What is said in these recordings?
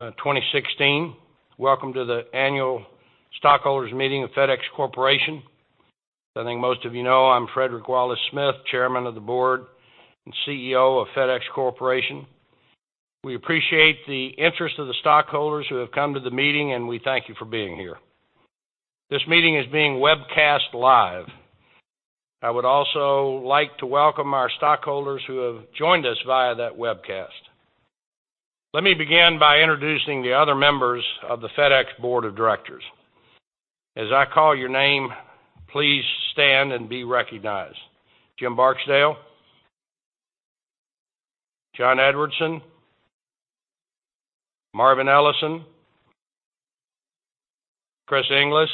2016. Welcome to the annual stockholders meeting of FedEx Corporation. I think most of you know, I'm Frederick Wallace Smith, Chairman of the Board and CEO of FedEx Corporation. We appreciate the interest of the stockholders who have come to the meeting, and we thank you for being here. This meeting is being webcast live. I would also like to welcome our stockholders who have joined us via that webcast. Let me begin by introducing the other members of the FedEx Board of Directors. As I call your name, please stand and be recognized. Jim Barksdale? John Edwardson, Marvin Ellison, John Inglis,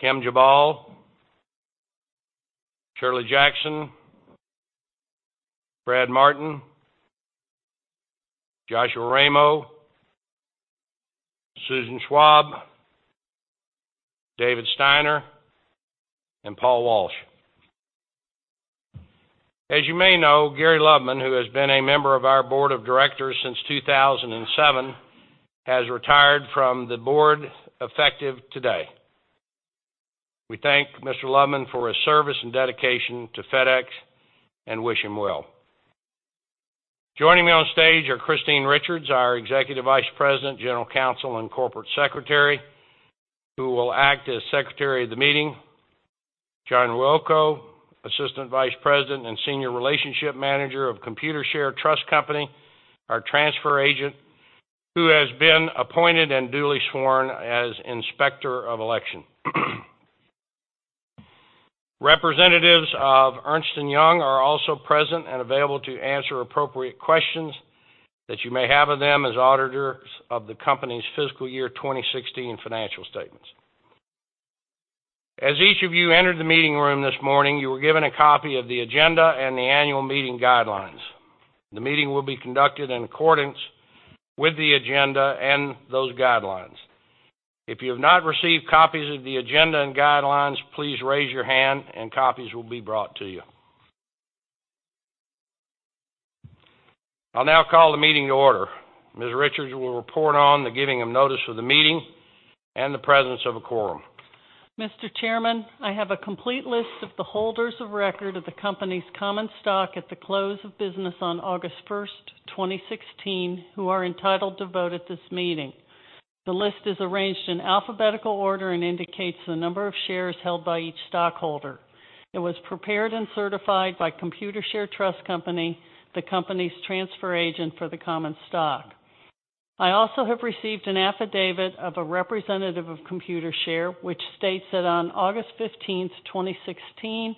Kim Jabal, Shirley Jackson, Brad Martin, Joshua Ramo, Susan Schwab, David Steiner, and Paul Walsh. As you may know, Gary Loveman, who has been a member of our board of directors since 2007, has retired from the board effective today. We thank Mr. Loveman for his service and dedication to FedEx and wish him well. Joining me on stage are Christine Richards, our Executive Vice President, General Counsel, and Corporate Secretary, who will act as Secretary of the meeting. John Ruocco, Assistant Vice President and Senior Relationship Manager of Computershare Trust Company, our transfer agent, who has been appointed and duly sworn as Inspector of Election. Representatives of Ernst & Young are also present and available to answer appropriate questions that you may have of them as auditors of the company's fiscal year 2016 financial statements. As each of you entered the meeting room this morning, you were given a copy of the agenda and the annual meeting guidelines. The meeting will be conducted in accordance with the agenda and those guidelines. If you have not received copies of the agenda and guidelines, please raise your hand, and copies will be brought to you. I'll now call the meeting to order. Ms. Richards will report on the giving of notice of the meeting and the presence of a quorum. Mr. Chairman, I have a complete list of the holders of record of the company's common stock at the close of business on August 1, 2016, who are entitled to vote at this meeting. The list is arranged in alphabetical order and indicates the number of shares held by each stockholder. It was prepared and certified by Computershare Trust Company, the company's transfer agent for the common stock. I also have received an affidavit of a representative of Computershare, which states that on August 15, 2016,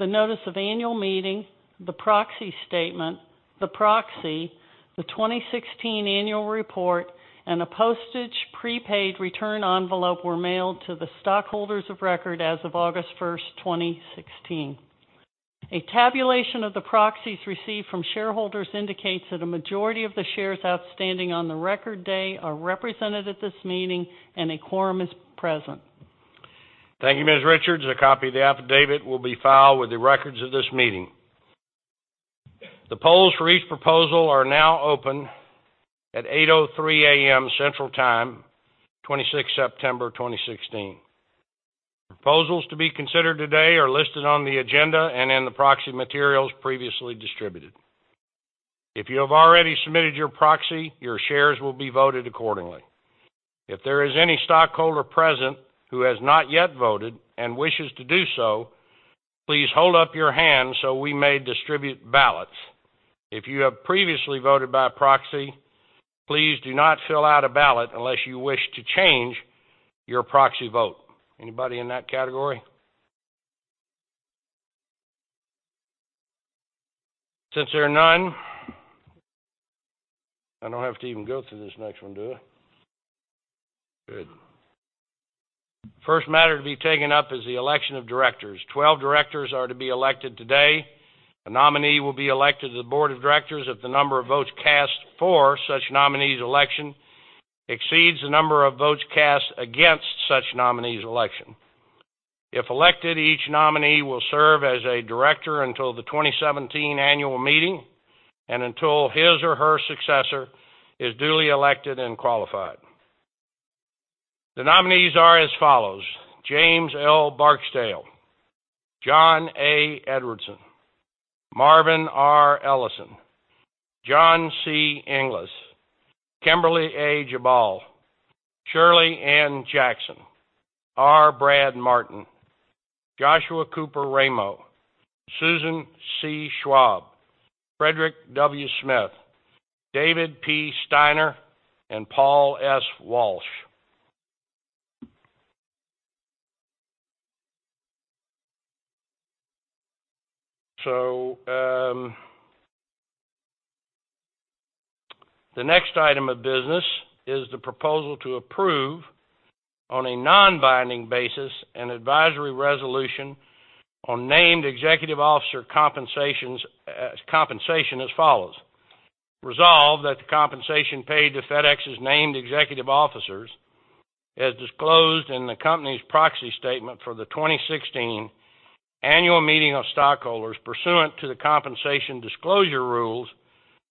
the notice of annual meeting, the proxy statement, the proxy, the 2016 annual report, and a postage prepaid return envelope were mailed to the stockholders of record as of August 1, 2016. A tabulation of the proxies received from shareholders indicates that a majority of the shares outstanding on the record day are represented at this meeting, and a quorum is present. Thank you, Ms. Richards. A copy of the affidavit will be filed with the records of this meeting. The polls for each proposal are now open at 8:03 A.M., Central Time, September 26, 2016. Proposals to be considered today are listed on the agenda and in the proxy materials previously distributed. If you have already submitted your proxy, your shares will be voted accordingly. If there is any stockholder present who has not yet voted and wishes to do so, please hold up your hand so we may distribute ballots. If you have previously voted by proxy, please do not fill out a ballot unless you wish to change your proxy vote. Anybody in that category? Since there are none, I don't have to even go through this next one, do I? Good. First matter to be taken up is the election of directors. 12 directors are to be elected today. A nominee will be elected to the board of directors if the number of votes cast for such nominee's election exceeds the number of votes cast against such nominee's election. If elected, each nominee will serve as a director until the 2017 annual meeting and until his or her successor is duly elected and qualified. The nominees are as follows: James L. Barksdale, John A. Edwardson, Marvin R. Ellison, John C. Inglis, Kimberly A. Jabal, Shirley Ann Jackson, R. Brad Martin, Joshua Cooper Ramo, Susan C. Schwab, Frederick W. Smith, David P. Steiner, and Paul S. Walsh. So, the next item of business is the proposal to approve, on a non-binding basis, an advisory resolution on named executive officer compensations, compensation as follows: Resolved, that the compensation paid to FedEx's named executive officers. As disclosed in the company's proxy statement for the 2016 annual meeting of stockholders pursuant to the compensation disclosure rules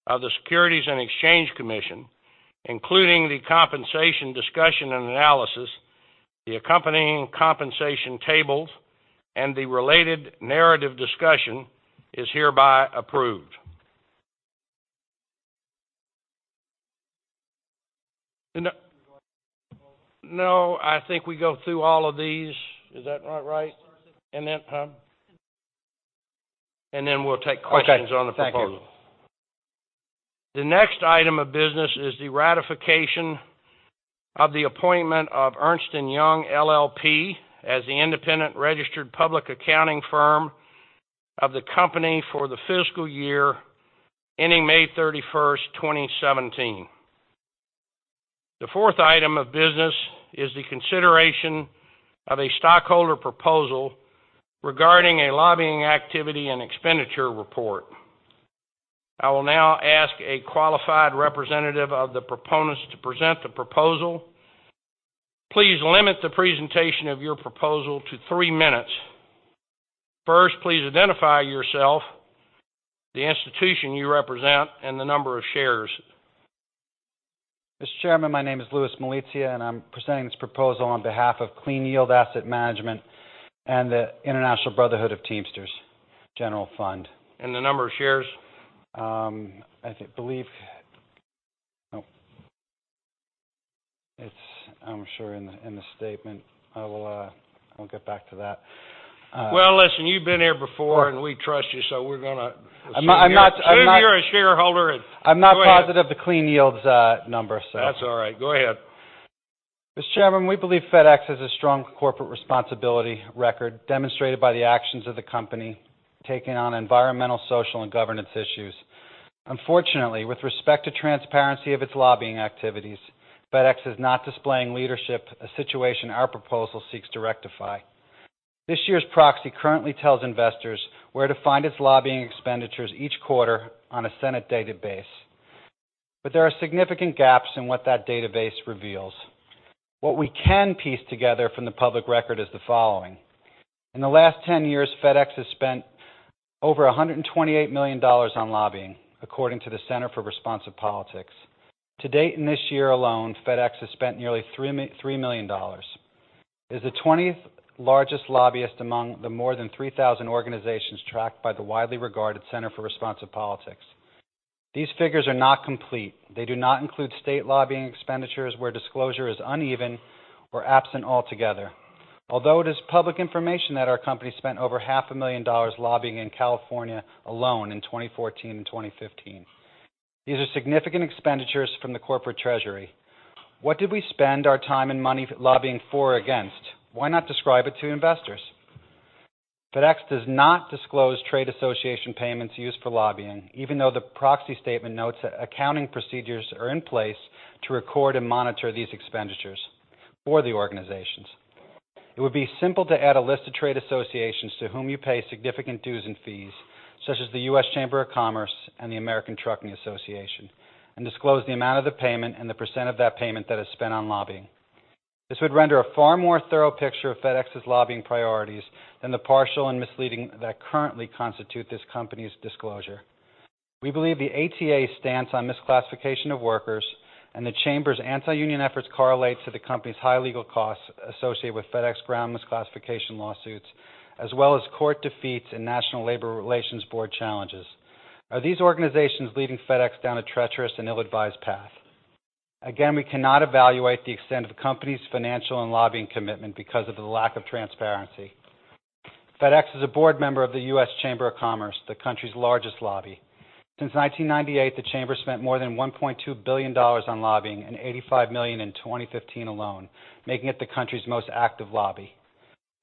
of the Securities and Exchange Commission, including the compensation discussion and analysis, the accompanying compensation tables, and the related narrative discussion, is hereby approved. No, I think we go through all of these. Is that not right? And then we'll take questions on the proposal. The next item of business is the ratification of the appointment of Ernst & Young LLP as the independent registered public accounting firm of the company for the fiscal year ending May 31, 2017. The fourth item of business is the consideration of a stockholder proposal regarding a lobbying activity and expenditure report. I will now ask a qualified representative of the proponents to present the proposal. Please limit the presentation of your proposal to 3 minutes. First, please identify yourself, the institution you represent, and the number of shares. Mr. Chairman, my name is Louis Malizia, and I'm presenting this proposal on behalf of Clean Yield Asset Management and the International Brotherhood of Teamsters General Fund. The number of shares? I think. Oh, it's, I'm sure, in the statement. I'll get back to that. Well, listen, you've been here before, and we trust you, so we're gonna- I'm not. So, you're a shareholder, and go ahead. I'm not positive of the Clean Yield's number, so. That's all right. Go ahead. Mr. Chairman, we believe FedEx has a strong corporate responsibility record, demonstrated by the actions of the company taking on environmental, social, and governance issues. Unfortunately, with respect to transparency of its lobbying activities, FedEx is not displaying leadership, a situation our proposal seeks to rectify. This year's proxy currently tells investors where to find its lobbying expenditures each quarter on a Senate database. But there are significant gaps in what that database reveals. What we can piece together from the public record is the following: In the last 10 years, FedEx has spent over $128 million on lobbying, according to the Center for Responsive Politics. To date, in this year alone, FedEx has spent nearly $3 million. It's the 20th largest lobbyist among the more than 3,000 organizations tracked by the widely regarded Center for Responsive Politics. These figures are not complete. They do not include state lobbying expenditures where disclosure is uneven or absent altogether. Although it is public information that our company spent over $500,000 lobbying in California alone in 2014 and 2015. These are significant expenditures from the corporate treasury. What did we spend our time and money lobbying for or against? Why not describe it to investors? FedEx does not disclose trade association payments used for lobbying, even though the proxy statement notes that accounting procedures are in place to record and monitor these expenditures for the organizations. It would be simple to add a list of trade associations to whom you pay significant dues and fees, such as the US Chamber of Commerce and the American Trucking Associations, and disclose the amount of the payment and the percent of that payment that is spent on lobbying. This would render a far more thorough picture of FedEx's lobbying priorities than the partial and misleading that currently constitute this company's disclosure. We believe the ATA stance on misclassification of workers and the Chamber's anti-union efforts correlate to the company's high legal costs associated with FedEx Ground misclassification lawsuits, as well as court defeats and National Labor Relations Board challenges. Are these organizations leading FedEx down a treacherous and ill-advised path? Again, we cannot evaluate the extent of the company's financial and lobbying commitment because of the lack of transparency. FedEx is a board member of the US Chamber of Commerce, the country's largest lobby. Since 1998, the Chamber spent more than $1.2 billion on lobbying and $85 million in 2015 alone, making it the country's most active lobby.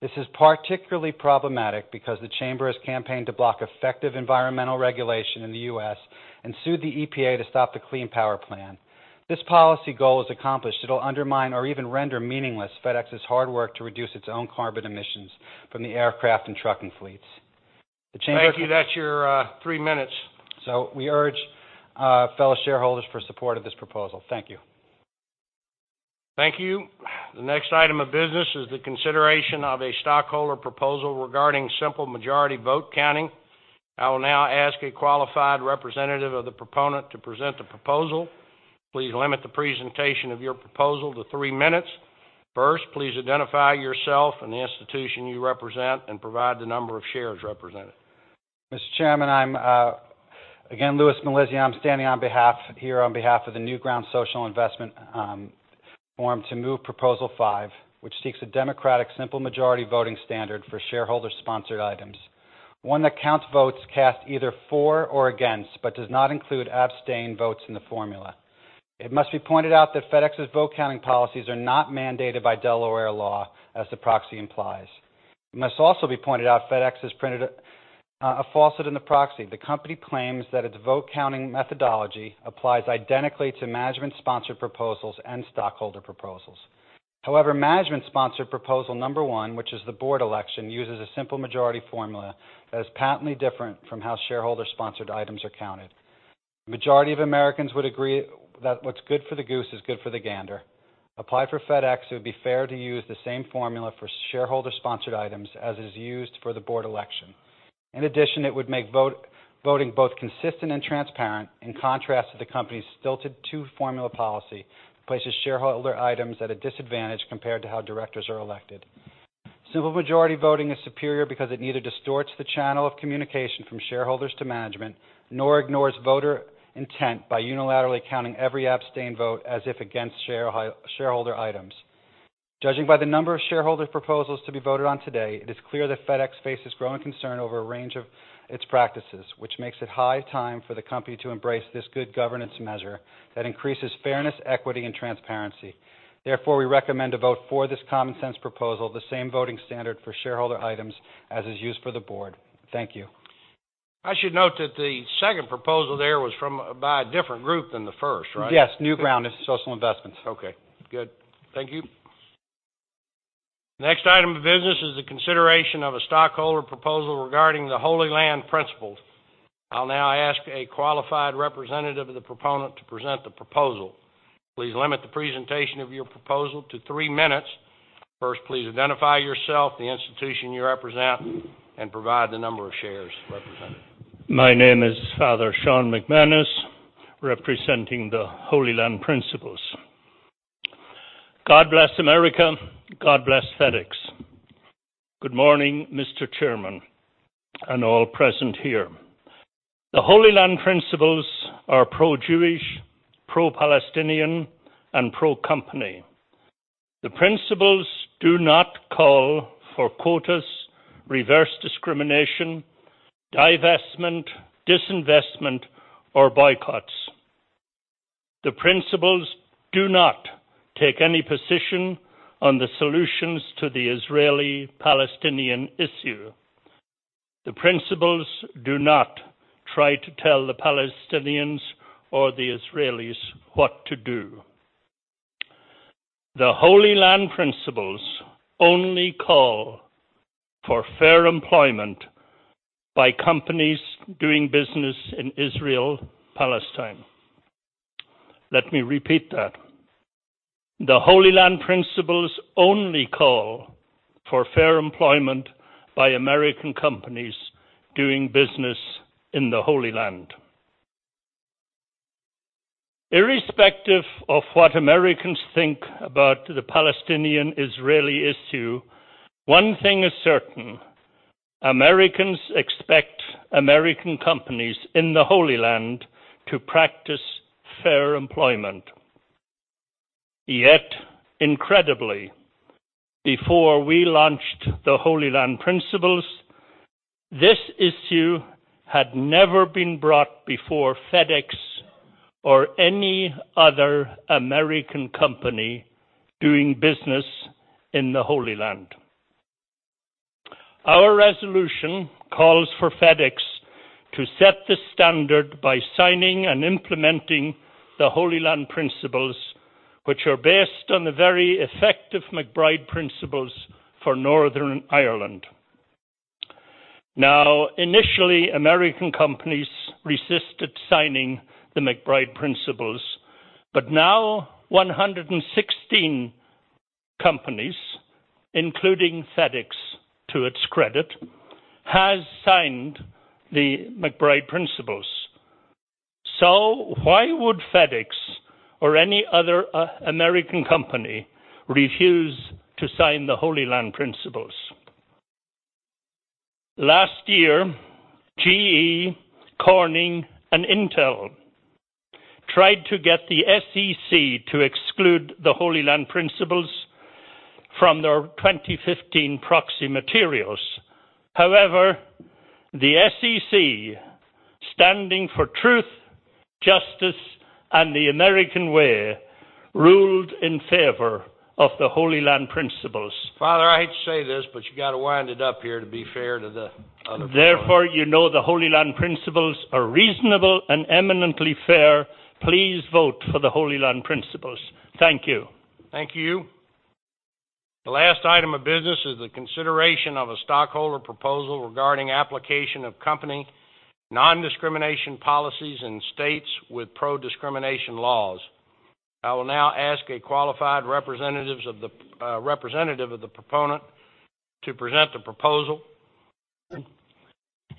This is particularly problematic because the Chamber has campaigned to block effective environmental regulation in the US and sued the EPA to stop the Clean Power Plan. This policy goal is accomplished. It'll undermine or even render meaningless FedEx's hard work to reduce its own carbon emissions from the aircraft and trucking fleets. The Chamber- Thank you. That's your three minutes. We urge fellow shareholders for support of this proposal. Thank you. Thank you. The next item of business is the consideration of a stockholder proposal regarding simple majority vote counting. I will now ask a qualified representative of the proponent to present the proposal. Please limit the presentation of your proposal to three minutes. First, please identify yourself and the institution you represent and provide the number of shares represented. Mr. Chairman, I'm again, Louis Malizia. I'm standing here on behalf of the Newground Social Investment Forum to move proposal five, which seeks a democratic, simple majority voting standard for shareholder-sponsored items. One that counts votes cast either for or against, but does not include abstained votes in the formula. It must be pointed out that FedEx's vote counting policies are not mandated by Delaware law, as the proxy implies. It must also be pointed out FedEx has printed a falsehood in the proxy. The company claims that its vote counting methodology applies identically to management-sponsored proposals and stockholder proposals. However, management-sponsored proposal number one, which is the board election, uses a simple majority formula that is patently different from how shareholder-sponsored items are counted. Majority of Americans would agree that what's good for the goose is good for the gander. Applied for FedEx, it would be fair to use the same formula for shareholder-sponsored items as is used for the board election. In addition, it would make voting both consistent and transparent, in contrast to the company's stilted two-formula policy, places shareholder items at a disadvantage compared to how directors are elected. Simple majority voting is superior because it neither distorts the channel of communication from shareholders to management, nor ignores voter intent by unilaterally counting every abstained vote as if against shareholder items. Judging by the number of shareholder proposals to be voted on today, it is clear that FedEx faces growing concern over a range of its practices, which makes it high time for the company to embrace this good governance measure that increases fairness, equity, and transparency. Therefore, we recommend to vote for this common sense proposal, the same voting standard for shareholder items as is used for the board. Thank you. I should note that the second proposal there was from by a different group than the first, right? Yes, Newground is social investments. Okay, good. Thank you. Next item of business is the consideration of a stockholder proposal regarding the Holy Land Principles. I'll now ask a qualified representative of the proponent to present the proposal. Please limit the presentation of your proposal to three minutes. First, please identify yourself, the institution you represent, and provide the number of shares represented. My name is Father Sean McManus, representing the Holy Land Principles. God bless America. God bless FedEx. Good morning, Mr. Chairman, and all present here. The Holy Land Principles are pro-Jewish, pro-Palestinian, and pro-company. The principles do not call for quotas, reverse discrimination, divestment, disinvestment, or boycotts. The principles do not take any position on the solutions to the Israeli-Palestinian issue. The principles do not try to tell the Palestinians or the Israelis what to do. The Holy Land Principles only call for fair employment by companies doing business in Israel, Palestine. Let me repeat that. The Holy Land Principles only call for fair employment by American companies doing business in the Holy Land. Irrespective of what Americans think about the Palestinian-Israeli issue, one thing is certain: Americans expect American companies in the Holy Land to practice fair employment. Yet incredibly, before we launched the Holy Land Principles, this issue had never been brought before FedEx or any other American company doing business in the Holy Land. Our resolution calls for FedEx to set the standard by signing and implementing the Holy Land Principles, which are based on the very effective MacBride Principles for Northern Ireland. Now, initially, American companies resisted signing the MacBride Principles, but now 116 companies, including FedEx, to its credit, has signed the MacBride Principles. So why would FedEx or any other, American company refuse to sign the Holy Land Principles? Last year, GE, Corning, and Intel tried to get the SEC to exclude the Holy Land Principles from their 2015 proxy materials. However, the SEC, standing for Truth, Justice, and the American Way, ruled in favor of the Holy Land Principles. Father, I hate to say this, but you got to wind it up here to be fair to the other. Therefore, you know, the Holy Land Principles are reasonable and eminently fair. Please vote for the Holy Land Principles. Thank you. Thank you. The last item of business is the consideration of a stockholder proposal regarding application of company non-discrimination policies in states with pro-discrimination laws. I will now ask a qualified representatives of the, representative of the proponent to present the proposal.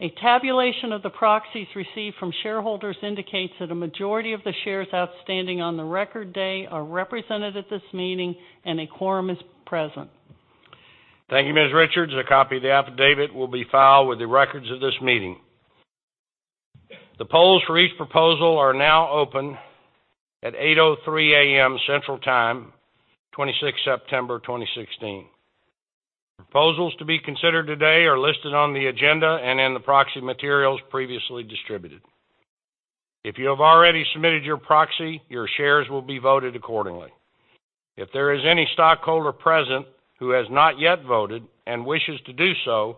A tabulation of the proxies received from shareholders indicates that a majority of the shares outstanding on the record day are represented at this meeting, and a quorum is present. Thank you, Ms. Richards. A copy of the affidavit will be filed with the records of this meeting. The polls for each proposal are now open at 8:03 A.M. Central Time, September 26, 2016. Proposals to be considered today are listed on the agenda and in the proxy materials previously distributed. If you have already submitted your proxy, your shares will be voted accordingly. If there is any stockholder present who has not yet voted and wishes to do so,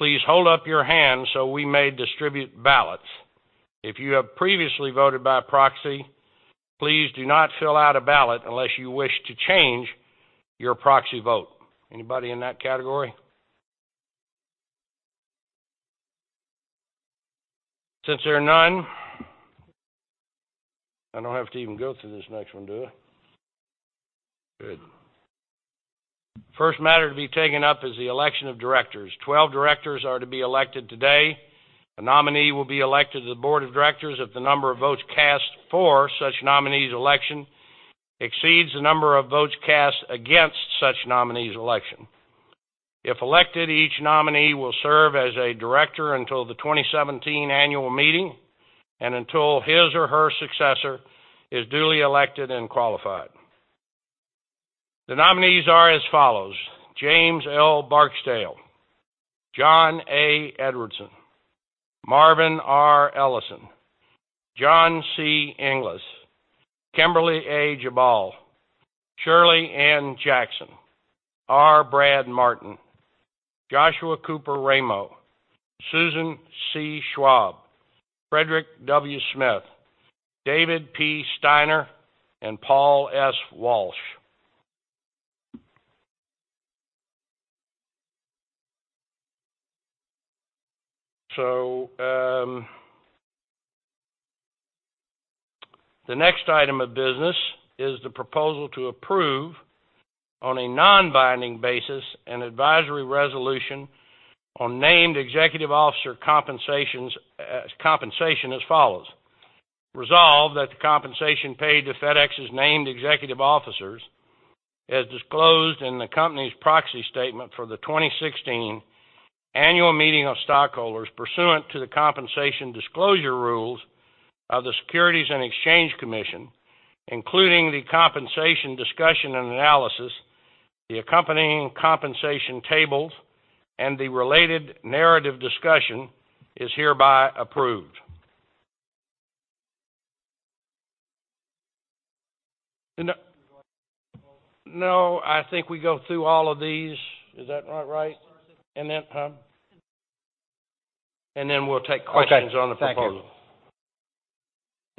please hold up your hand so we may distribute ballots. If you have previously voted by proxy, please do not fill out a ballot unless you wish to change your proxy vote. Anybody in that category? Since there are none, I don't have to even go through this next one, do I? Good. First matter to be taken up is the election of directors. 12 directors are to be elected today. A nominee will be elected to the board of directors if the number of votes cast for such nominee's election exceeds the number of votes cast against such nominee's election. If elected, each nominee will serve as a director until the 2017 annual meeting, and until his or her successor is duly elected and qualified. The nominees are as follows: James L. Barksdale, John A. Edwardson, Marvin R. Ellison, John C. Inglis, Kimberly A. Jabal, Shirley Ann Jackson, R. Brad Martin, Joshua Cooper Ramo, Susan C. Schwab, Frederick W. Smith, David P. Steiner, and Paul S. Walsh. So, the next item of business is the proposal to approve, on a non-binding basis, an advisory resolution on named executive officer compensations, compensation as follows: Resolved, that the compensation paid to FedEx's named executive officers, as disclosed in the company's proxy statement for the 2016 annual meeting of stockholders pursuant to the compensation disclosure rules of the U.S. Securities and Exchange Commission, including the compensation discussion and analysis, the accompanying compensation tables, and the related narrative discussion, is hereby approved. No, I think we go through all of these. Is that not right? And then we'll take questions on the proposal.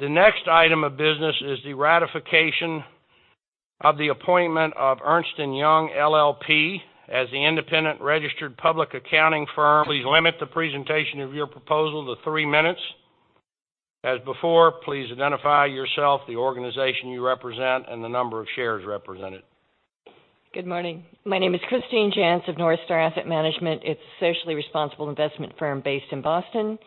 Okay, thank you. The next item of business is the ratification of the appointment of Ernst & Young LLP as the independent registered public accounting firm. Please limit the presentation of your proposal to three minutes. As before, please identify yourself, the organization you represent, and the number of shares represented. Good morning. My name is Christine Jantz of NorthStar Asset Management. It's a socially responsible investment firm based in Boston,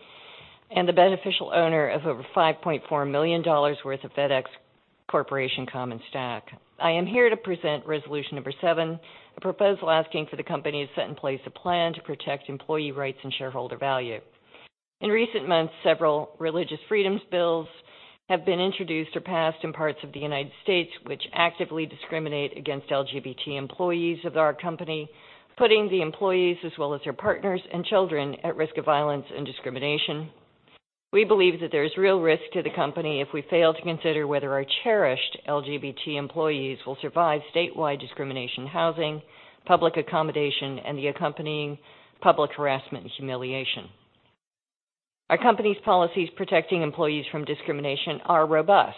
and the beneficial owner of over $5.4 million worth of FedEx Corporation common stock. I am here to present resolution number seven, a proposal asking for the company to set in place a plan to protect employee rights and shareholder value. In recent months, several religious freedoms bills have been introduced or passed in parts of the United States, which actively discriminate against LGBT employees of our company, putting the employees, as well as their partners and children, at risk of violence and discrimination. We believe that there is real risk to the company if we fail to consider whether our cherished LGBT employees will survive statewide discrimination in housing, public accommodation, and the accompanying public harassment and humiliation. Our company's policies protecting employees from discrimination are robust,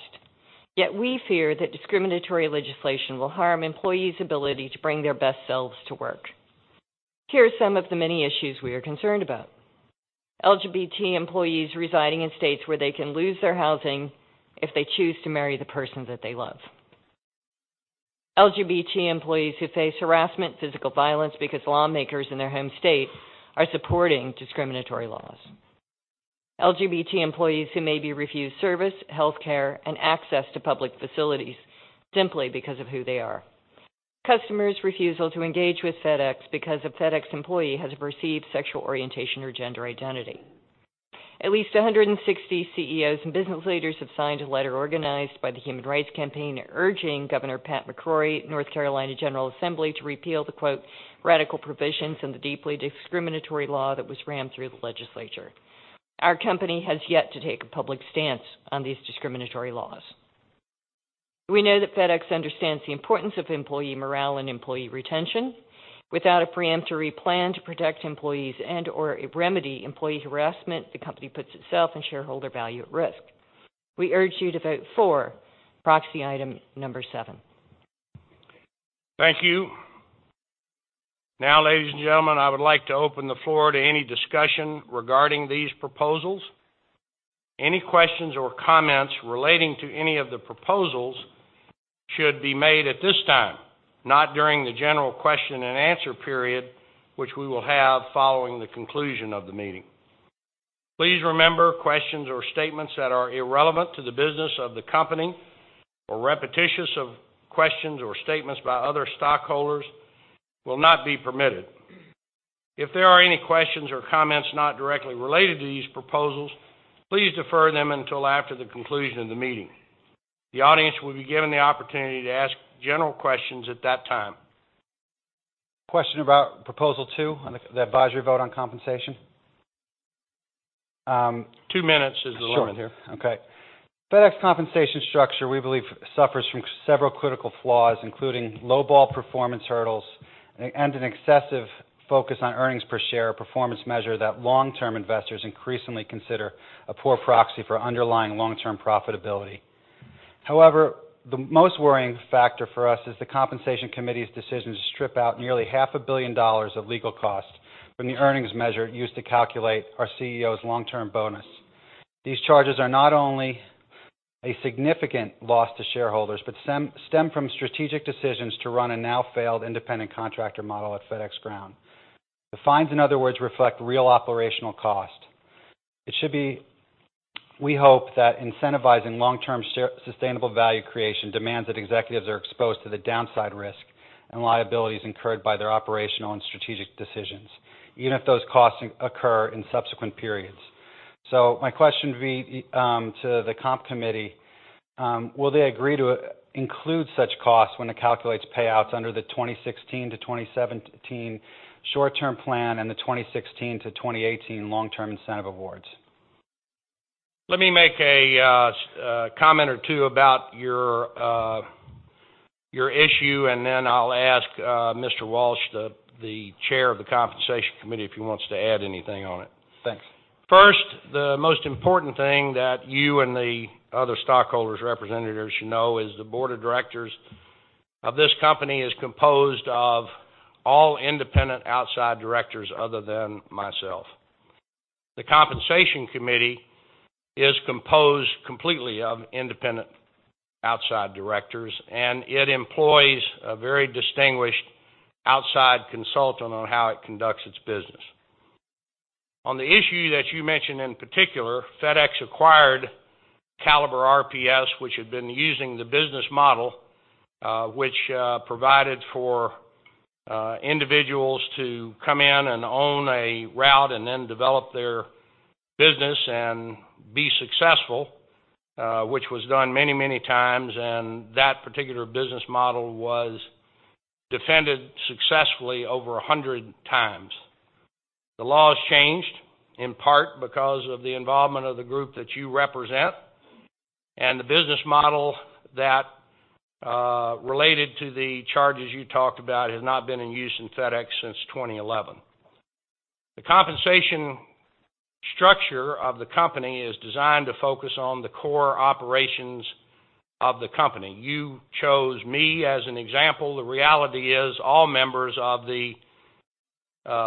yet we fear that discriminatory legislation will harm employees' ability to bring their best selves to work. Here are some of the many issues we are concerned about: LGBT employees residing in states where they can lose their housing if they choose to marry the person that they love. LGBT employees who face harassment, physical violence because lawmakers in their home state are supporting discriminatory laws. LGBT employees who may be refused service, healthcare, and access to public facilities simply because of who they are. Customers' refusal to engage with FedEx because a FedEx employee has a perceived sexual orientation or gender identity. At least 160 CEOs and business leaders have signed a letter organized by the Human Rights Campaign, urging Governor Pat McCrory, North Carolina General Assembly, to repeal the, quote, "radical provisions in the deeply discriminatory law that was rammed through the legislature." Our company has yet to take a public stance on these discriminatory laws. We know that FedEx understands the importance of employee morale and employee retention. Without a preemptive plan to protect employees and/or remedy employee harassment, the company puts itself and shareholder value at risk. We urge you to vote for proxy item number seven. Thank you. Now, ladies and gentlemen, I would like to open the floor to any discussion regarding these proposals. Any questions or comments relating to any of the proposals should be made at this time, not during the general question and answer period, which we will have following the conclusion of the meeting. Please remember, questions or statements that are irrelevant to the business of the company, or repetitious of questions or statements by other stockholders, will not be permitted. If there are any questions or comments not directly related to these proposals, please defer them until after the conclusion of the meeting. The audience will be given the opportunity to ask general questions at that time. Question about Proposal 2 on the advisory vote on compensation. Two minutes is the limit here. Sure. Okay. FedEx compensation structure, we believe, suffers from several critical flaws, including lowball performance hurdles and an excessive focus on earnings per share, a performance measure that long-term investors increasingly consider a poor proxy for underlying long-term profitability. However, the most worrying factor for us is the Compensation Committee's decision to strip out nearly $500 million of legal costs from the earnings measure used to calculate our CEO's long-term bonus. These charges are not only a significant loss to shareholders, but stem, stem from strategic decisions to run a now failed independent contractor model at FedEx Ground. The fines, in other words, reflect real operational costs. It should be, we hope, that incentivizing long-term sustainable value creation demands that executives are exposed to the downside risk and liabilities incurred by their operational and strategic decisions, even if those costs occur in subsequent periods. My question would be, to the Comp Committee, will they agree to include such costs when it calculates payouts under the 2016 to 2017 short-term plan and the 2016 to 2018 long-term incentive awards? Let me make a comment or two about your issue, and then I'll ask Mr. Walsh, the chair of the Compensation Committee, if he wants to add anything on it. Thanks. First, the most important thing that you and the other stockholders' representatives should know is the board of directors of this company is composed of all independent outside directors other than myself. The Compensation Committee is composed completely of independent outside directors, and it employs a very distinguished outside consultant on how it conducts its business. On the issue that you mentioned, in particular, FedEx acquired Caliber RPS, which had been using the business model, which provided for individuals to come in and own a route and then develop their business and be successful, which was done many, many times, and that particular business model was defended successfully over 100 times. The laws changed, in part because of the involvement of the group that you represent, and the business model that related to the charges you talked about has not been in use in FedEx since 2011. The compensation structure of the company is designed to focus on the core operations of the company. You chose me as an example. The reality is, all members of the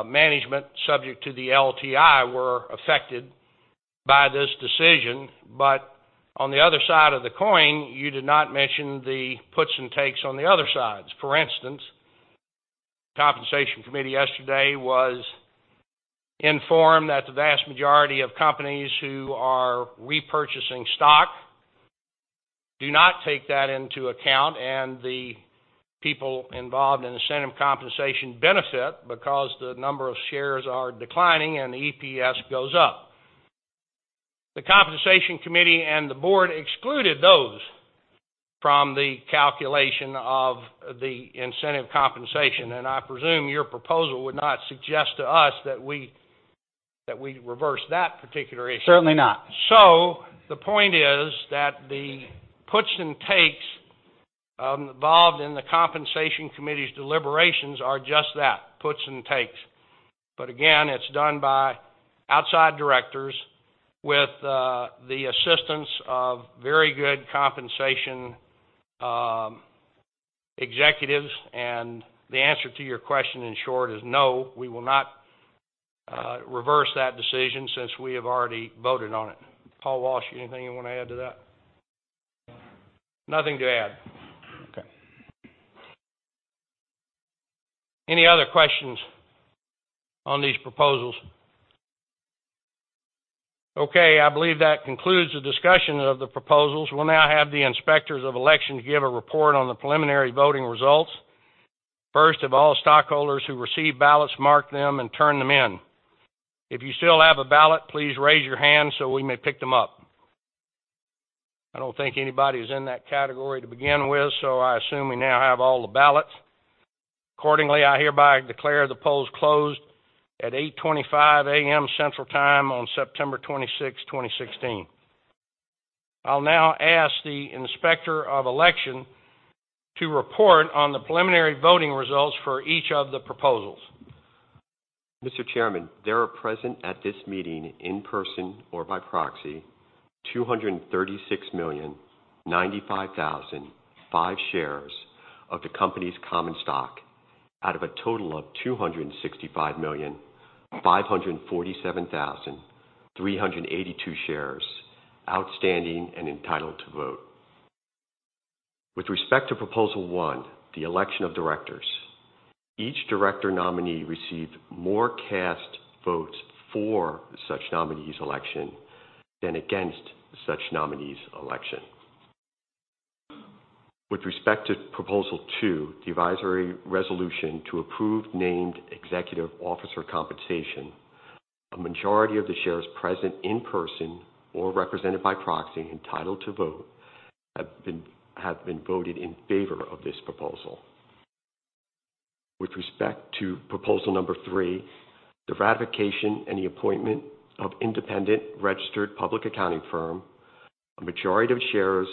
management subject to the LTI were affected by this decision, but on the other side of the coin, you did not mention the puts and takes on the other sides. For instance, Compensation Committee yesterday was informed that the vast majority of companies who are repurchasing stock do not take that into account, and the people involved in incentive compensation benefit because the number of shares are declining and the EPS goes up. The Compensation Committee and the board excluded those from the calculation of the incentive compensation, and I presume your proposal would not suggest to us that we reverse that particular issue. Certainly not. So the point is that the puts and takes involved in the Compensation Committee's deliberations are just that, puts and takes. But again, it's done by outside directors with the assistance of very good compensation executives. And the answer to your question, in short, is no, we will not reverse that decision since we have already voted on it. Paul Walsh, anything you want to add to that? Nothing. Nothing to add. Okay. Any other questions on these proposals? Okay, I believe that concludes the discussion of the proposals. We'll now have the inspectors of election give a report on the preliminary voting results. First of all, stockholders who received ballots, mark them and turn them in. If you still have a ballot, please raise your hand so we may pick them up. I don't think anybody is in that category to begin with, so I assume we now have all the ballots. Accordingly, I hereby declare the polls closed at 8:25 A.M. Central Time on September 26, 2016. I'll now ask the inspector of election to report on the preliminary voting results for each of the proposals. Mr. Chairman, there are present at this meeting, in person or by proxy, 236,095,005 shares of the company's common stock out of a total of 265,547,382 shares outstanding and entitled to vote. With respect to Proposal 1, the election of directors, each director nominee received more cast votes for such nominee's election than against such nominee's election. With respect to Proposal 2, the advisory resolution to approve named executive officer compensation, a majority of the shares present in person or represented by proxy, entitled to vote, have been, have been voted in favor of this proposal. With respect to Proposal number three, the ratification and the appointment of independent registered public accounting firm, a majority of shares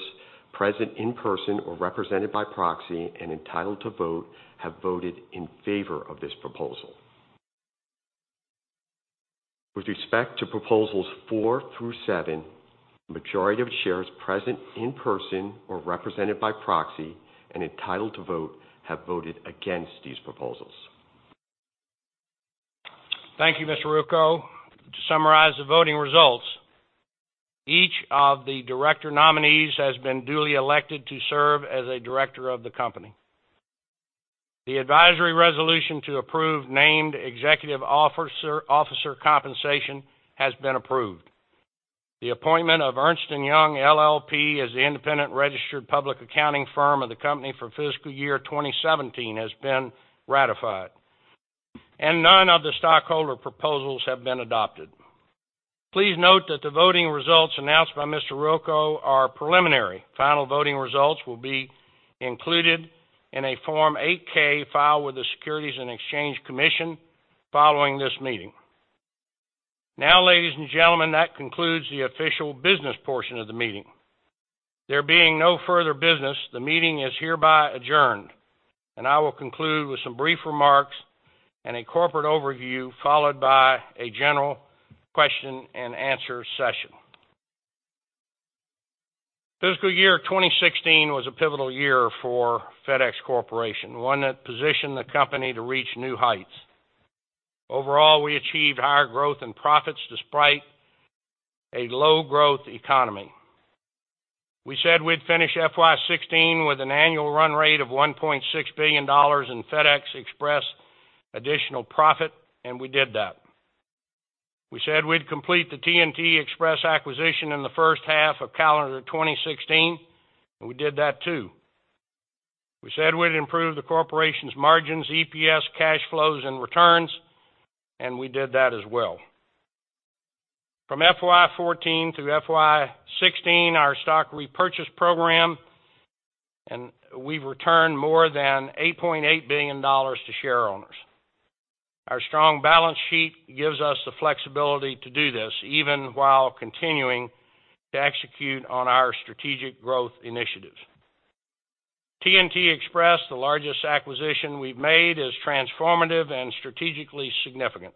present in person or represented by proxy and entitled to vote, have voted in favor of this proposal. With respect to Proposals four through seven, the majority of shares present in person or represented by proxy and entitled to vote, have voted against these proposals. Thank you, Mr. Ruocco. To summarize the voting results, each of the director nominees has been duly elected to serve as a director of the company. The advisory resolution to approve named executive officer compensation has been approved. The appointment of Ernst & Young LLP as the independent registered public accounting firm of the company for fiscal year 2017 has been ratified. None of the stockholder proposals have been adopted. Please note that the voting results announced by Mr. Ruocco are preliminary. Final voting results will be included in a Form 8-K filed with the U.S. Securities and Exchange Commission following this meeting. Now, ladies and gentlemen, that concludes the official business portion of the meeting. There being no further business, the meeting is hereby adjourned, and I will conclude with some brief remarks and a corporate overview, followed by a general question-and-answer session. Fiscal year 2016 was a pivotal year for FedEx Corporation, one that positioned the company to reach new heights. Overall, we achieved higher growth and profits despite a low growth economy. We said we'd finish FY 2016 with an annual run rate of $1.6 billion in FedEx Express additional profit, and we did that. We said we'd complete the TNT Express acquisition in the first half of calendar 2016, and we did that, too. We said we'd improve the corporation's margins, EPS, cash flows, and returns, and we did that as well. From FY 2014 through FY 2016, our stock repurchase program, and we've returned more than $8.8 billion to shareowners. Our strong balance sheet gives us the flexibility to do this, even while continuing to execute on our strategic growth initiatives. TNT Express, the largest acquisition we've made, is transformative and strategically significant.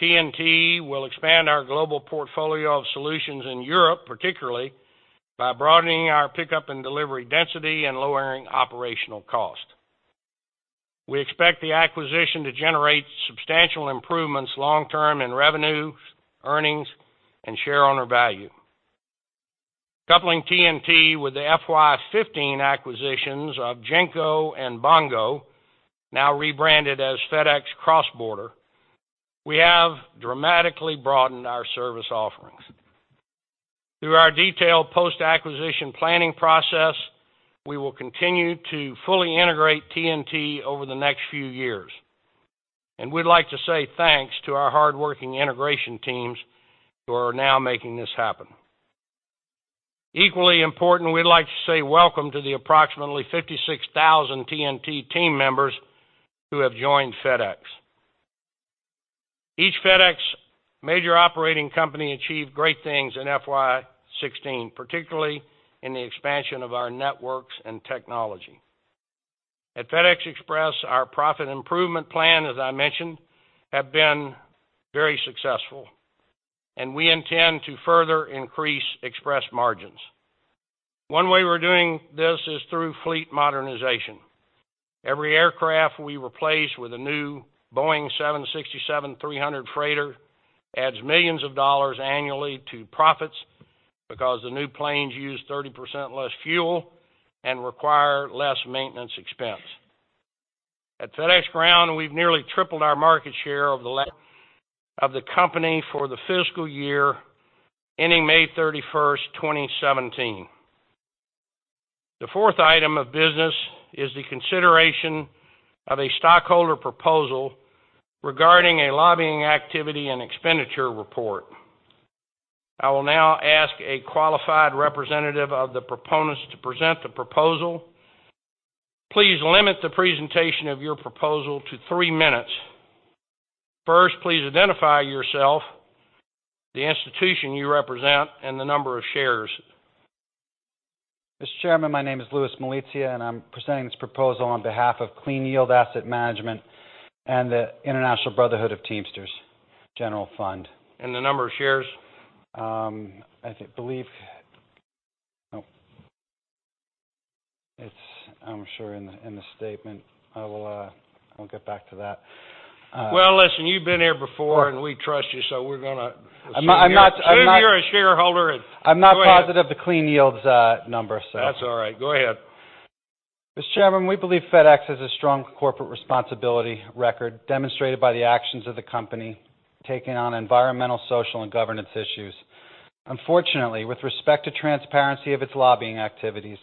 TNT will expand our global portfolio of solutions in Europe, particularly by broadening our pickup and delivery density and lowering operational cost. We expect the acquisition to generate substantial improvements long-term in revenues, earnings, and shareowner value. Coupling TNT with the FY 2015 acquisitions of Schenker and Bongo, now rebranded as FedEx Cross Border, we have dramatically broadened our service offerings. Through our detailed post-acquisition planning process, we will continue to fully integrate TNT over the next few years, and we'd like to say thanks to our hardworking integration teams who are now making this happen. Equally important, we'd like to say welcome to the approximately 56,000 TNT team members who have joined FedEx. Each FedEx major operating company achieved great things in FY 2016, particularly in the expansion of our networks and technology. At FedEx Express, our profit improvement plan, as I mentioned, have been very successful, and we intend to further increase Express margins. One way we're doing this is through fleet modernization. Every aircraft we replace with a new Boeing 767-300 freighter adds $ millions annually to profits, because the new planes use 30% less fuel and require less maintenance expense. At FedEx Ground, we've nearly tripled our market share of the Of the company for the fiscal year, ending May 31, 2017. The fourth item of business is the consideration of a stockholder proposal regarding a lobbying activity and expenditure report. I will now ask a qualified representative of the proponents to present the proposal. Please limit the presentation of your proposal to three minutes. First, please identify yourself, the institution you represent, and the number of shares. Mr. Chairman, my name is Louis Malizia, and I'm presenting this proposal on behalf of Clean Yield Asset Management and the International Brotherhood of Teamsters General Fund. The number of shares? I believe... Oh, it's. I'm sure in the statement. I'll get back to that. Well, listen, you've been here before, and we trust you, so we're gonna- I'm not. Assume you're a shareholder and, go ahead. I'm not positive of the Clean Yield's number. That's all right. Go ahead. Mr. Chairman, we believe FedEx has a strong corporate responsibility record, demonstrated by the actions of the company taking on environmental, social, and governance issues. Unfortunately, with respect to transparency of its lobbying activities,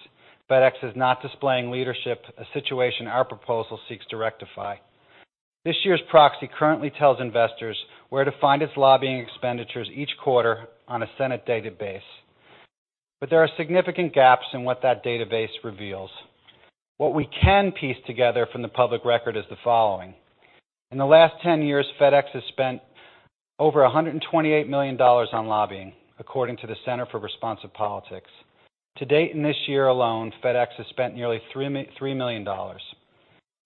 FedEx is not displaying leadership, a situation our proposal seeks to rectify. This year's proxy currently tells investors where to find its lobbying expenditures each quarter on a Senate database. But there are significant gaps in what that database reveals. What we can piece together from the public record is the following: In the last 10 years, FedEx has spent over $128 million on lobbying, according to the Center for Responsive Politics. To date, in this year alone, FedEx has spent nearly $3 million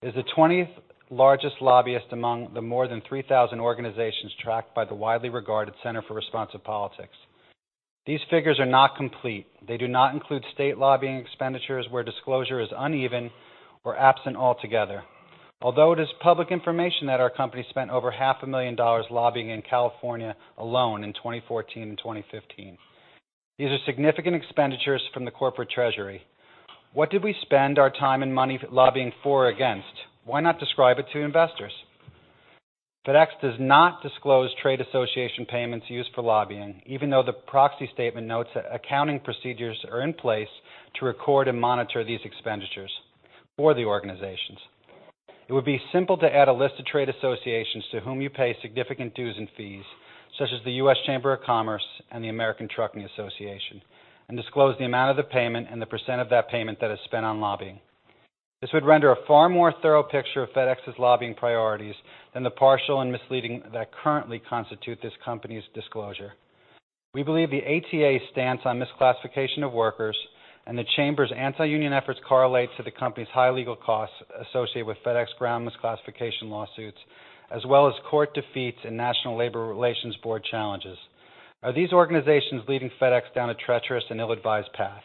is the 20th largest lobbyist among the more than 3,000 organizations tracked by the widely regarded Center for Responsive Politics. These figures are not complete. They do not include state lobbying expenditures where disclosure is uneven or absent altogether. Although it is public information that our company spent over $500,000 lobbying in California alone in 2014 and 2015. These are significant expenditures from the corporate treasury. What did we spend our time and money lobbying for or against? Why not describe it to investors? FedEx does not disclose trade association payments used for lobbying, even though the proxy statement notes that accounting procedures are in place to record and monitor these expenditures for the organizations. It would be simple to add a list of trade associations to whom you pay significant dues and fees, such as the US Chamber of Commerce and the American Trucking Associations, and disclose the amount of the payment and the % of that payment that is spent on lobbying. This would render a far more thorough picture of FedEx's lobbying priorities than the partial and misleading that currently constitute this company's disclosure. We believe the ATA stance on misclassification of workers and the Chamber's anti-union efforts correlate to the company's high legal costs associated with FedEx Ground misclassification lawsuits, as well as court defeats and National Labor Relations Board challenges. Are these organizations leading FedEx down a treacherous and ill-advised path?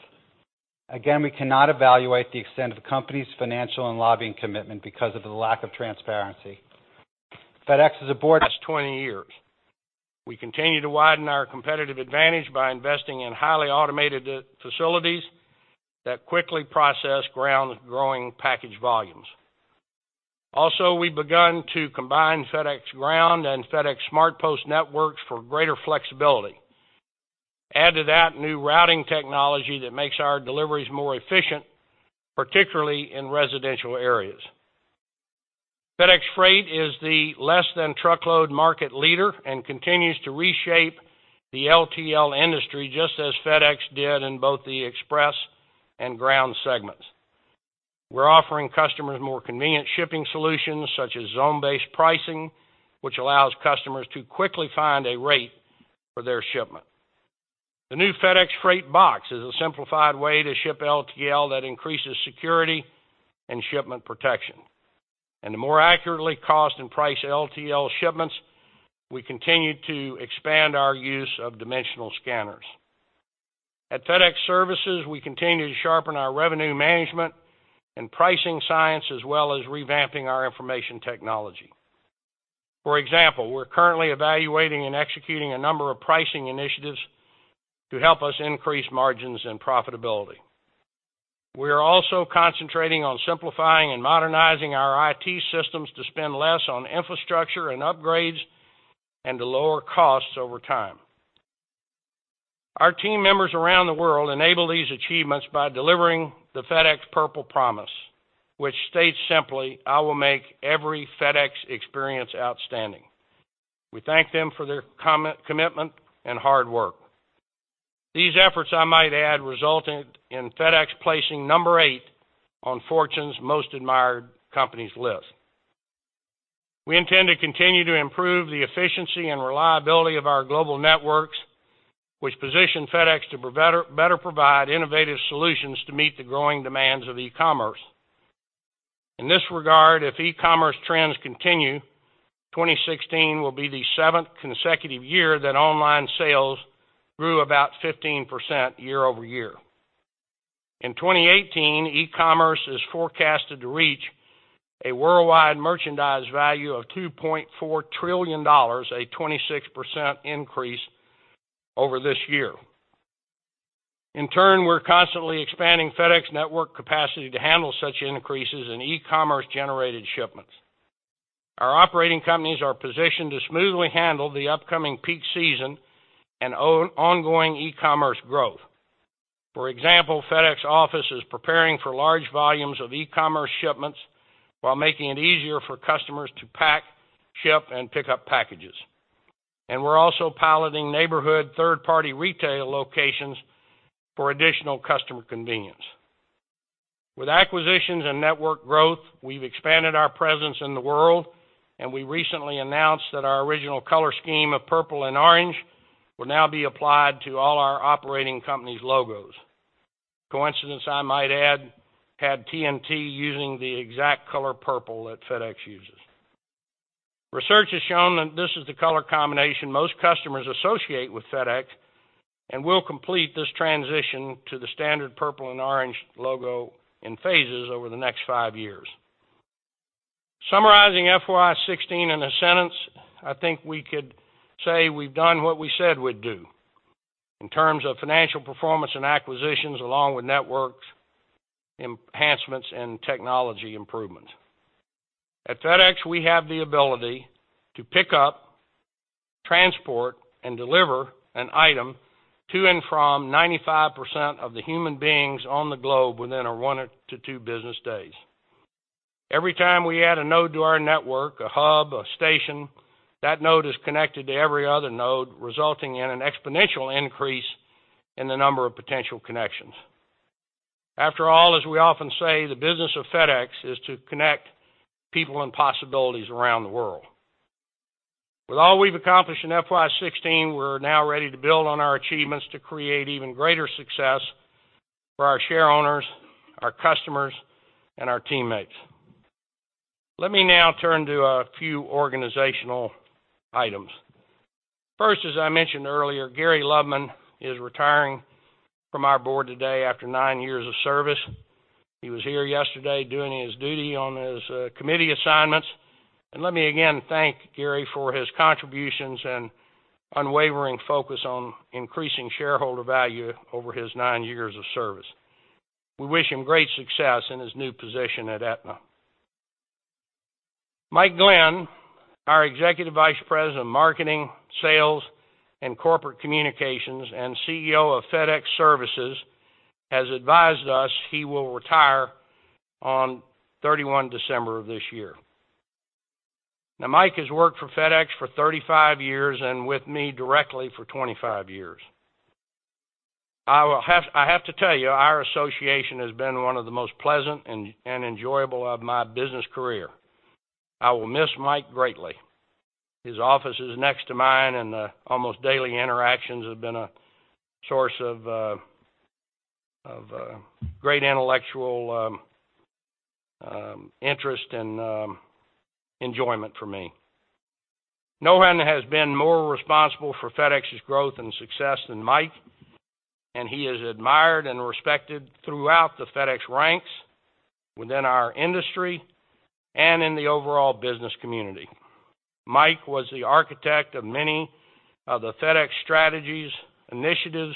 Again, we cannot evaluate the extent of the company's financial and lobbying commitment because of the lack of transparency. FedEx is a board- -- last 20 years. We continue to widen our competitive advantage by investing in highly automated facilities that quickly process Ground's growing package volumes. Also, we've begun to combine FedEx Ground and FedEx SmartPost networks for greater flexibility. Add to that, new routing technology that makes our deliveries more efficient, particularly in residential areas. FedEx Freight is the less-than-truckload market leader and continues to reshape the LTL industry, just as FedEx did in both the Express and Ground segments. We're offering customers more convenient shipping solutions, such as zone-based pricing, which allows customers to quickly find a rate for their shipment. The new FedEx Freight Box is a simplified way to ship LTL that increases security and shipment protection. To more accurately cost and price LTL shipments, we continue to expand our use of dimensional scanners. At FedEx Services, we continue to sharpen our revenue management and pricing science, as well as revamping our information technology. For example, we're currently evaluating and executing a number of pricing initiatives to help us increase margins and profitability. We are also concentrating on simplifying and modernizing our IT systems to spend less on infrastructure and upgrades, and to lower costs over time. Our team members around the world enable these achievements by delivering the FedEx Purple Promise, which states simply, "I will make every FedEx experience outstanding." We thank them for their commitment and hard work. These efforts, I might add, resulted in FedEx placing number 8 on Fortune's Most Admired Companies list. We intend to continue to improve the efficiency and reliability of our global networks, which position FedEx to better provide innovative solutions to meet the growing demands of e-commerce. In this regard, if e-commerce trends continue, 2016 will be the seventh consecutive year that online sales grew about 15% year-over-year. In 2018, e-commerce is forecasted to reach a worldwide merchandise value of $2.4 trillion, a 26% increase over this year. In turn, we're constantly expanding FedEx network capacity to handle such increases in e-commerce-generated shipments. Our operating companies are positioned to smoothly handle the upcoming peak season and ongoing e-commerce growth. For example, FedEx Office is preparing for large volumes of e-commerce shipments while making it easier for customers to pack, ship, and pick up packages. And we're also piloting neighborhood third-party retail locations for additional customer convenience. With acquisitions and network growth, we've expanded our presence in the world, and we recently announced that our original color scheme of purple and orange will now be applied to all our operating companies' logos. Coincidence, I might add, had TNT using the exact color purple that FedEx uses. Research has shown that this is the color combination most customers associate with FedEx, and we'll complete this transition to the standard purple and orange logo in phases over the next 5 years. Summarizing FY 2016 in a sentence, I think we could say we've done what we said we'd do in terms of financial performance and acquisitions, along with networks, enhancements, and technology improvements. At FedEx, we have the ability to pick up, transport, and deliver an item to and from 95% of the human beings on the globe within a 1-2 business days. Every time we add a node to our network, a hub, a station, that node is connected to every other node, resulting in an exponential increase in the number of potential connections. After all, as we often say, the business of FedEx is to connect people and possibilities around the world. With all we've accomplished in FY 2016, we're now ready to build on our achievements to create even greater success for our shareowners, our customers, and our teammates. Let me now turn to a few organizational items. First, as I mentioned earlier, Gary Loveman is retiring from our board today after nine years of service. He was here yesterday doing his duty on his committee assignments. Let me again thank Gary for his contributions and unwavering focus on increasing shareholder value over his nine years of service. We wish him great success in his new position at Aetna. Mike Glenn, our Executive Vice President of Marketing, Sales, and Corporate Communications, and CEO of FedEx Services, has advised us he will retire on 31 December of this year. Now, Mike has worked for FedEx for 35 years and with me directly for 25 years. I have to tell you, our association has been one of the most pleasant and enjoyable of my business career. I will miss Mike greatly. His office is next to mine, and the almost daily interactions have been a source of great intellectual interest and enjoyment for me. No one has been more responsible for FedEx's growth and success than Mike, and he is admired and respected throughout the FedEx ranks, within our industry, and in the overall business community. Mike was the architect of many of the FedEx strategies, initiatives,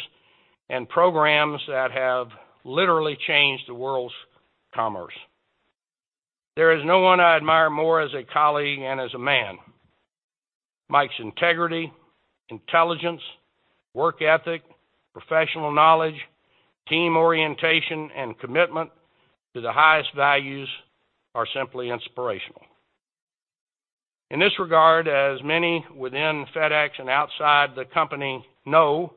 and programs that have literally changed the world's commerce. There is no one I admire more as a colleague and as a man. Mike's integrity, intelligence, work ethic, professional knowledge, team orientation, and commitment to the highest values are simply inspirational. In this regard, as many within FedEx and outside the company know,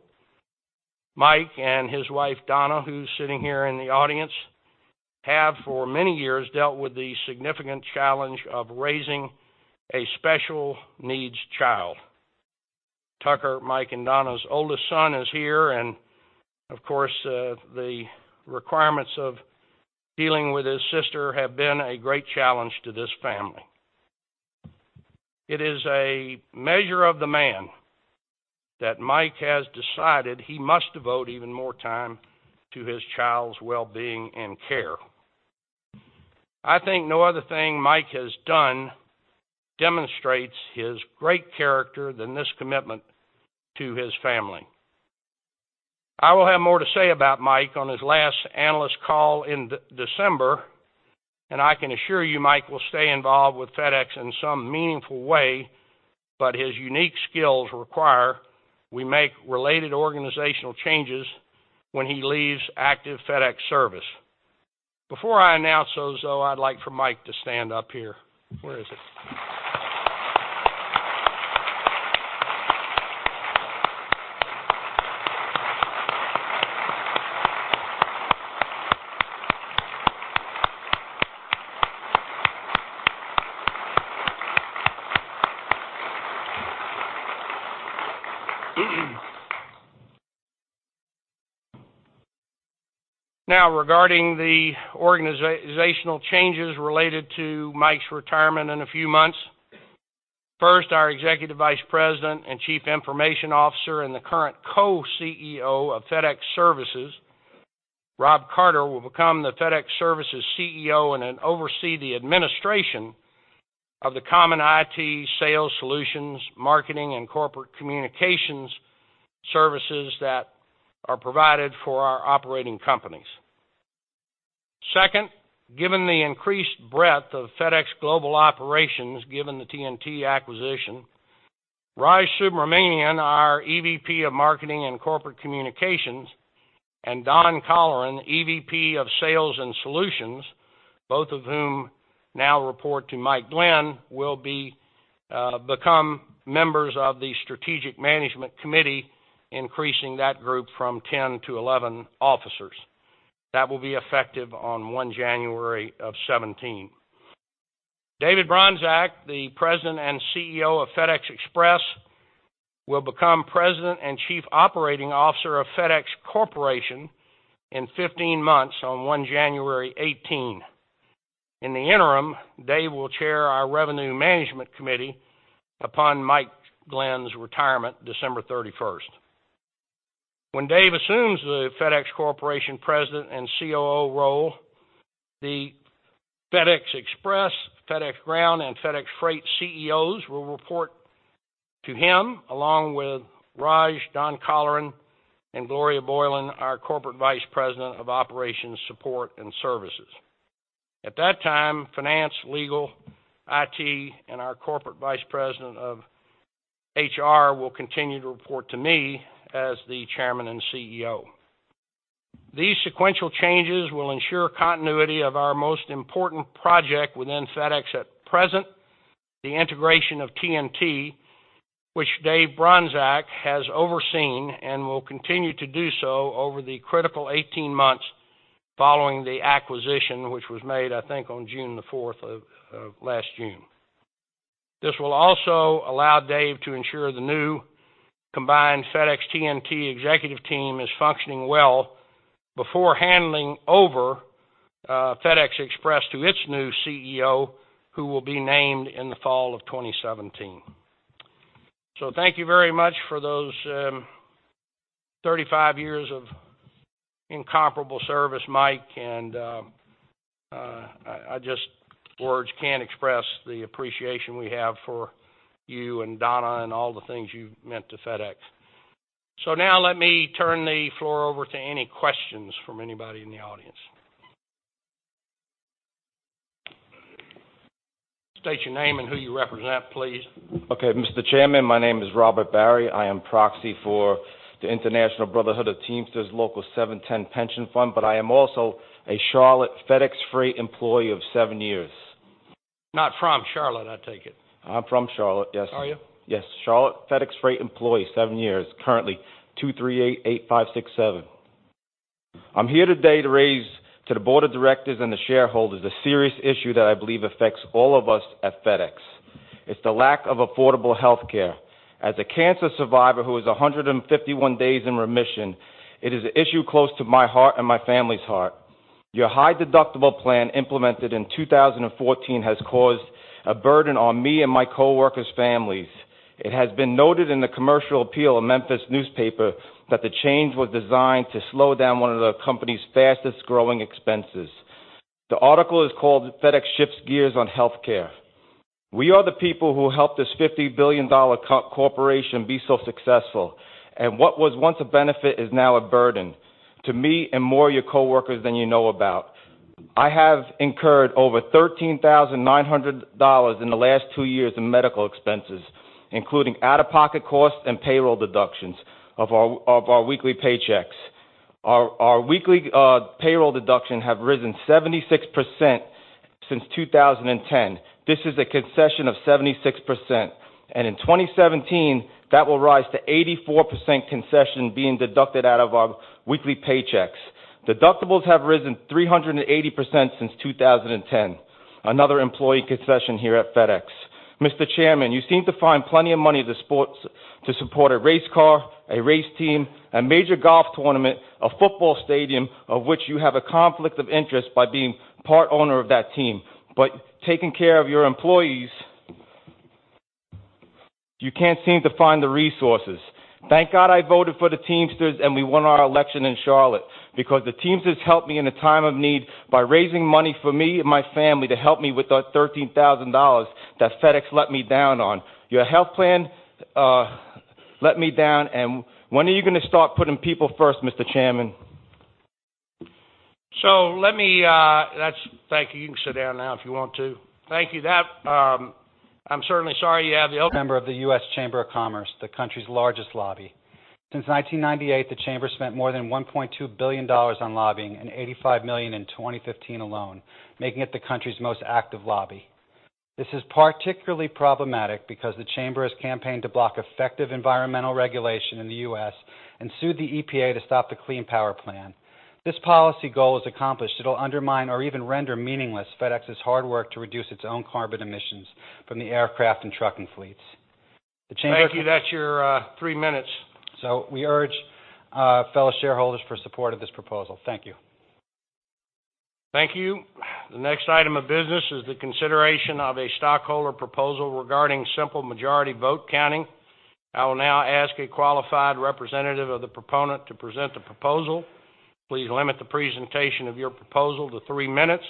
Mike and his wife, Donna, who's sitting here in the audience, have, for many years, dealt with the significant challenge of raising a special needs child. Tucker, Mike and Donna's oldest son, is here, and of course, the requirements of dealing with his sister have been a great challenge to this family. It is a measure of the man that Mike has decided he must devote even more time to his child's well-being and care. I think no other thing Mike has done demonstrates his great character than this commitment to his family. I will have more to say about Mike on his last analyst call in December, and I can assure you, Mike will stay involved with FedEx in some meaningful way, but his unique skills require we make related organizational changes when he leaves active FedEx service. Before I announce those, though, I'd like for Mike to stand up here. Where is he? Now, regarding the organizational changes related to Mike's retirement in a few months, first, our Executive Vice President and Chief Information Officer and the current co-CEO of FedEx Services, Rob Carter, will become the FedEx Services CEO and then oversee the administration of the common IT, sales, solutions, marketing, and corporate communications services that are provided for our operating companies. Second, given the increased breadth of FedEx Global Operations, given the TNT acquisition, Raj Subramaniam, our EVP of Marketing and Corporate Communications, and Don Colleran, EVP of Sales and Solutions, both of whom now report to Mike Glenn, will become members of the Strategic Management Committee, increasing that group from 10 to 11 officers. That will be effective on January 1, 2017. David Bronczek, the President and CEO of FedEx Express, will become President and Chief Operating Officer of FedEx Corporation in 15 months, on January 1, 2018. In the interim, Dave will chair our Revenue Management Committee upon Mike Glenn's retirement, December 31. When Dave assumes the FedEx Corporation President and COO role, the FedEx Express, FedEx Ground, and FedEx Freight CEOs will report to him, along with Raj, Don Colleran, and Gloria Boyland, our Corporate Vice President of Operations Support and Services. At that time, Finance, Legal, IT, and our Corporate Vice President of HR will continue to report to me as the Chairman and CEO. These sequential changes will ensure continuity of our most important project within FedEx at present, the integration of TNT, which Dave Bronczek has overseen and will continue to do so over the critical 18 months following the acquisition, which was made, I think, on June 4 of last June. This will also allow Dave to ensure the new combined FedEx/TNT executive team is functioning well before handing over FedEx Express to its new CEO, who will be named in the fall of 2017. So thank you very much for those 35 years of incomparable service, Mike, and words can't express the appreciation we have for you and Donna and all the things you've meant to FedEx. Now let me turn the floor over to any questions from anybody in the audience. State your name and who you represent, please. Okay, Mr. Chairman, my name is Robert Barry. I am proxy for the International Brotherhood of Teamsters Local 710 Pension Fund, but I am also a Charlotte FedEx Freight employee of seven years. Not from Charlotte, I take it? I'm from Charlotte, yes. Are you? Yes. Charlotte FedEx Freight employee, seven years. Currently 2388567. I'm here today to raise to the board of directors and the shareholders a serious issue that I believe affects all of us at FedEx. It's the lack of affordable healthcare. As a cancer survivor who is 151 days in remission, it is an issue close to my heart and my family's heart. Your high deductible plan, implemented in 2014, has caused a burden on me and my coworkers' families. It has been noted in the Commercial Appeal, a Memphis newspaper, that the change was designed to slow down one of the company's fastest-growing expenses. The article is called FedEx Shifts Gears on Healthcare. We are the people who helped this $50 billion corporation be so successful, and what was once a benefit is now a burden to me and more of your coworkers than you know about. I have incurred over $13,900 in the last two years in medical expenses, including out-of-pocket costs and payroll deductions of our, of our weekly paychecks. Our, our weekly, payroll deduction have risen 76% since 2010. This is a concession of 76%, and in 2017, that will rise to 84% concession being deducted out of our weekly paychecks. Deductibles have risen 380% since 2010, another employee concession here at FedEx. Mr. Chairman, you seem to find plenty of money to support, to support a race car, a race team, a major golf tournament, a football stadium, of which you have a conflict of interest by being part owner of that team. But taking care of your employees, you can't seem to find the resources. Thank God I voted for the Teamsters, and we won our election in Charlotte because the Teamsters helped me in a time of need by raising money for me and my family to help me with the $13,000 that FedEx let me down on. Your health plan let me down. And when are you gonna start putting people first, Mr. Chairman? So let me. That's - thank you. You can sit down now if you want to. Thank you. That, I'm certainly sorry you have the- Member of the U.S. Chamber of Commerce, the country's largest lobby. Since 1998, the Chamber spent more than $1.2 billion on lobbying and $85 million in 2015 alone, making it the country's most active lobby. This is particularly problematic because the Chamber has campaigned to block effective environmental regulation in the U.S. and sued the EPA to stop the Clean Power Plan. This policy goal is accomplished. It'll undermine or even render meaningless FedEx's hard work to reduce its own carbon emissions from the aircraft and trucking fleets. The Chamber- Thank you. That's your three minutes. We urge fellow shareholders for support of this proposal. Thank you. Thank you. The next item of business is the consideration of a stockholder proposal regarding simple majority vote counting. I will now ask a qualified representative of the proponent to present the proposal. Please limit the presentation of your proposal to three minutes.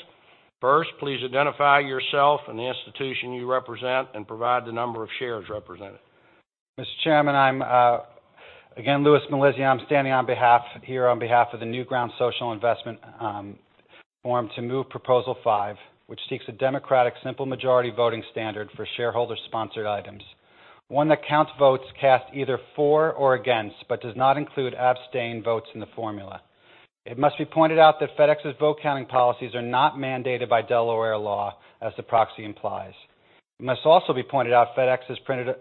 First, please identify yourself and the institution you represent and provide the number of shares represented. Mr. Chairman, I'm again Louis Malizia. I'm standing here on behalf of the Newground Social Investment Forum to move proposal 5, which seeks a democratic, simple majority voting standard for shareholder-sponsored items, one that counts votes cast either for or against, but does not include abstained votes in the formula. It must be pointed out that FedEx's vote counting policies are not mandated by Delaware law, as the proxy implies. It must also be pointed out FedEx has printed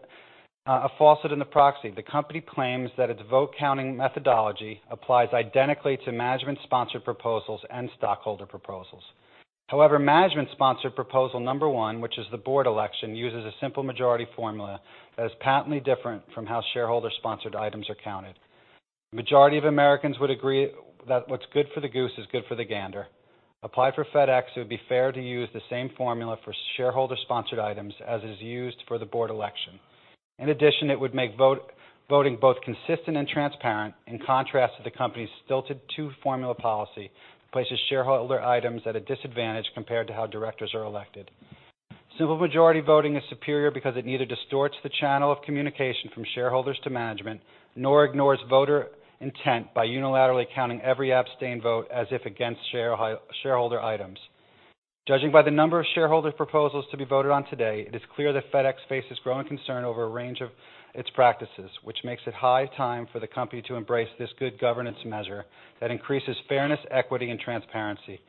a falsehood in the proxy. The company claims that its vote counting methodology applies identically to management-sponsored proposals and stockholder proposals. However, management-sponsored proposal number 1, which is the board election, uses a simple majority formula that is patently different from how shareholder-sponsored items are counted. Majority of Americans would agree that what's good for the goose is good for the gander. Applied for FedEx, it would be fair to use the same formula for shareholder-sponsored items as is used for the board election. In addition, it would make voting both consistent and transparent, in contrast to the company's stilted two-formula policy, places shareholder items at a disadvantage compared to how directors are elected. Simple majority voting is superior because it neither distorts the channel of communication from shareholders to management, nor ignores voter intent by unilaterally counting every abstained vote as if against shareholder items. Judging by the number of shareholder proposals to be voted on today, it is clear that FedEx faces growing concern over a range of its practices, which makes it high time for the company to embrace this good governance measure that increases fairness, equity, and transparency.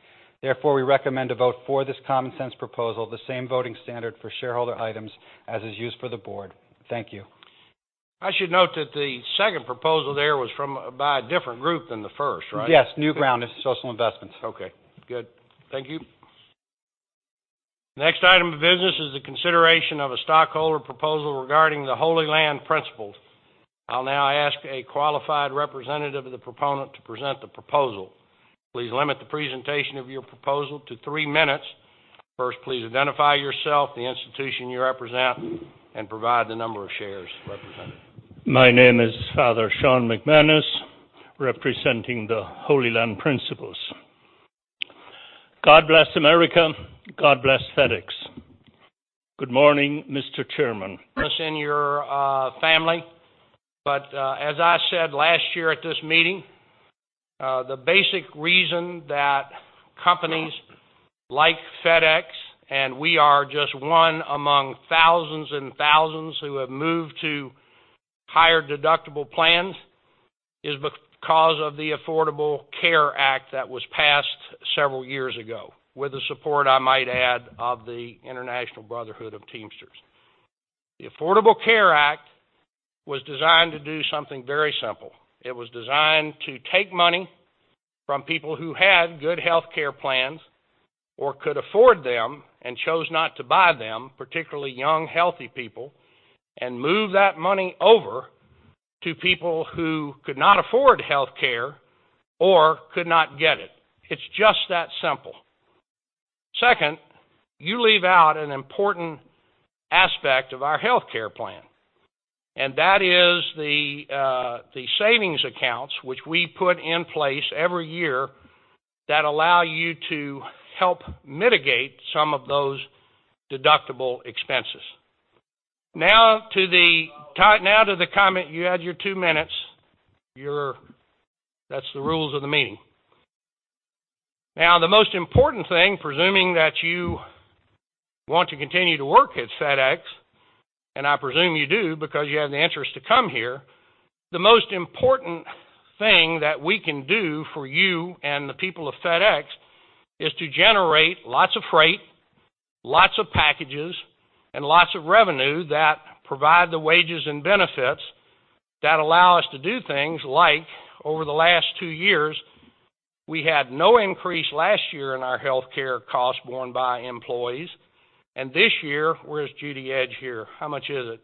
Therefore, we recommend to vote for this common sense proposal, the same voting standard for shareholder items as is used for the board. Thank you.... I should note that the second proposal there was from by a different group than the first, right? Yes, Newground Social Investment. Okay, good. Thank you. Next item of business is the consideration of a stockholder proposal regarding the Holy Land Principles. I'll now ask a qualified representative of the proponent to present the proposal. Please limit the presentation of your proposal to three minutes. First, please identify yourself, the institution you represent, and provide the number of shares represented. My name is Father Sean McManus, representing the Holy Land Principles. God bless America. God bless FedEx. Good morning, Mr. Chairman. Listen, your family, but, as I said last year at this meeting, the basic reason that companies like FedEx, and we are just one among thousands and thousands who have moved to higher deductible plans, is because of the Affordable Care Act that was passed several years ago, with the support, I might add, of the International Brotherhood of Teamsters. The Affordable Care Act was designed to do something very simple. It was designed to take money from people who had good healthcare plans or could afford them and chose not to buy them, particularly young, healthy people, and move that money over to people who could not afford healthcare or could not get it. It's just that simple. Second, you leave out an important aspect of our healthcare plan, and that is the savings accounts, which we put in place every year, that allow you to help mitigate some of those deductible expenses. Now, to the comment. You had your two minutes. That's the rules of the meeting. Now, the most important thing, presuming that you want to continue to work at FedEx, and I presume you do, because you had the interest to come here. The most important thing that we can do for you and the people of FedEx is to generate lots of freight, lots of packages, and lots of revenue that provide the wages and benefits that allow us to do things like, over the last two years, we had no increase last year in our healthcare costs borne by employees, and this year. Where's Judy Edge here? How much is it?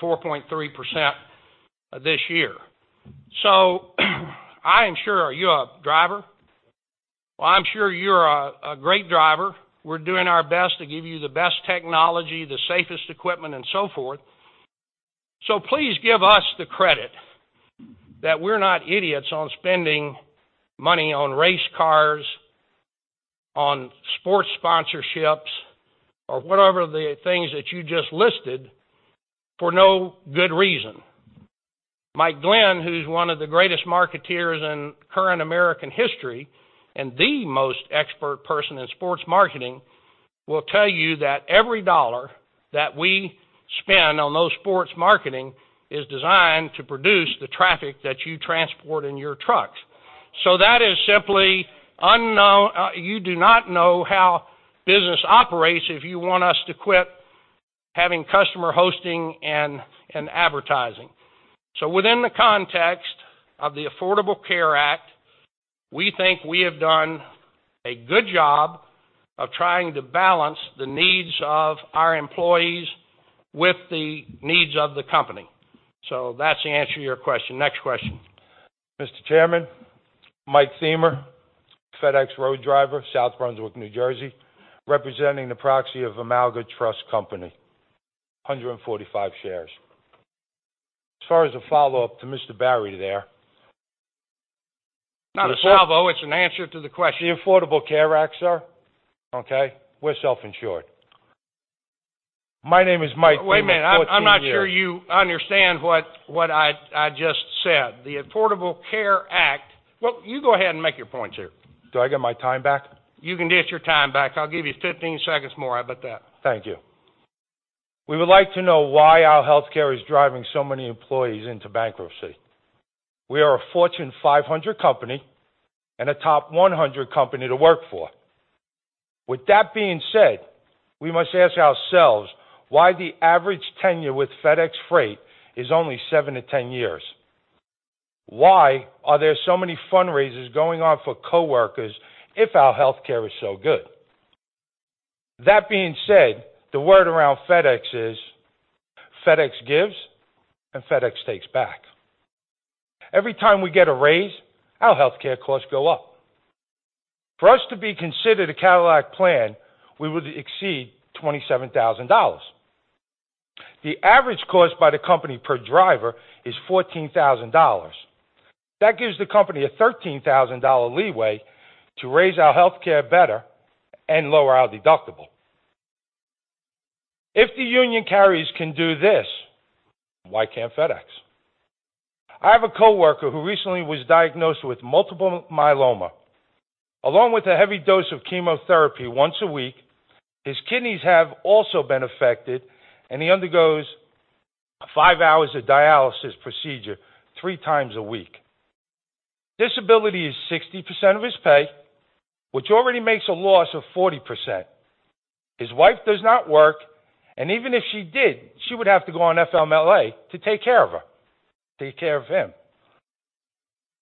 4.3% this year. So I am sure. Are you a driver? Well, I'm sure you're a great driver. We're doing our best to give you the best technology, the safest equipment, and so forth. So please give us the credit that we're not idiots on spending money on race cars, on sports sponsorships, or whatever the things that you just listed for no good reason. Mike Glenn, who's one of the greatest marketeers in current American history and the most expert person in sports marketing, will tell you that every dollar that we spend on those sports marketing is designed to produce the traffic that you transport in your trucks. So that is simply unknown. You do not know how business operates if you want us to quit having customer hosting and advertising. Within the context of the Affordable Care Act, we think we have done a good job of trying to balance the needs of our employees with the needs of the company. That's the answer to your question. Next question. Mr. Chairman, Mike Thiemer, FedEx Road Driver, South Brunswick, New Jersey, representing the proxy of Amalgamated Trust Company, 145 shares. As far as a follow-up to Mr. Barry there. Not a salvo, it's an answer to the question. The Affordable Care Act, sir. Okay, we're self-insured. My name is Mike Thiemer, 14 years. Wait a minute. I'm not sure you understand what I just said. The Affordable Care Act. Well, you go ahead and make your point here. Do I get my time back? You can get your time back. I'll give you 15 seconds more. How about that? Thank you. We would like to know why our healthcare is driving so many employees into bankruptcy. We are a Fortune 500 company and a top 100 company to work for. With that being said, we must ask ourselves, why the average tenure with FedEx Freight is only 7-10 years. Why are there so many fundraisers going on for coworkers if our healthcare is so good? That being said, the word around FedEx is, FedEx gives, and FedEx takes back. Every time we get a raise, our healthcare costs go up. For us to be considered a Cadillac plan, we would exceed $27,000. The average cost by the company per driver is $14,000. That gives the company a $13,000 leeway to raise our healthcare better and lower our deductible. If the union carriers can do this, why can't FedEx? I have a coworker who recently was diagnosed with multiple myeloma. Along with a heavy dose of chemotherapy once a week, his kidneys have also been affected, and he undergoes 5 hours of dialysis procedure three times a week. His disability is 60% of his pay, which already makes a loss of 40%. His wife does not work, and even if she did, she would have to go on FMLA to take care of him.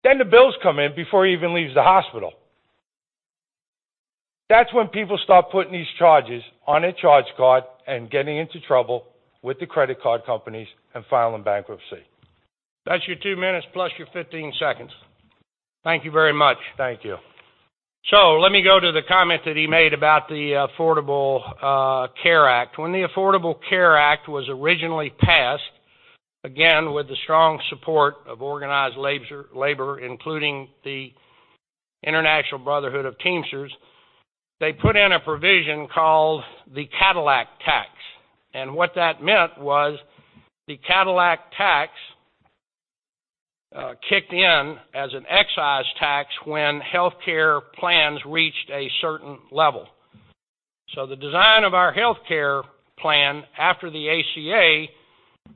Then the bills come in before he even leaves the hospital. That's when people start putting these charges on a charge card and getting into trouble with the credit card companies and filing bankruptcy. That's your two minutes, plus your 15 seconds. Thank you very much. Thank you. So let me go to the comment that he made about the Affordable Care Act. When the Affordable Care Act was originally passed, again, with the strong support of organized labor, including the International Brotherhood of Teamsters, they put in a provision called the Cadillac tax, and what that meant was the Cadillac tax kicked in as an excise tax when healthcare plans reached a certain level. So the design of our healthcare plan after the ACA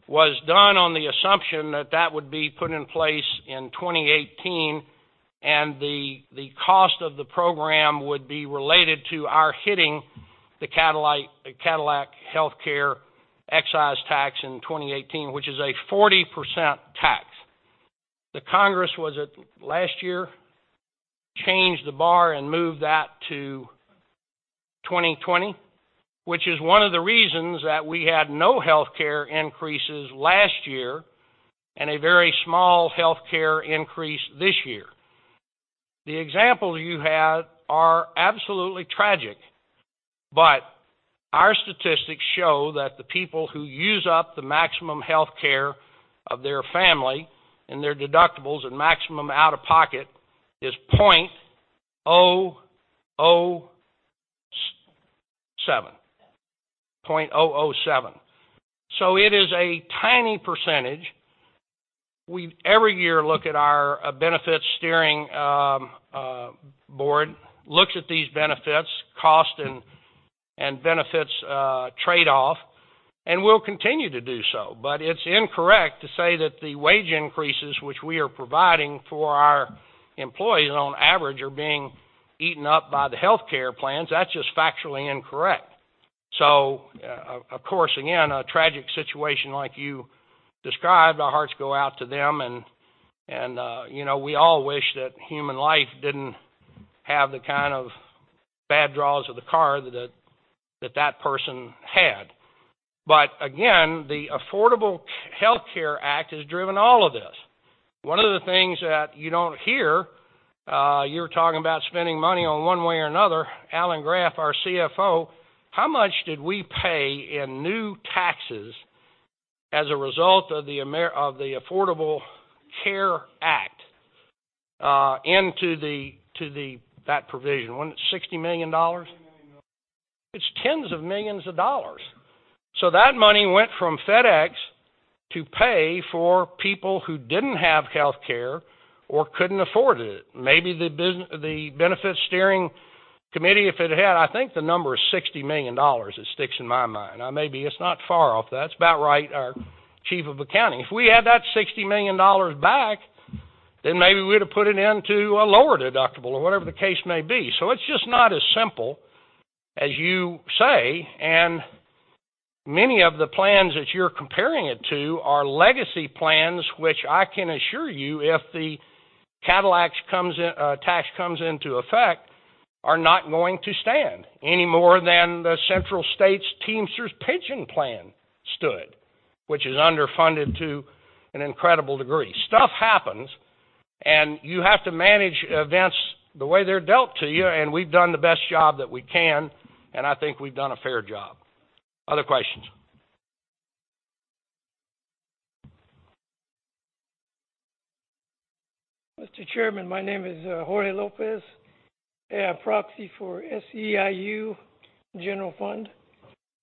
was done on the assumption that that would be put in place in 2018, and the cost of the program would be related to our hitting the Cadillac healthcare excise tax in 2018, which is a 40% tax. The Congress, was it last year, changed the bar and moved that to 2020, which is one of the reasons that we had no healthcare increases last year and a very small healthcare increase this year. The examples you have are absolutely tragic, but our statistics show that the people who use up the maximum healthcare of their family and their deductibles and maximum out-of-pocket is 0.007. 0.007. So it is a tiny percentage. We, every year, look at our, benefit steering, board, looks at these benefits, cost and benefits, trade-off, and we'll continue to do so. But it's incorrect to say that the wage increases, which we are providing for our employees on average, are being eaten up by the healthcare plans. That's just factually incorrect. So, of course, again, a tragic situation like you described, our hearts go out to them and, you know, we all wish that human life didn't have the kind of bad draws of the card that person had. But again, the Affordable Care Act has driven all of this. One of the things that you don't hear, you're talking about spending money one way or another. Alan Graf, our CFO, how much did we pay in new taxes as a result of the Affordable Care Act into that provision? Wasn't it $60 million? $60 million. It's $ tens of millions. So that money went from FedEx to pay for people who didn't have healthcare or couldn't afford it. Maybe the benefit steering committee, if it had. I think the number is $60 million, it sticks in my mind. Now, maybe it's not far off. That's about right, our chief of accounting. If we had that $60 million back, then maybe we'd have put it into a lower deductible or whatever the case may be. So it's just not as simple as you say, and many of the plans that you're comparing it to are legacy plans, which I can assure you, if the Cadillac tax comes into effect, are not going to stand any more than the Central States Teamsters pension plan stood, which is underfunded to an incredible degree. Stuff happens, and you have to manage events the way they're dealt to you, and we've done the best job that we can, and I think we've done a fair job. Other questions? Mr. Chairman, my name is Jorge Lopez, and I'm proxy for SEIU General Fund.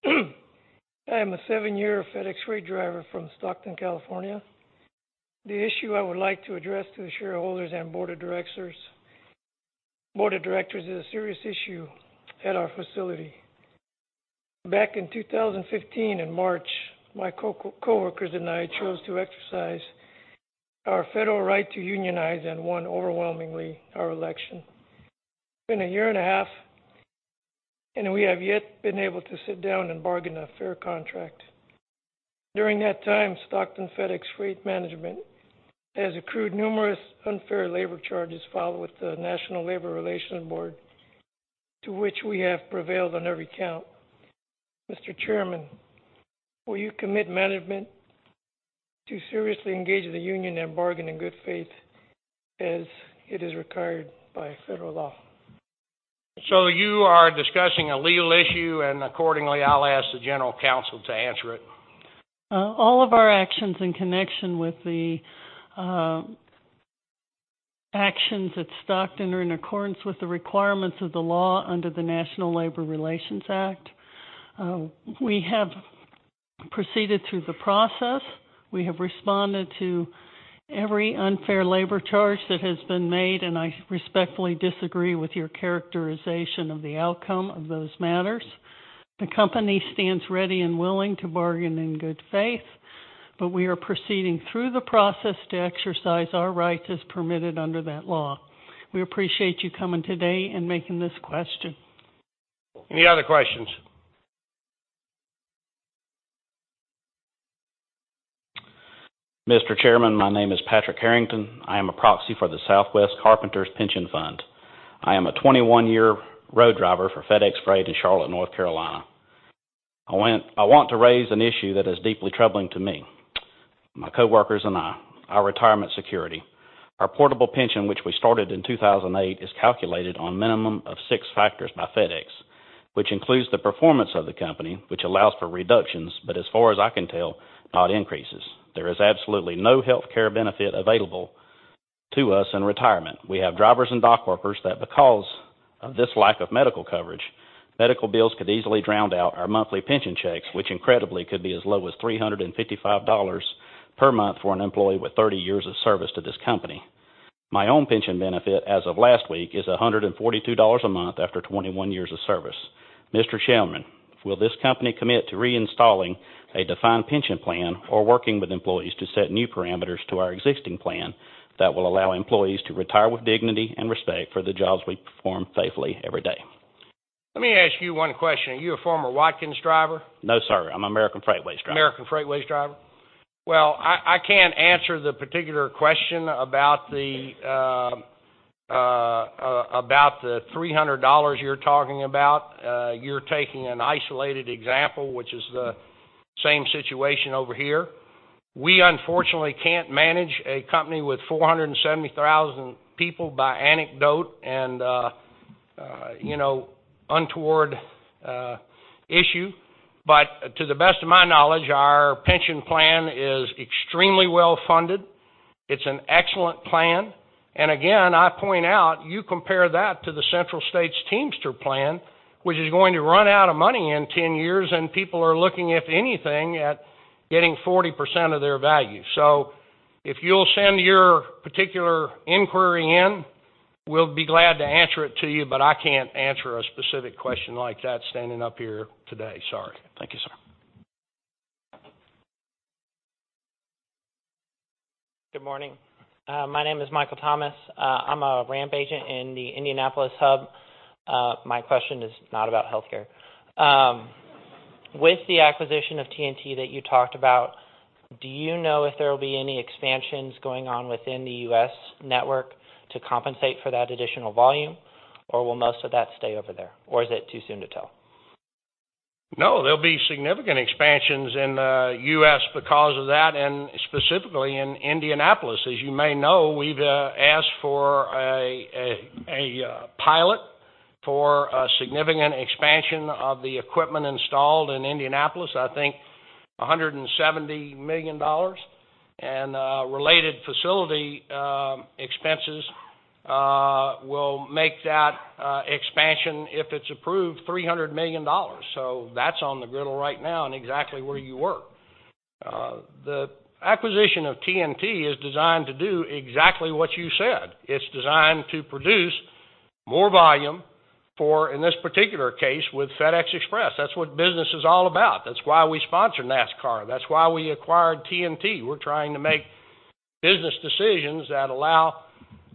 I am a seven-year FedEx Freight driver from Stockton, California. The issue I would like to address to the shareholders and board of directors is a serious issue at our facility. Back in 2015, in March, my coworkers and I chose to exercise our federal right to unionize and won overwhelmingly our election. It's been a year and a half, and we have yet been able to sit down and bargain a fair contract. During that time, Stockton FedEx Freight Management has accrued numerous unfair labor charges filed with the National Labor Relations Board, to which we have prevailed on every count. Mr. Chairman, will you commit management to seriously engage the union and bargain in good faith as it is required by federal law? You are discussing a legal issue, and accordingly, I'll ask the General Counsel to answer it. All of our actions in connection with the actions at Stockton are in accordance with the requirements of the law under the National Labor Relations Act. We have proceeded through the process. We have responded to every unfair labor charge that has been made, and I respectfully disagree with your characterization of the outcome of those matters. The company stands ready and willing to bargain in good faith, but we are proceeding through the process to exercise our rights as permitted under that law. We appreciate you coming today and making this question. Any other questions? Mr. Chairman, my name is Patrick Harrington. I am a proxy for the Southwest Carpenters Pension Fund. I am a 21-year road driver for FedEx Freight in Charlotte, North Carolina. I want, I want to raise an issue that is deeply troubling to me, my coworkers and I, our retirement security. Our portable pension, which we started in 2008, is calculated on a minimum of six factors by FedEx, which includes the performance of the company, which allows for reductions, but as far as I can tell, not increases. There is absolutely no healthcare benefit available to us in retirement. We have drivers and dock workers that because of this lack of medical coverage, medical bills could easily drown out our monthly pension checks, which incredibly, could be as low as $355 per month for an employee with 30 years of service to this company. My own pension benefit, as of last week, is $142 a month after 21 years of service. Mr. Chairman, will this company commit to reinstalling a defined pension plan or working with employees to set new parameters to our existing plan that will allow employees to retire with dignity and respect for the jobs we perform faithfully every day? Let me ask you one question. Are you a former Watkins driver? No, sir. I'm an American Freightways driver. American Freightways driver. Well, I can't answer the particular question about the $300 you're talking about. You're taking an isolated example, which is the same situation over here. We unfortunately can't manage a company with 470,000 people by anecdote and you know, untoward issue. But to the best of my knowledge, our pension plan is extremely well-funded. It's an excellent plan. And again, I point out, you compare that to the Central States Teamster plan, which is going to run out of money in 10 years, and people are looking at anything, at getting 40% of their value. So if you'll send your particular inquiry in, we'll be glad to answer it to you, but I can't answer a specific question like that standing up here today. Sorry. Thank you, sir. Good morning. My name is Michael Thomas. I'm a ramp agent in the Indianapolis Hub. My question is not about healthcare. With the acquisition of TNT that you talked about, do you know if there will be any expansions going on within the U.S. network to compensate for that additional volume, or will most of that stay over there, or is it too soon to tell? No, there'll be significant expansions in the U.S. because of that, and specifically in Indianapolis. As you may know, we've asked for a pilot for a significant expansion of the equipment installed in Indianapolis. I think $170 million and related facility expenses will make that expansion, if it's approved, $300 million. So that's on the griddle right now and exactly where you work. The acquisition of TNT is designed to do exactly what you said. It's designed to produce more volume for, in this particular case, with FedEx Express. That's what business is all about. That's why we sponsor NASCAR. That's why we acquired TNT. We're trying to make business decisions that allow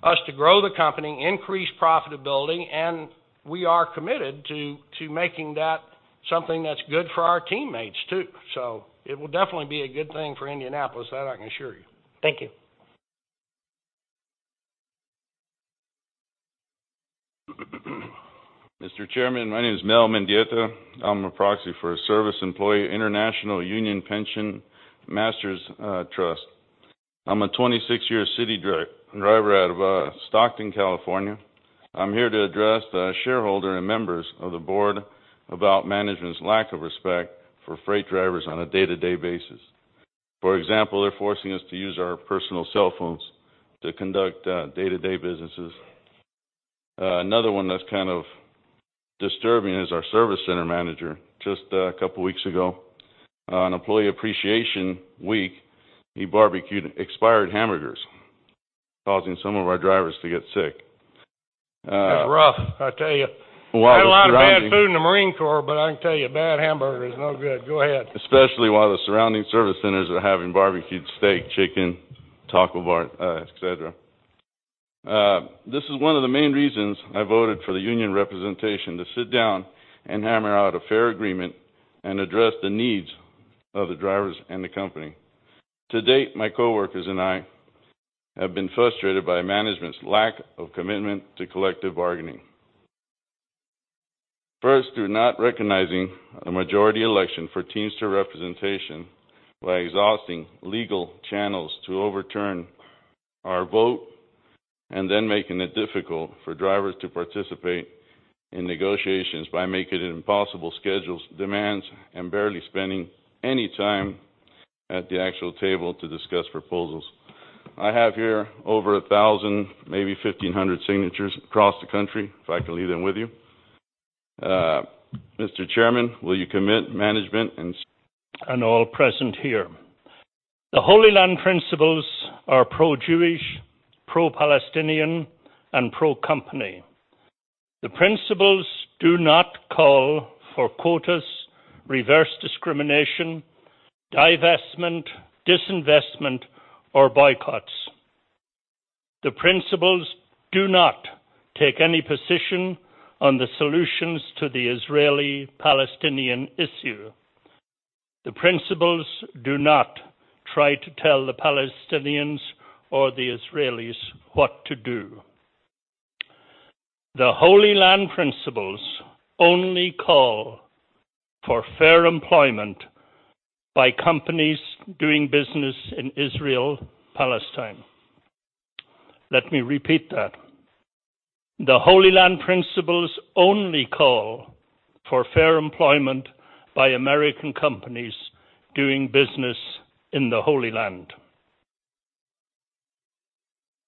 us to grow the company, increase profitability, and we are committed to making that something that's good for our teammates, too. It will definitely be a good thing for Indianapolis, that I can assure you. Thank you. Mr. Chairman, my name is Mel Mendieta. I'm a proxy for Service Employees International Union Pension Masters Trust. I'm a 26-year city driver out of Stockton, California. I'm here to address the shareholder and members of the board about management's lack of respect for freight drivers on a day-to-day basis. For example, they're forcing us to use our personal cell phones to conduct day-to-day businesses. Another one that's kind of disturbing is our service center manager. Just a couple weeks ago, on Employee Appreciation Week, he barbecued expired hamburgers, causing some of our drivers to get sick. That's rough, I tell you. While the surrounding- I had a lot of bad food in the Marine Corps, but I can tell you, a bad hamburger is no good. Go ahead. Especially while the surrounding service centers are having barbecued steak, chicken, taco bar, et cetera. This is one of the main reasons I voted for the union representation, to sit down and hammer out a fair agreement and address the needs of the drivers and the company. To date, my coworkers and I have been frustrated by management's lack of commitment to collective bargaining. First, through not recognizing a majority election for Teamster representation, by exhausting legal channels to overturn our vote, and then making it difficult for drivers to participate in negotiations by making it impossible schedules, demands, and barely spending any time at the actual table to discuss proposals. I have here over 1,000, maybe 1,500 signatures across the country, if I can leave them with you. Mr. Chairman, will you commit management and- All present here? The Holy Land Principles are pro-Jewish, pro-Palestinian, and pro-company. The principles do not call for quotas, reverse discrimination, divestment, disinvestment, or boycotts. The principles do not take any position on the solutions to the Israeli-Palestinian issue. The principles do not try to tell the Palestinians or the Israelis what to do. The Holy Land Principles only call for fair employment by companies doing business in Israel, Palestine. Let me repeat that. The Holy Land Principles only call for fair employment by American companies doing business in the Holy Land.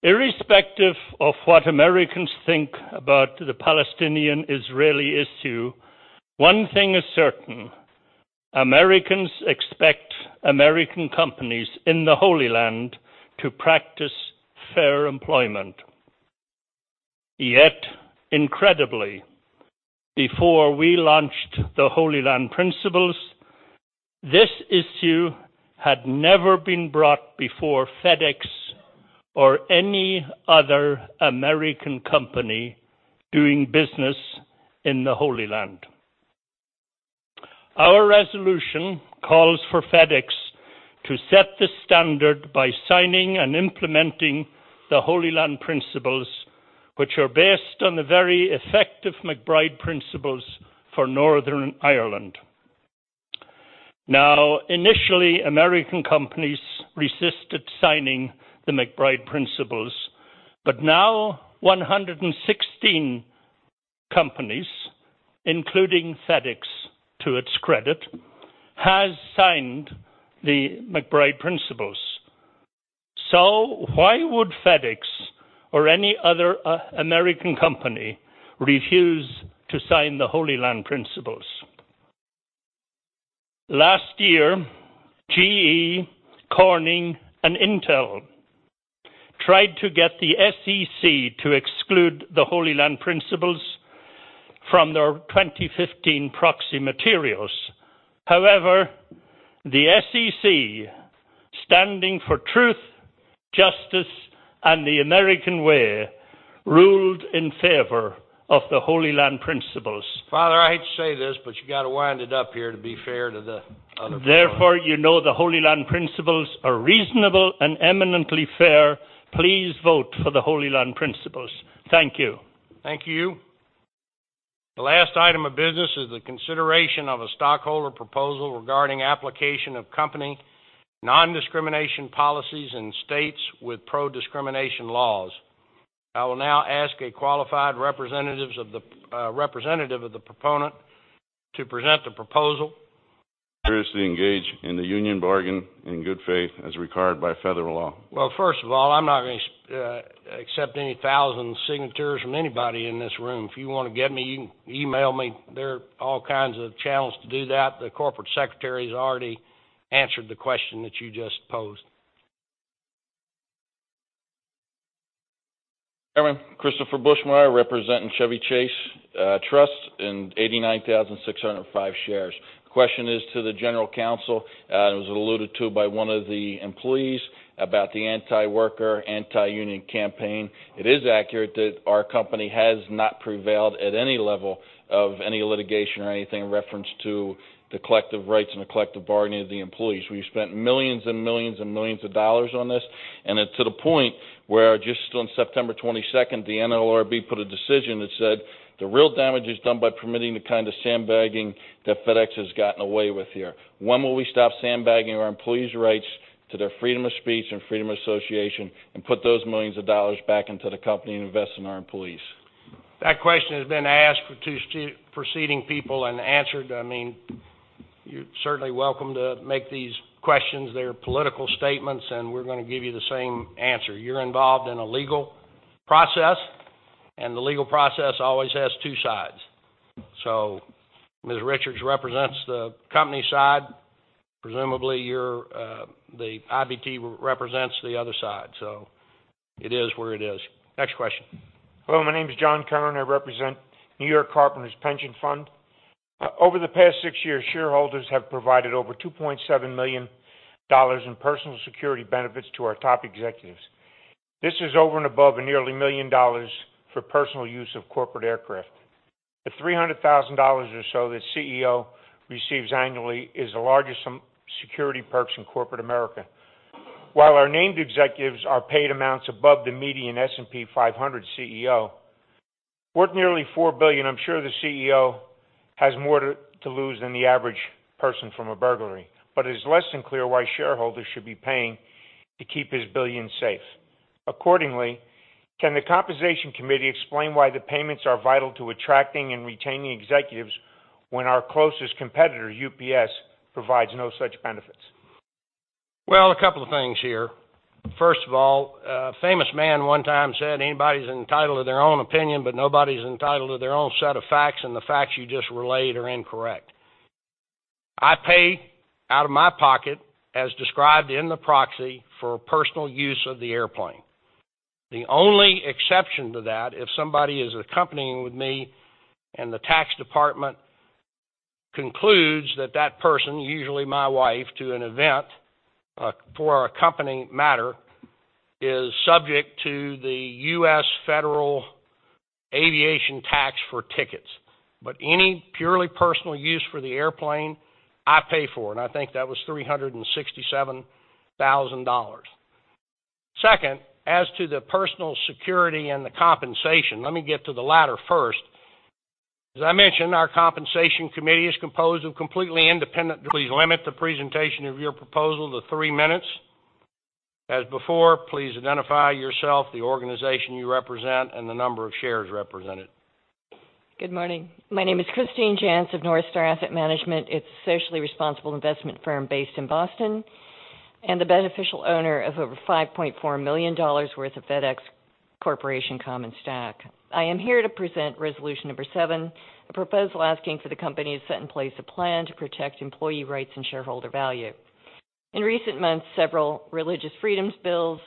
Irrespective of what Americans think about the Palestinian-Israeli issue, one thing is certain: Americans expect American companies in the Holy Land to practice fair employment. Yet incredibly, before we launched the Holy Land Principles, this issue had never been brought before FedEx or any other American company doing business in the Holy Land. Our resolution calls for FedEx to set the standard by signing and implementing the Holy Land Principles, which are based on the very effective MacBride Principles for Northern Ireland. Now, initially, American companies resisted signing the MacBride Principles, but now 116 companies, including FedEx, to its credit, has signed the MacBride Principles. So why would FedEx or any other American company refuse to sign the Holy Land Principles? Last year, GE, Corning, and Intel tried to get the SEC to exclude the Holy Land Principles from their 2015 proxy materials. However, the SEC, standing for Truth, Justice, and the American Way, ruled in favor of the Holy Land Principles. Father, I hate to say this, but you got to wind it up here to be fair to the other- Therefore, you know, the Holy Land Principles are reasonable and eminently fair. Please vote for the Holy Land Principles. Thank you. Thank you. The last item of business is the consideration of a stockholder proposal regarding application of company non-discrimination policies in states with pro-discrimination laws. I will now ask a qualified representatives of the representative of the proponent to present the proposal. Seriously engage in the union bargain in good faith, as required by federal law. Well, first of all, I'm not going to accept any thousand signatures from anybody in this room. If you want to get me, you can email me. There are all kinds of channels to do that. The corporate secretary has already answered the question that you just posed. Chairman, Christopher Buchmeyer, representing Chevy Chase Trust, and 89,605 shares. The question is to the general counsel. It was alluded to by one of the employees about the anti-worker, anti-union campaign. It is accurate that our company has not prevailed at any level of any litigation or anything in reference to the collective rights and the collective bargaining of the employees. We've spent $ millions and $ millions and $ millions on this, and it's to the point where, just on September twenty-second, the NLRB put a decision that said, "The real damage is done by permitting the kind of sandbagging that FedEx has gotten away with here." When will we stop sandbagging our employees' rights to their freedom of speech and freedom of association and put those $ millions back into the company and invest in our employees? That question has been asked to two preceding people and answered. I mean, you're certainly welcome to make these questions. They're political statements, and we're gonna give you the same answer. You're involved in a legal process, and the legal process always has two sides. So Ms. Richards represents the company side. Presumably, you're the IBT represents the other side, so it is where it is. Next question. Hello, my name is John Kern. I represent New York Carpenters Pension Fund. Over the past six years, shareholders have provided over $2.7 million in personal security benefits to our top executives. This is over and above nearly $1 million for personal use of corporate aircraft. The $300,000 or so that CEO receives annually is the largest security perks in corporate America. While our named executives are paid amounts above the median S&P 500 CEO, worth nearly $4 billion, I'm sure the CEO has more to lose than the average person from a burglary, but it's less than clear why shareholders should be paying to keep his billions safe. Accordingly, can the Compensation Committee explain why the payments are vital to attracting and retaining executives when our closest competitor, UPS, provides no such benefits? Well, a couple of things here... First of all, a famous man one time said, "Anybody's entitled to their own opinion, but nobody's entitled to their own set of facts," and the facts you just relayed are incorrect. I pay out of my pocket, as described in the proxy, for personal use of the airplane. The only exception to that, if somebody is accompanying with me and the tax department concludes that that person, usually my wife, to an event, for a company matter, is subject to the U.S. Federal Aviation tax for tickets. But any purely personal use for the airplane, I pay for, and I think that was $367,000. Second, as to the personal security and the compensation, let me get to the latter first. As I mentioned, our Compensation Committee is composed of completely independent. Please limit the presentation of your proposal to three minutes. As before, please identify yourself, the organization you represent, and the number of shares represented. Good morning. My name is Christine Jantz of NorthStar Asset Management. It's a socially responsible investment firm based in Boston, and the beneficial owner of over $5.4 million worth of FedEx Corporation common stock. I am here to present resolution number seven, a proposal asking for the company to set in place a plan to protect employee rights and shareholder value. In recent months, several religious freedoms bills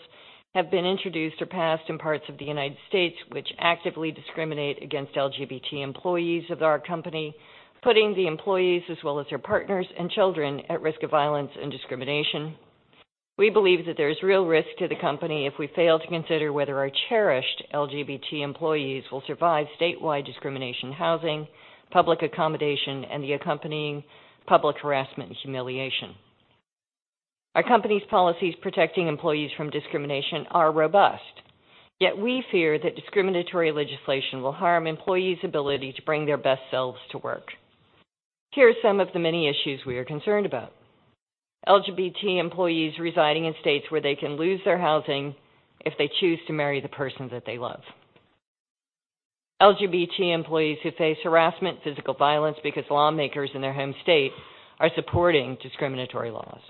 have been introduced or passed in parts of the United States, which actively discriminate against LGBT employees of our company, putting the employees, as well as their partners and children, at risk of violence and discrimination. We believe that there is real risk to the company if we fail to consider whether our cherished LGBT employees will survive statewide discrimination in housing, public accommodation, and the accompanying public harassment and humiliation. Our company's policies protecting employees from discrimination are robust, yet we fear that discriminatory legislation will harm employees' ability to bring their best selves to work. Here are some of the many issues we are concerned about: LGBT employees residing in states where they can lose their housing if they choose to marry the person that they love. LGBT employees who face harassment, physical violence because lawmakers in their home state are supporting discriminatory laws.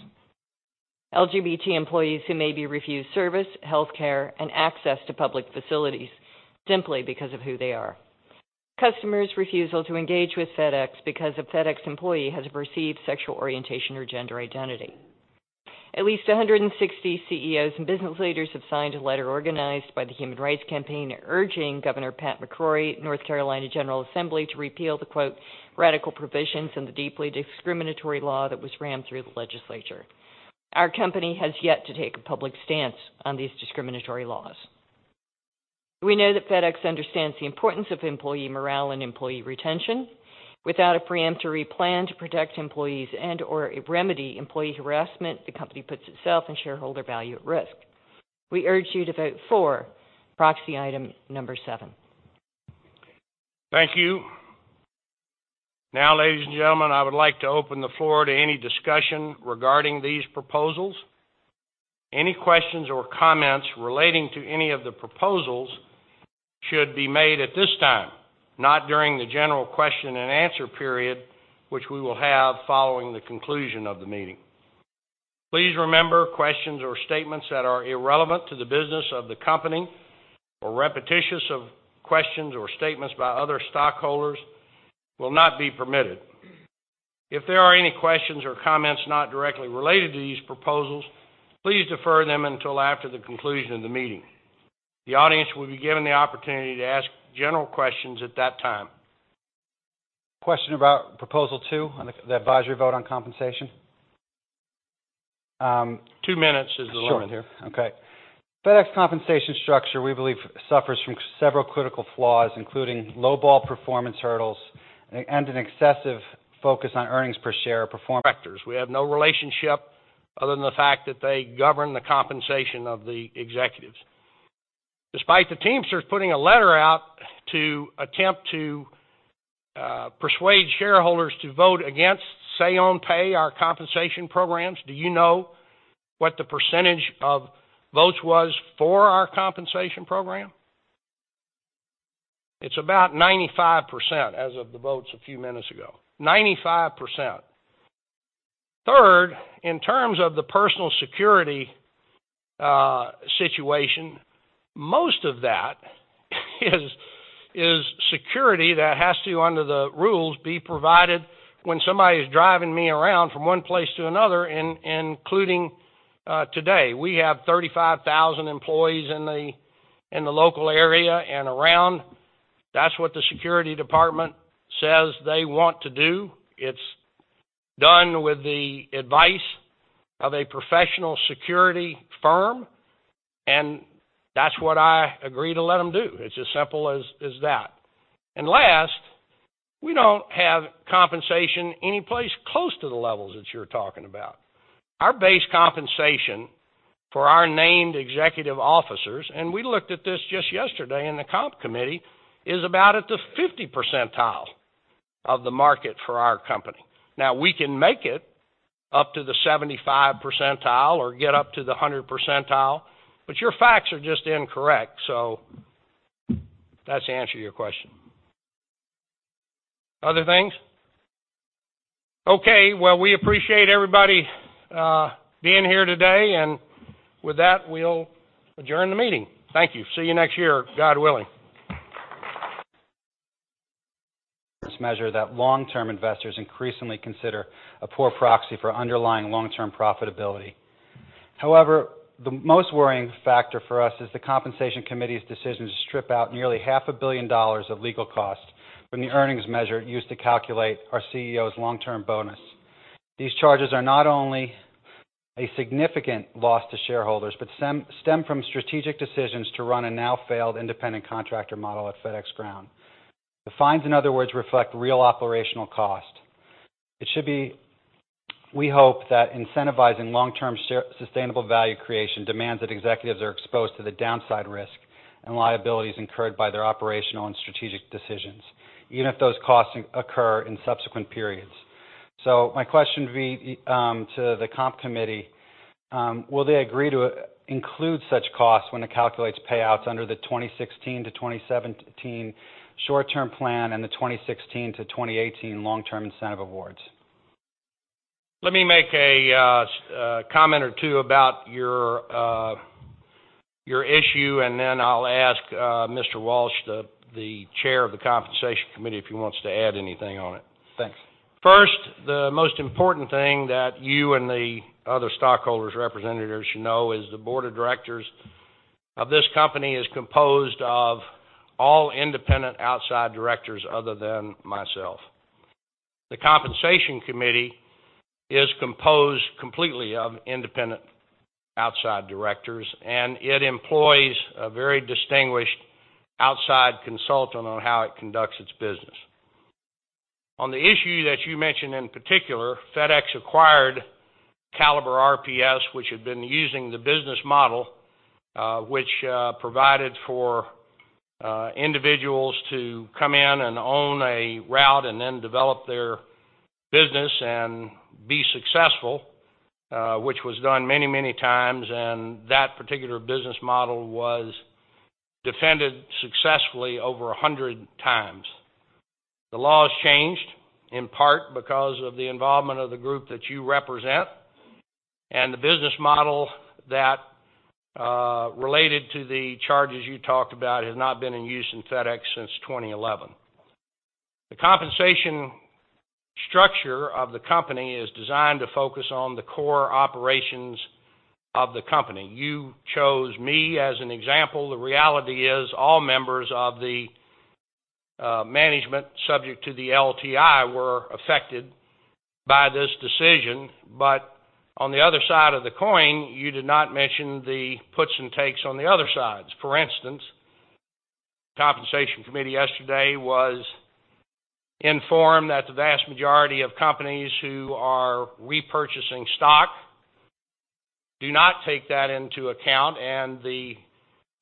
LGBT employees who may be refused service, healthcare, and access to public facilities simply because of who they are. Customers' refusal to engage with FedEx because a FedEx employee has a perceived sexual orientation or gender identity. At least 160 CEOs and business leaders have signed a letter organized by the Human Rights Campaign, urging Governor Pat McCrory, North Carolina General Assembly, to repeal the, quote, "radical provisions in the deeply discriminatory law that was rammed through the legislature." Our company has yet to take a public stance on these discriminatory laws. We know that FedEx understands the importance of employee morale and employee retention. Without a preemptive plan to protect employees and/or remedy employee harassment, the company puts itself and shareholder value at risk. We urge you to vote for proxy item number seven. Thank you. Now, ladies and gentlemen, I would like to open the floor to any discussion regarding these proposals. Any questions or comments relating to any of the proposals should be made at this time, not during the general question-and-answer period, which we will have following the conclusion of the meeting. Please remember, questions or statements that are irrelevant to the business of the company or repetitious of questions or statements by other stockholders will not be permitted. If there are any questions or comments not directly related to these proposals, please defer them until after the conclusion of the meeting. The audience will be given the opportunity to ask general questions at that time. Question about Proposal 2 on the advisory vote on compensation. Two minutes is the limit here. Sure. Okay. FedEx compensation structure, we believe, suffers from several critical flaws, including lowball performance hurdles and an excessive focus on earnings per share of performance- Directors, we have no relationship other than the fact that they govern the compensation of the executives. Despite the Teamsters putting a letter out to attempt to persuade shareholders to vote against say on pay, our compensation programs, do you know what the percentage of votes was for our compensation program? It's about 95% as of the votes a few minutes ago. 95%. Third, in terms of the personal security situation, most of that is security that has to, under the rules, be provided when somebody is driving me around from one place to another, including today. We have 35,000 employees in the local area and around. That's what the security department says they want to do. It's done with the advice of a professional security firm, and that's what I agree to let them do. It's as simple as that. And last, we don't have compensation anyplace close to the levels that you're talking about. Our base compensation for our named executive officers, and we looked at this just yesterday in the comp committee, is about at the 50th percentile of the market for our company. Now, we can make it up to the 75th percentile or get up to the 100th percentile, but your facts are just incorrect. So that's the answer to your question. Other things? Okay, well, we appreciate everybody being here today, and with that, we'll adjourn the meeting. Thank you. See you next year, God willing. measure that long-term investors increasingly consider a poor proxy for underlying long-term profitability. However, the most worrying factor for us is the Compensation Committee's decision to strip out nearly $500 million of legal costs from the earnings measure used to calculate our CEO's long-term bonus. These charges are not only a significant loss to shareholders, but stem from strategic decisions to run a now failed independent contractor model at FedEx Ground. The fines, in other words, reflect real operational cost. It should be, we hope, that incentivizing long-term sustainable value creation demands that executives are exposed to the downside risk and liabilities incurred by their operational and strategic decisions, even if those costs occur in subsequent periods. My question would be, to the Comp Committee, will they agree to include such costs when it calculates payouts under the 2016-2017 short-term plan and the 2016-2018 long-term incentive awards? Let me make a comment or two about your your issue, and then I'll ask Mr. Walsh, the Chair of the Compensation Committee, if he wants to add anything on it. Thanks. First, the most important thing that you and the other stockholders' representatives should know is the board of directors of this company is composed of all independent outside directors, other than myself. The Compensation Committee is composed completely of independent outside directors, and it employs a very distinguished outside consultant on how it conducts its business. On the issue that you mentioned, in particular, FedEx acquired Caliber RPS, which had been using the business model, which provided for individuals to come in and own a route and then develop their business and be successful, which was done many, many times, and that particular business model was defended successfully over 100 times. The laws changed, in part because of the involvement of the group that you represent, and the business model that related to the charges you talked about has not been in use in FedEx since 2011. The compensation structure of the company is designed to focus on the core operations of the company. You chose me as an example. The reality is, all members of the management, subject to the LTI, were affected by this decision. But on the other side of the coin, you did not mention the puts and takes on the other sides. For instance, Compensation Committee yesterday was informed that the vast majority of companies who are repurchasing stock do not take that into account, and the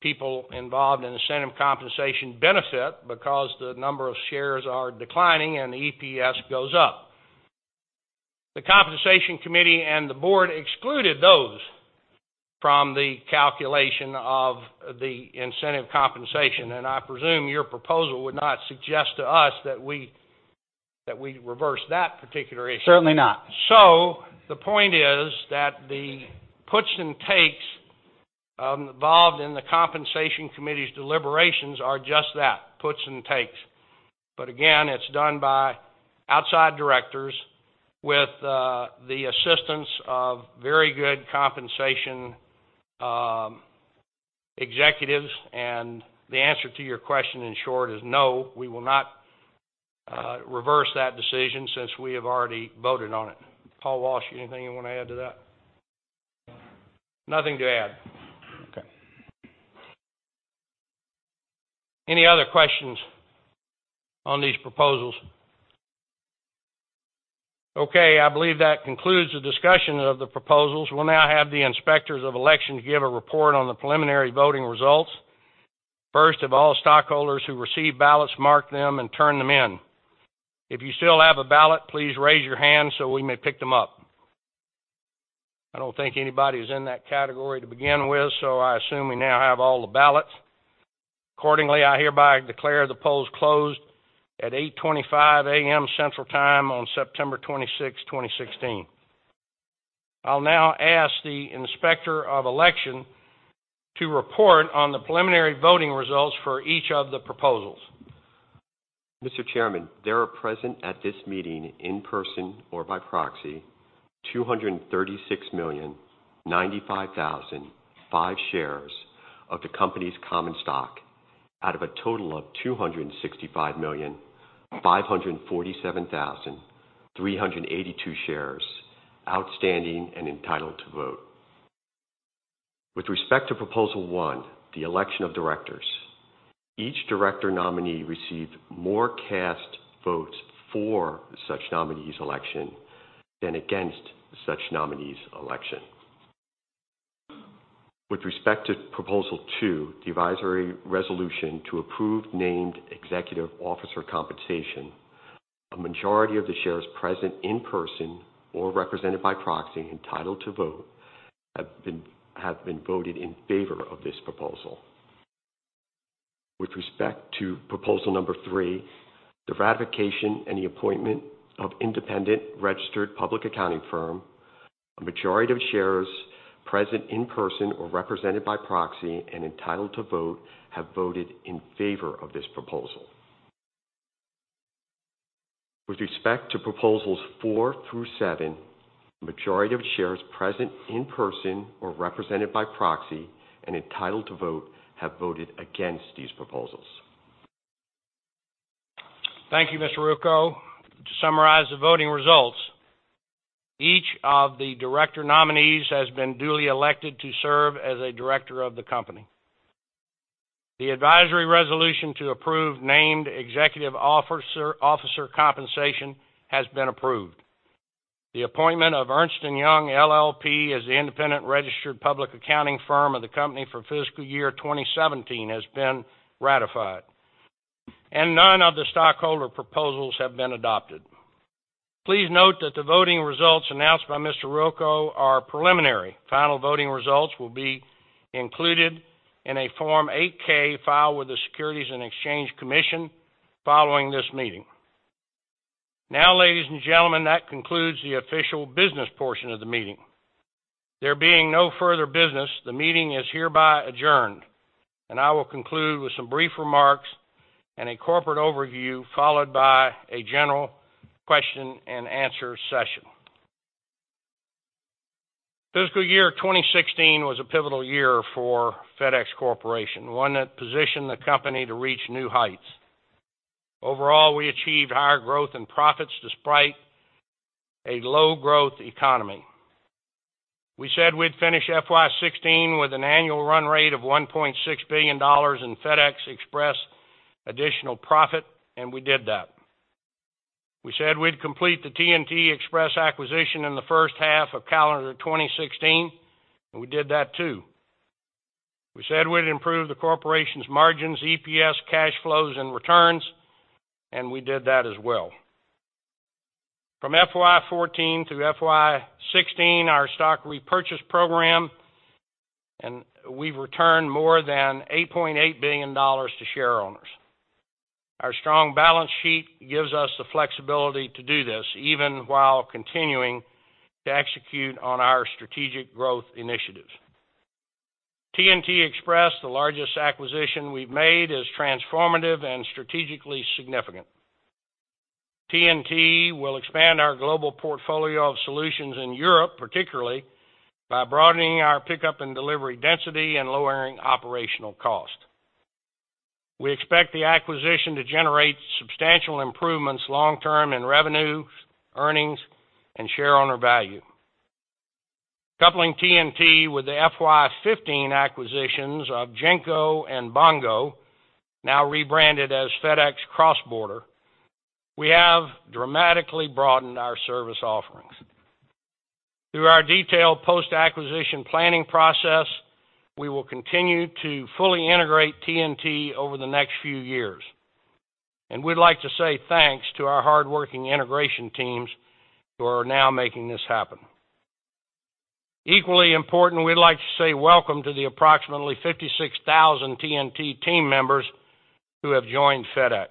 people involved in incentive compensation benefit because the number of shares are declining and the EPS goes up. The Compensation Committee and the board excluded those from the calculation of the incentive compensation, and I presume your proposal would not suggest to us that we, that we reverse that particular issue. Certainly not. So the point is that the puts and takes involved in the Compensation Committee's deliberations are just that, puts and takes. But again, it's done by outside directors with the assistance of very good compensation executives. And the answer to your question, in short, is no, we will not reverse that decision since we have already voted on it. Paul Walsh, anything you want to add to that? Nothing. Nothing to add. Okay. Any other questions on these proposals? Okay, I believe that concludes the discussion of the proposals. We'll now have the Inspectors of Election give a report on the preliminary voting results. First of all, stockholders who received ballots, marked them, and turned them in, if you still have a ballot, please raise your hand so we may pick them up. I don't think anybody is in that category to begin with, so I assume we now have all the ballots. Accordingly, I hereby declare the polls closed at 8:25 A.M. Central Time on September 26, 2016. I'll now ask the Inspector of Election to report on the preliminary voting results for each of the proposals. Mr. Chairman, there are present at this meeting, in person or by proxy, 236,095,005 shares of the company's common stock out of a total of 265,547,382 shares outstanding and entitled to vote. With respect to Proposal 1, the election of directors, each director nominee received more cast votes for such nominee's election than against such nominee's election. With respect to Proposal 2, the advisory resolution to approve named executive officer compensation, a majority of the shares present in person or represented by proxy, entitled to vote, have been voted in favor of this proposal. With respect to Proposal Number Three, the ratification and the appointment of independent registered public accounting firm, a majority of shares present in person or represented by proxy and entitled to vote, have voted in favor of this proposal. With respect to Proposals Four through Seven, the majority of shares present in person or represented by proxy and entitled to vote, have voted against these proposals. Thank you, Mr. Ruocco. To summarize the voting results, each of the director nominees has been duly elected to serve as a director of the company. The advisory resolution to approve named executive officer compensation has been approved. The appointment of Ernst & Young LLP as the independent registered public accounting firm of the company for fiscal year 2017 has been ratified, and none of the stockholder proposals have been adopted. Please note that the voting results announced by Mr. Ruocco are preliminary. Final voting results will be included in a Form 8-K filed with the Securities and Exchange Commission following this meeting. Now, ladies and gentlemen, that concludes the official business portion of the meeting. There being no further business, the meeting is hereby adjourned, and I will conclude with some brief remarks and a corporate overview, followed by a general question-and-answer session. Fiscal year 2016 was a pivotal year for FedEx Corporation, one that positioned the company to reach new heights. Overall, we achieved higher growth and profits despite a low growth economy. We said we'd finish FY 2016 with an annual run rate of $1.6 billion in FedEx Express additional profit, and we did that. We said we'd complete the TNT Express acquisition in the first half of calendar 2016, and we did that, too. We said we'd improve the corporation's margins, EPS, cash flows, and returns, and we did that as well. From FY 2014 through FY 2016, our stock repurchase program, and we've returned more than $8.8 billion to shareowners. Our strong balance sheet gives us the flexibility to do this, even while continuing to execute on our strategic growth initiatives. TNT Express, the largest acquisition we've made, is transformative and strategically significant. TNT will expand our global portfolio of solutions in Europe, particularly by broadening our pickup and delivery density and lowering operational cost. We expect the acquisition to generate substantial improvements long-term in revenues, earnings, and shareowner value. Coupling TNT with the FY 2015 acquisitions of GENCO and Bongo, now rebranded as FedEx Cross Border, we have dramatically broadened our service offerings. Through our detailed post-acquisition planning process, we will continue to fully integrate TNT over the next few years, and we'd like to say thanks to our hardworking integration teams who are now making this happen. Equally important, we'd like to say welcome to the approximately 56,000 TNT team members who have joined FedEx.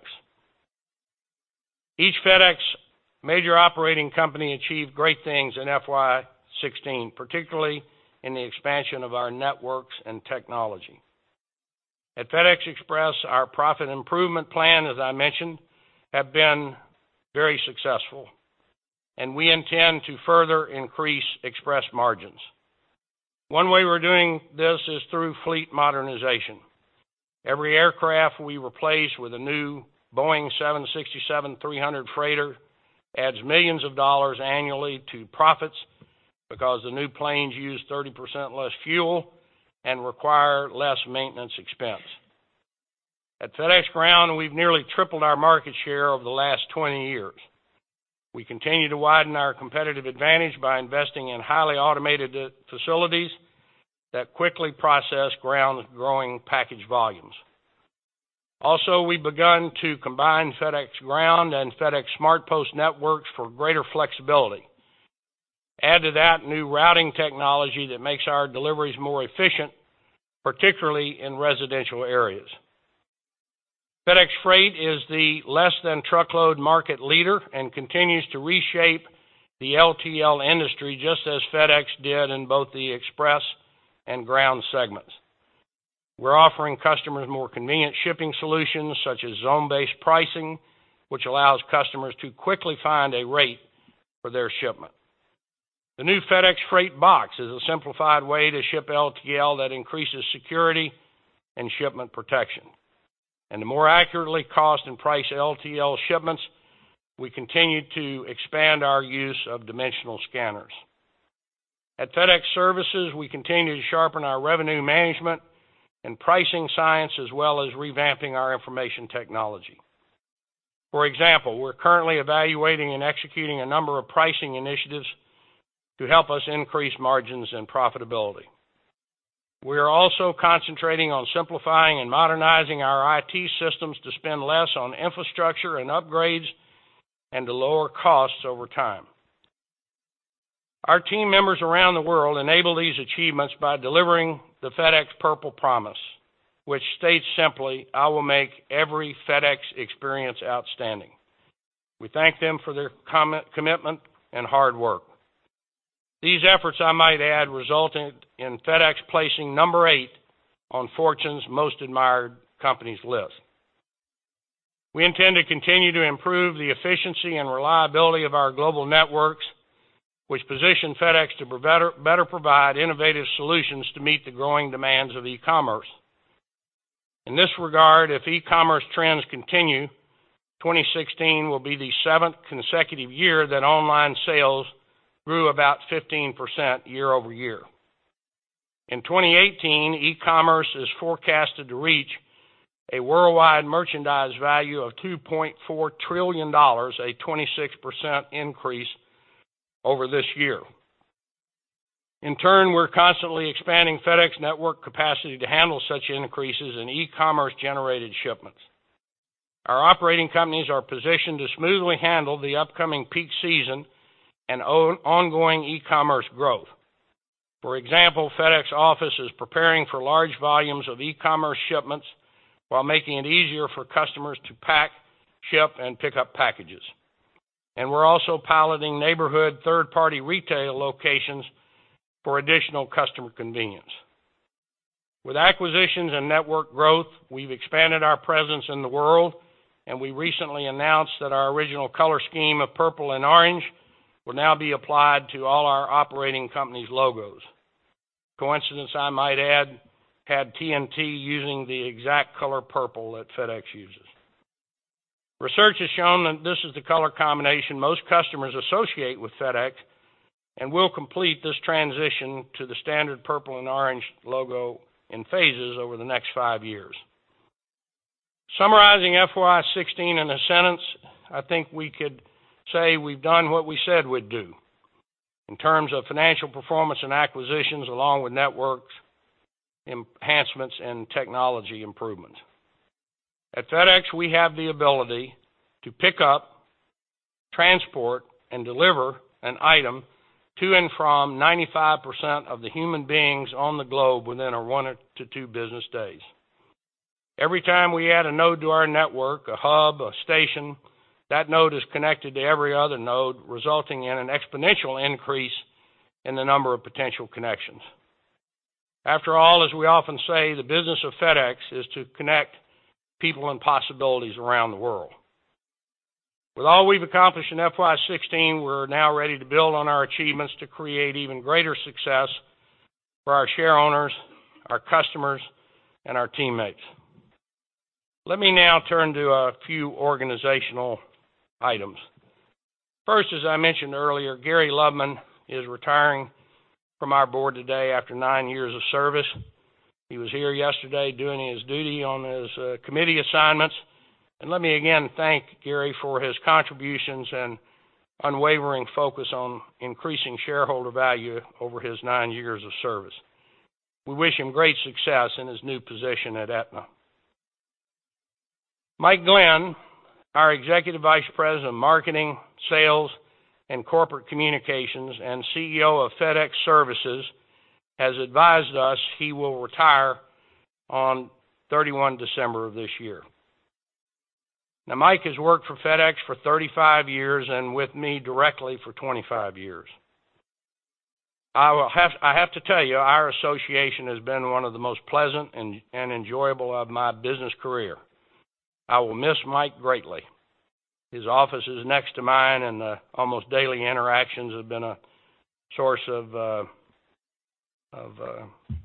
Each FedEx major operating company achieved great things in FY 2016, particularly in the expansion of our networks and technology. At FedEx Express, our profit improvement plan, as I mentioned, have been very successful, and we intend to further increase Express margins. One way we're doing this is through fleet modernization. Every aircraft we replace with a new Boeing 767-300 freighter adds $ millions annually to profits, because the new planes use 30% less fuel and require less maintenance expense. At FedEx Ground, we've nearly tripled our market share over the last 20 years. We continue to widen our competitive advantage by investing in highly automated facilities that quickly process Ground's growing package volumes. Also, we've begun to combine FedEx Ground and FedEx SmartPost networks for greater flexibility. Add to that new routing technology that makes our deliveries more efficient, particularly in residential areas. FedEx Freight is the less-than-truckload market leader and continues to reshape the LTL industry, just as FedEx did in both the Express and Ground segments. We're offering customers more convenient shipping solutions, such as zone-based pricing, which allows customers to quickly find a rate for their shipment. The new FedEx Freight Box is a simplified way to ship LTL that increases security and shipment protection. To more accurately cost and price LTL shipments, we continue to expand our use of dimensional scanners. At FedEx Services, we continue to sharpen our revenue management and pricing science, as well as revamping our information technology. For example, we're currently evaluating and executing a number of pricing initiatives to help us increase margins and profitability. We are also concentrating on simplifying and modernizing our IT systems to spend less on infrastructure and upgrades and to lower costs over time.... Our team members around the world enable these achievements by delivering the FedEx Purple Promise, which states simply, "I will make every FedEx experience outstanding." We thank them for their commitment and hard work. These efforts, I might add, resulted in FedEx placing number 8 on Fortune's Most Admired Companies list. We intend to continue to improve the efficiency and reliability of our global networks, which position FedEx to better provide innovative solutions to meet the growing demands of e-commerce. In this regard, if e-commerce trends continue, 2016 will be the 7th consecutive year that online sales grew about 15% year-over-year. In 2018, e-commerce is forecasted to reach a worldwide merchandise value of $2.4 trillion, a 26% increase over this year. In turn, we're constantly expanding FedEx network capacity to handle such increases in e-commerce-generated shipments. Our operating companies are positioned to smoothly handle the upcoming peak season and ongoing e-commerce growth. For example, FedEx Office is preparing for large volumes of e-commerce shipments while making it easier for customers to pack, ship, and pick up packages. We're also piloting neighborhood third-party retail locations for additional customer convenience. With acquisitions and network growth, we've expanded our presence in the world, and we recently announced that our original color scheme of purple and orange will now be applied to all our operating companies' logos. Coincidence, I might add, had TNT using the exact color purple that FedEx uses. Research has shown that this is the color combination most customers associate with FedEx, and we'll complete this transition to the standard purple and orange logo in phases over the next five years. Summarizing FY 2016 in a sentence, I think we could say we've done what we said we'd do in terms of financial performance and acquisitions, along with networks, enhancements, and technology improvements. At FedEx, we have the ability to pick up, transport, and deliver an item to and from 95% of the human beings on the globe within 1-2 business days. Every time we add a node to our network, a hub, a station, that node is connected to every other node, resulting in an exponential increase in the number of potential connections. After all, as we often say, the business of FedEx is to connect people and possibilities around the world. With all we've accomplished in FY 2016, we're now ready to build on our achievements to create even greater success for our shareowners, our customers, and our teammates. Let me now turn to a few organizational items. First, as I mentioned earlier, Gary Loveman is retiring from our board today after nine years of service. He was here yesterday doing his duty on his committee assignments. Let me again thank Gary for his contributions and unwavering focus on increasing shareholder value over his nine years of service. We wish him great success in his new position at Aetna. Mike Glenn, our Executive Vice President of Marketing, Sales, and Corporate Communications and CEO of FedEx Services, has advised us he will retire on 31 December of this year. Now, Mike has worked for FedEx for 35 years and with me directly for 25 years. I have to tell you, our association has been one of the most pleasant and enjoyable of my business career. I will miss Mike greatly. His office is next to mine, and the almost daily interactions have been a source of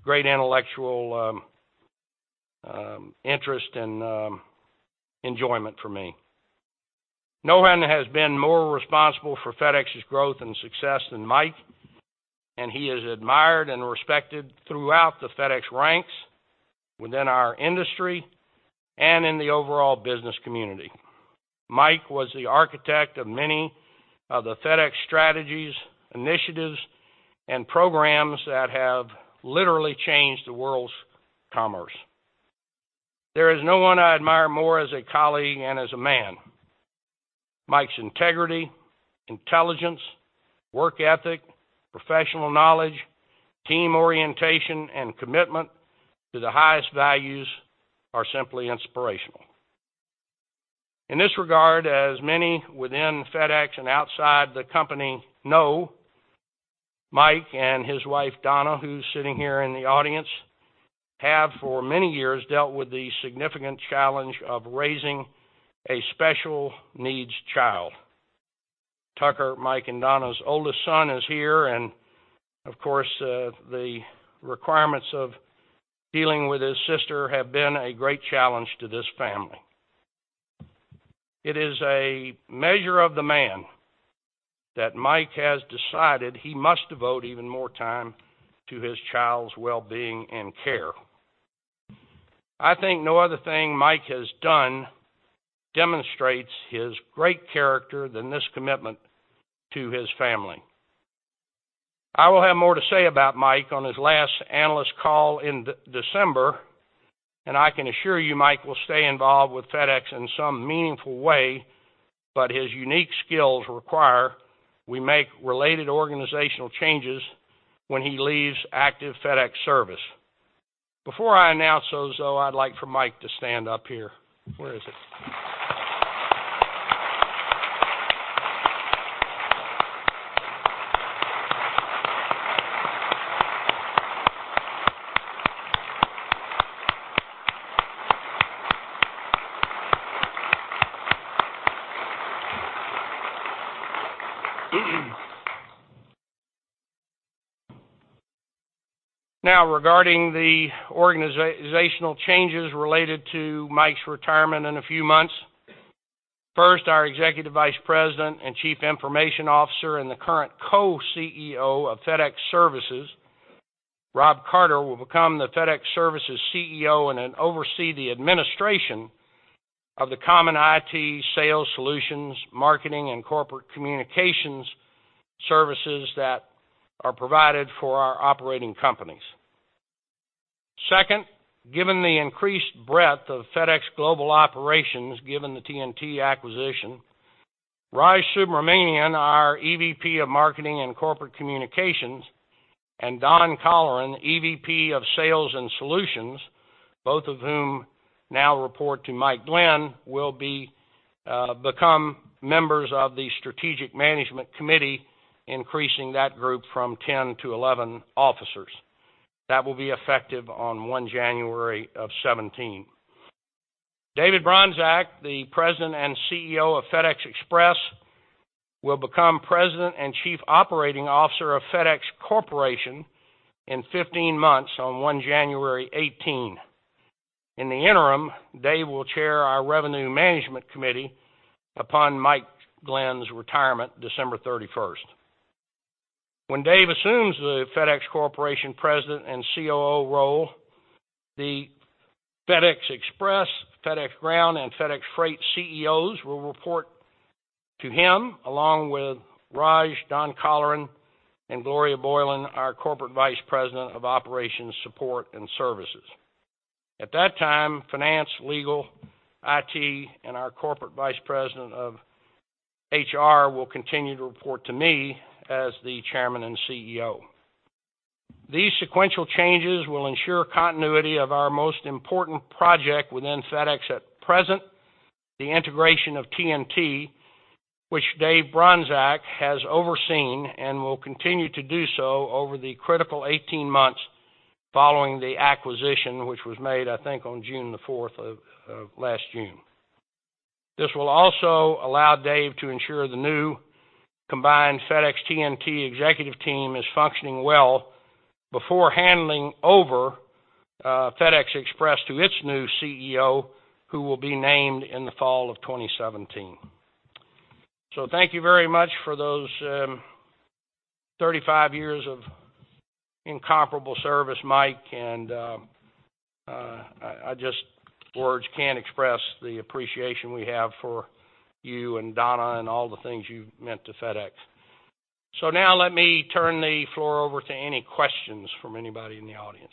great intellectual interest and enjoyment for me. No one has been more responsible for FedEx's growth and success than Mike, and he is admired and respected throughout the FedEx ranks, within our industry, and in the overall business community. Mike was the architect of many of the FedEx strategies, initiatives, and programs that have literally changed the world's commerce. There is no one I admire more as a colleague and as a man. Mike's integrity, intelligence, work ethic, professional knowledge, team orientation, and commitment to the highest values are simply inspirational. In this regard, as many within FedEx and outside the company know, Mike and his wife, Donna, who's sitting here in the audience, have, for many years, dealt with the significant challenge of raising a special needs child. Tucker, Mike and Donna's oldest son, is here, and of course, the requirements of dealing with his sister have been a great challenge to this family. It is a measure of the man that Mike has decided he must devote even more time to his child's well-being and care. I think no other thing Mike has done demonstrates his great character than this commitment to his family. I will have more to say about Mike on his last analyst call in December. I can assure you, Mike will stay involved with FedEx in some meaningful way, but his unique skills require we make related organizational changes when he leaves active FedEx service. Before I announce those, though, I'd like for Mike to stand up here. Where is he? Now, regarding the organizational changes related to Mike's retirement in a few months, first, our Executive Vice President and Chief Information Officer and the current co-CEO of FedEx Services, Rob Carter, will become the FedEx Services CEO and then oversee the administration of the common IT, sales solutions, marketing, and corporate communications services that are provided for our operating companies. Second, given the increased breadth of FedEx Global Operations, given the TNT acquisition, Raj Subramaniam, our EVP of Marketing and Corporate Communications, and Don Colleran, EVP of Sales and Solutions, both of whom now report to Mike Glenn, will become members of the Strategic Management Committee, increasing that group from 10 to 11 officers. That will be effective on January 1, 2017. David Bronczek, the President and CEO of FedEx Express, will become President and Chief Operating Officer of FedEx Corporation in 15 months, on January 1, 2018. In the interim, Dave will chair our Revenue Management Committee upon Mike Glenn's retirement, December 31. When Dave assumes the FedEx Corporation President and COO role, the FedEx Express, FedEx Ground, and FedEx Freight CEOs will report to him, along with Raj, Don Colleran, and Gloria Boyland, our Corporate Vice President of Operations, Support, and Services. At that time, Finance, Legal, IT, and our Corporate Vice President of HR will continue to report to me as the Chairman and CEO. These sequential changes will ensure continuity of our most important project within FedEx at present, the integration of TNT, which Dave Bronczek has overseen and will continue to do so over the critical 18 months following the acquisition, which was made, I think, on June 4 of last June. This will also allow Dave to ensure the new combined FedEx TNT executive team is functioning well before handing over FedEx Express to its new CEO, who will be named in the fall of 2017. So thank you very much for those 35 years of incomparable service, Mike, and I just—words can't express the appreciation we have for you and Donna and all the things you've meant to FedEx. So now let me turn the floor over to any questions from anybody in the audience.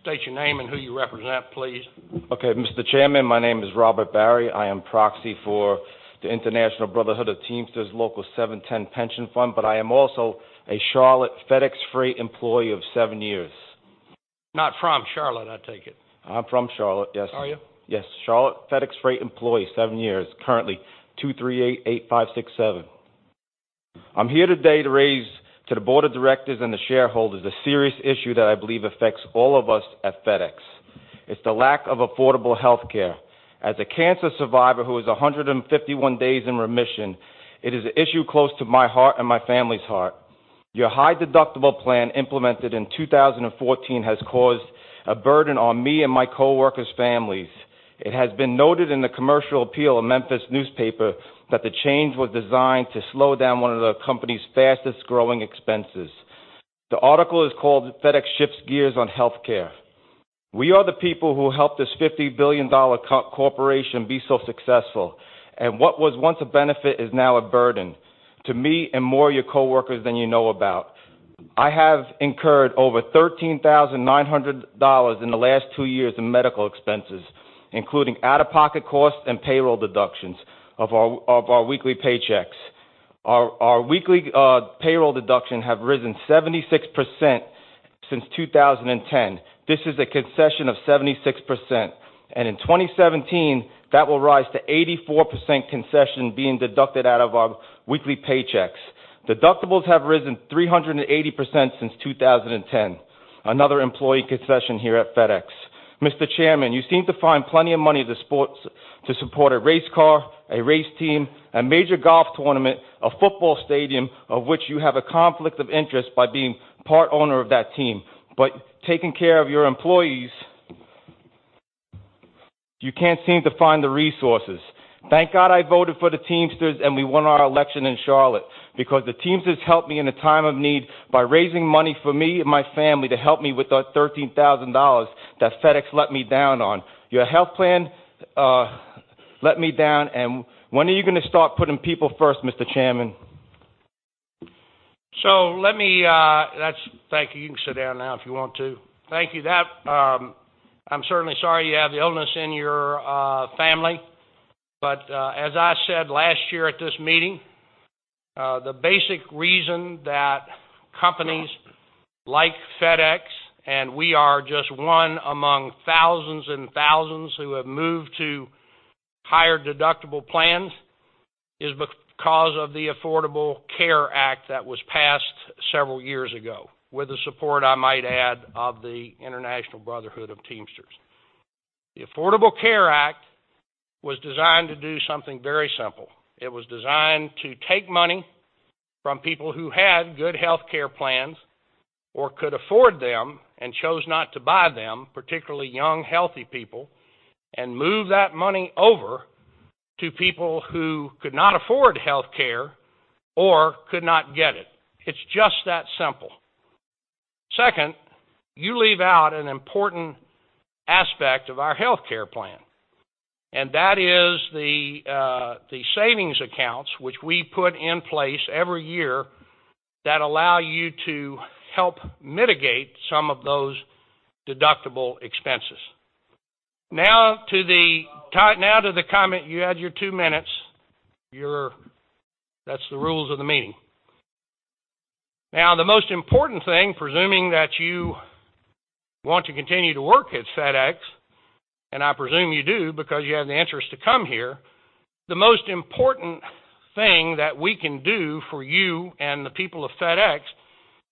State your name and who you represent, please. Okay, Mr. Chairman, my name is Robert Barry. I am proxy for the International Brotherhood of Teamsters Local 710 Pension Fund, but I am also a Charlotte FedEx Freight employee of seven years. Not from Charlotte, I take it? I'm from Charlotte, yes. Are you? Yes, Charlotte FedEx Freight employee, seven years. Currently, 238-8567. I'm here today to raise to the board of directors and the shareholders a serious issue that I believe affects all of us at FedEx. It's the lack of affordable healthcare. As a cancer survivor who is 151 days in remission, it is an issue close to my heart and my family's heart. Your high deductible plan, implemented in 2014, has caused a burden on me and my coworkers' families. It has been noted in the Commercial Appeal, a Memphis newspaper, that the change was designed to slow down one of the company's fastest-growing expenses. The article is called FedEx Shifts Gears on Healthcare. We are the people who helped this $50 billion corporation be so successful, and what was once a benefit is now a burden to me and more of your coworkers than you know about. I have incurred over $13,900 in the last two years in medical expenses, including out-of-pocket costs and payroll deductions of our, of our weekly paychecks. Our, our weekly, payroll deduction have risen 76% since 2010. This is a concession of 76%, and in 2017, that will rise to 84% concession being deducted out of our weekly paychecks. Deductibles have risen 380% since 2010, another employee concession here at FedEx. Mr. Chairman, you seem to find plenty of money to support, to support a race car, a race team, a major golf tournament, a football stadium, of which you have a conflict of interest by being part owner of that team. But taking care of your employees, you can't seem to find the resources. Thank God I voted for the Teamsters, and we won our election in Charlotte, because the Teamsters helped me in a time of need by raising money for me and my family to help me with that $13,000 that FedEx let me down on. Your health plan. Let me down, and when are you going to start putting people first, Mr. Chairman? So let me, that's thank you. You can sit down now if you want to. Thank you. That, I'm certainly sorry you have the illness in your family, but, as I said last year at this meeting, the basic reason that companies like FedEx, and we are just one among thousands and thousands who have moved to higher deductible plans, is because of the Affordable Care Act that was passed several years ago, with the support, I might add, of the International Brotherhood of Teamsters. The Affordable Care Act was designed to do something very simple. It was designed to take money from people who had good health care plans or could afford them and chose not to buy them, particularly young, healthy people, and move that money over to people who could not afford health care or could not get it. It's just that simple. Second, you leave out an important aspect of our health care plan, and that is the savings accounts, which we put in place every year, that allow you to help mitigate some of those deductible expenses. Now, to the comment. You had your two minutes. That's the rules of the meeting. Now, the most important thing, presuming that you want to continue to work at FedEx, and I presume you do because you had the interest to come here, the most important thing that we can do for you and the people of FedEx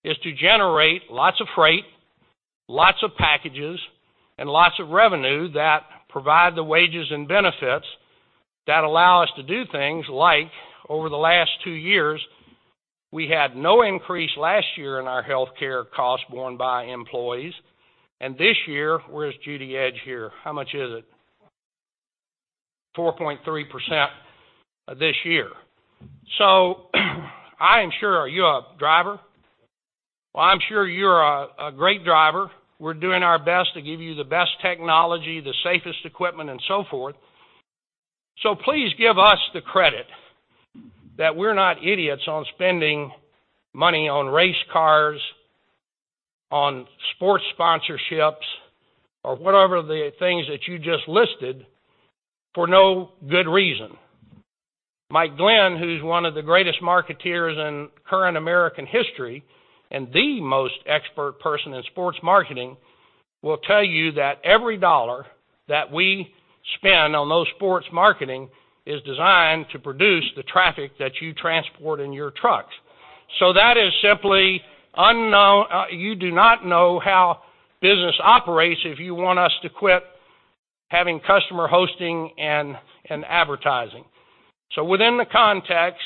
is to generate lots of freight, lots of packages, and lots of revenue that provide the wages and benefits that allow us to do things like, over the last two years, we had no increase last year in our healthcare costs borne by employees, and this year. Where's Judy Edge here? How much is it? 4.3% this year. So I am sure. Are you a driver? Well, I'm sure you're a great driver. We're doing our best to give you the best technology, the safest equipment, and so forth. So please give us the credit that we're not idiots on spending money on race cars, on sports sponsorships, or whatever the things that you just listed for no good reason. Mike Glenn, who's one of the greatest marketeers in current American history and the most expert person in sports marketing, will tell you that every dollar that we spend on those sports marketing is designed to produce the traffic that you transport in your trucks. So that is simply unknown. You do not know how business operates if you want us to quit having customer hosting and, and advertising. So within the context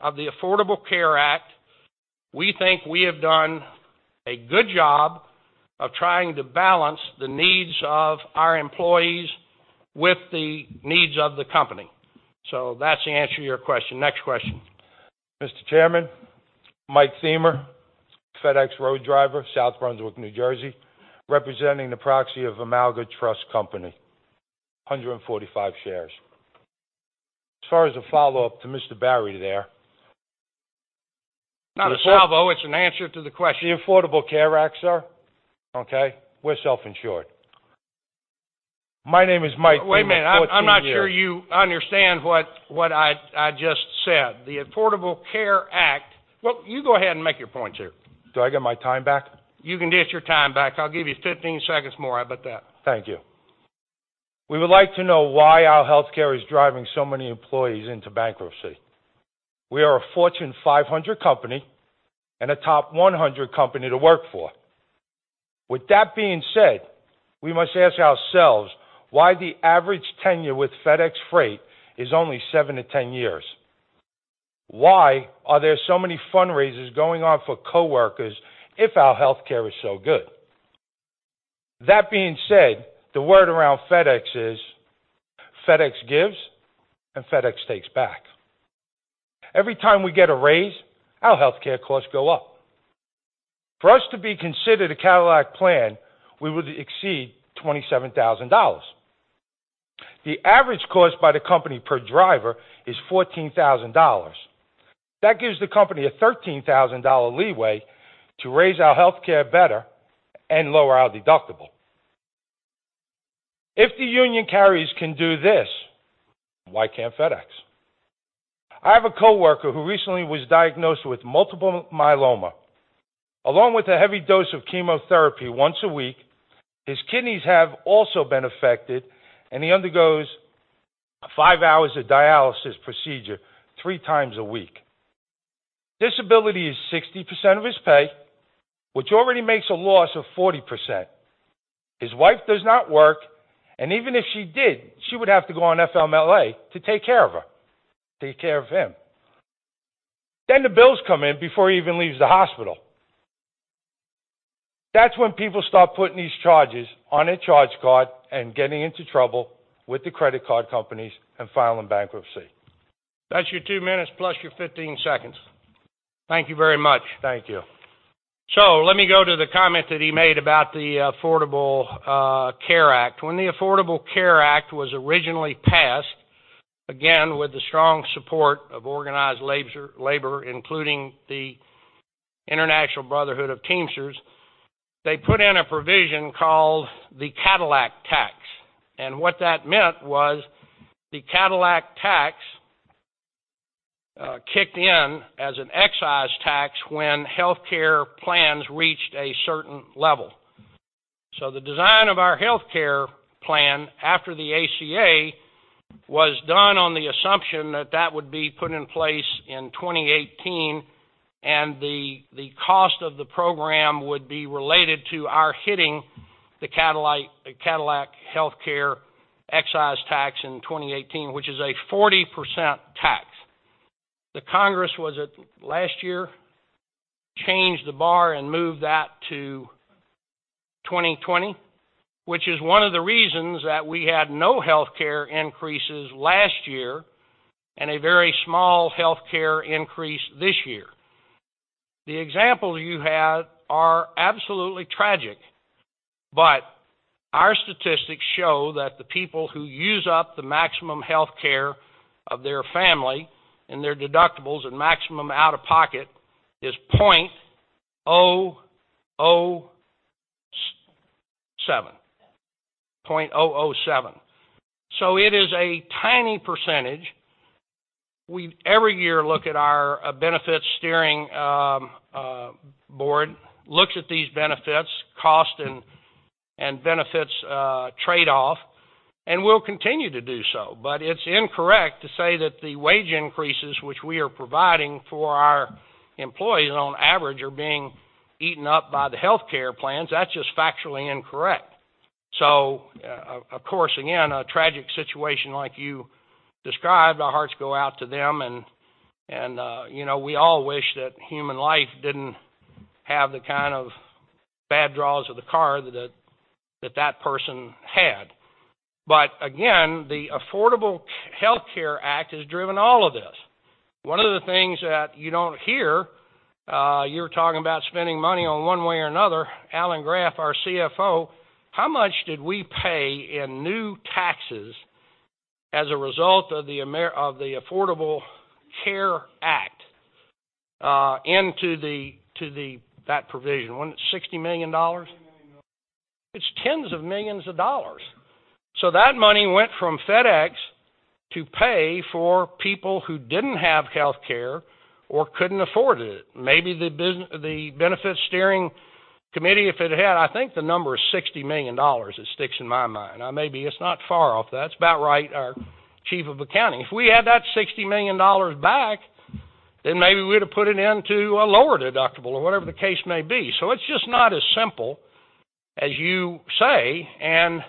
of the Affordable Care Act, we think we have done a good job of trying to balance the needs of our employees with the needs of the company. So that's the answer to your question. Next question. Mr. Chairman, Mike Thiemer, FedEx road driver, South Brunswick, New Jersey, representing the proxy of Amalgamated Trust Company, 145 shares. As far as a follow-up to Mr. Barry there- Not a salvo, it's an answer to the question. The Affordable Care Act, sir. Okay, we're self-insured. My name is Mike Thiemer, 14 years- Wait a minute. I'm not sure you understand what I just said. The Affordable Care Act... Well, you go ahead and make your point here. Do I get my time back? You can get your time back. I'll give you 15 seconds more. How about that? Thank you. We would like to know why our healthcare is driving so many employees into bankruptcy. We are a Fortune 500 company and a top 100 company to work for. With that being said, we must ask ourselves why the average tenure with FedEx Freight is only 7-10 years. Why are there so many fundraisers going on for coworkers if our healthcare is so good? That being said, the word around FedEx is, FedEx gives, and FedEx takes back. Every time we get a raise, our healthcare costs go up. For us to be considered a Cadillac plan, we would exceed $27,000. The average cost by the company per driver is $14,000. That gives the company a $13,000 leeway to raise our healthcare better and lower our deductible. If the union carriers can do this, why can't FedEx? I have a coworker who recently was diagnosed with multiple myeloma. Along with a heavy dose of chemotherapy once a week, his kidneys have also been affected, and he undergoes 5 hours of dialysis procedure 3 times a week. Disability is 60% of his pay, which already makes a loss of 40%. His wife does not work, and even if she did, she would have to go on FMLA to take care of him. Then the bills come in before he even leaves the hospital. That's when people start putting these charges on a charge card and getting into trouble with the credit card companies and filing bankruptcy. That's your 2 minutes, plus your 15 seconds.... Thank you very much. Thank you. So let me go to the comment that he made about the Affordable Care Act. When the Affordable Care Act was originally passed, again, with the strong support of organized labor, including the International Brotherhood of Teamsters, they put in a provision called the Cadillac Tax. And what that meant was the Cadillac tax kicked in as an excise tax when healthcare plans reached a certain level. So the design of our healthcare plan after the ACA was done on the assumption that that would be put in place in 2018, and the cost of the program would be related to our hitting the Cadillac healthcare excise tax in 2018, which is a 40% tax. The Congress, last year, changed the bar and moved that to 2020, which is one of the reasons that we had no healthcare increases last year and a very small healthcare increase this year. The examples you had are absolutely tragic, but our statistics show that the people who use up the maximum healthcare of their family and their deductibles and maximum out-of-pocket is 0.007. 0.007. So it is a tiny percentage. We, every year, look at our Benefit Steering Board, looks at these benefits, cost and benefits trade-off, and we'll continue to do so. But it's incorrect to say that the wage increases, which we are providing for our employees on average, are being eaten up by the healthcare plans. That's just factually incorrect. So, of course, again, a tragic situation like you described, our hearts go out to them, and you know, we all wish that human life didn't have the kind of bad draws of the card that that person had. But again, the Affordable Care Act has driven all of this. One of the things that you don't hear, you're talking about spending money one way or another. Alan Graf, our CFO, how much did we pay in new taxes as a result of the Affordable Care Act into that provision? Wasn't it $60 million? $60 million. It's tens of millions of dollars. So that money went from FedEx to pay for people who didn't have healthcare or couldn't afford it. Maybe the busi-- the Benefit Steering Committee, if it had. I think the number is $60 million, it sticks in my mind. Now, maybe it's not far off. That's about right, our Chief of Accounting. If we had that $60 million back, then maybe we'd have put it into a lower deductible or whatever the case may be. So it's just not as simple as you say, and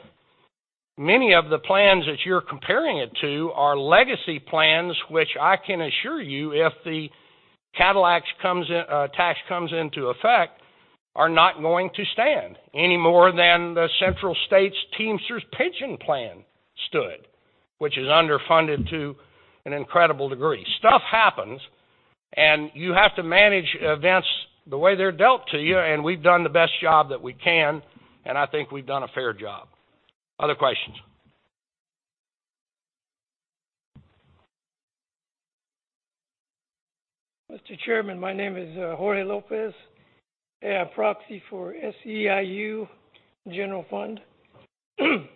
many of the plans that you're comparing it to are legacy plans, which I can assure you, if the Cadillac tax comes into effect, are not going to stand any more than the Central States Teamsters pension plan stood, which is underfunded to an incredible degree. Stuff happens, and you have to manage events the way they're dealt to you, and we've done the best job that we can, and I think we've done a fair job. Other questions? Mr. Chairman, my name is Jorge Lopez, and I'm proxy for SEIU General Fund. I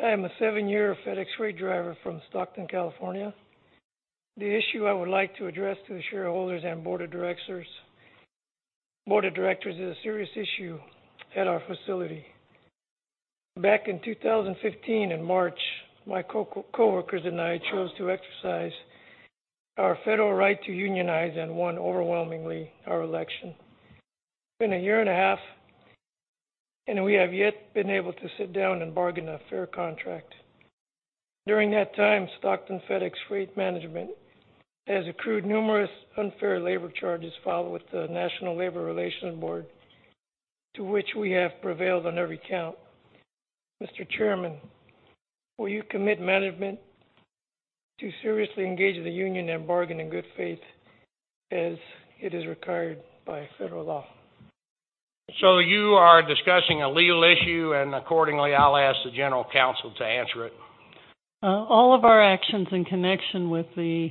am a seven-year FedEx Freight driver from Stockton, California. The issue I would like to address to the shareholders and board of directors, board of directors, is a serious issue at our facility. Back in 2015, in March, my coworkers and I chose to exercise our federal right to unionize and won overwhelmingly our election. It's been a year and a half, and we have yet been able to sit down and bargain a fair contract. During that time, Stockton FedEx Freight Management has accrued numerous unfair labor charges filed with the National Labor Relations Board, to which we have prevailed on every count. Mr. Chairman, will you commit management to seriously engage the union and bargain in good faith, as it is required by federal law? You are discussing a legal issue, and accordingly, I'll ask the general counsel to answer it. All of our actions in connection with the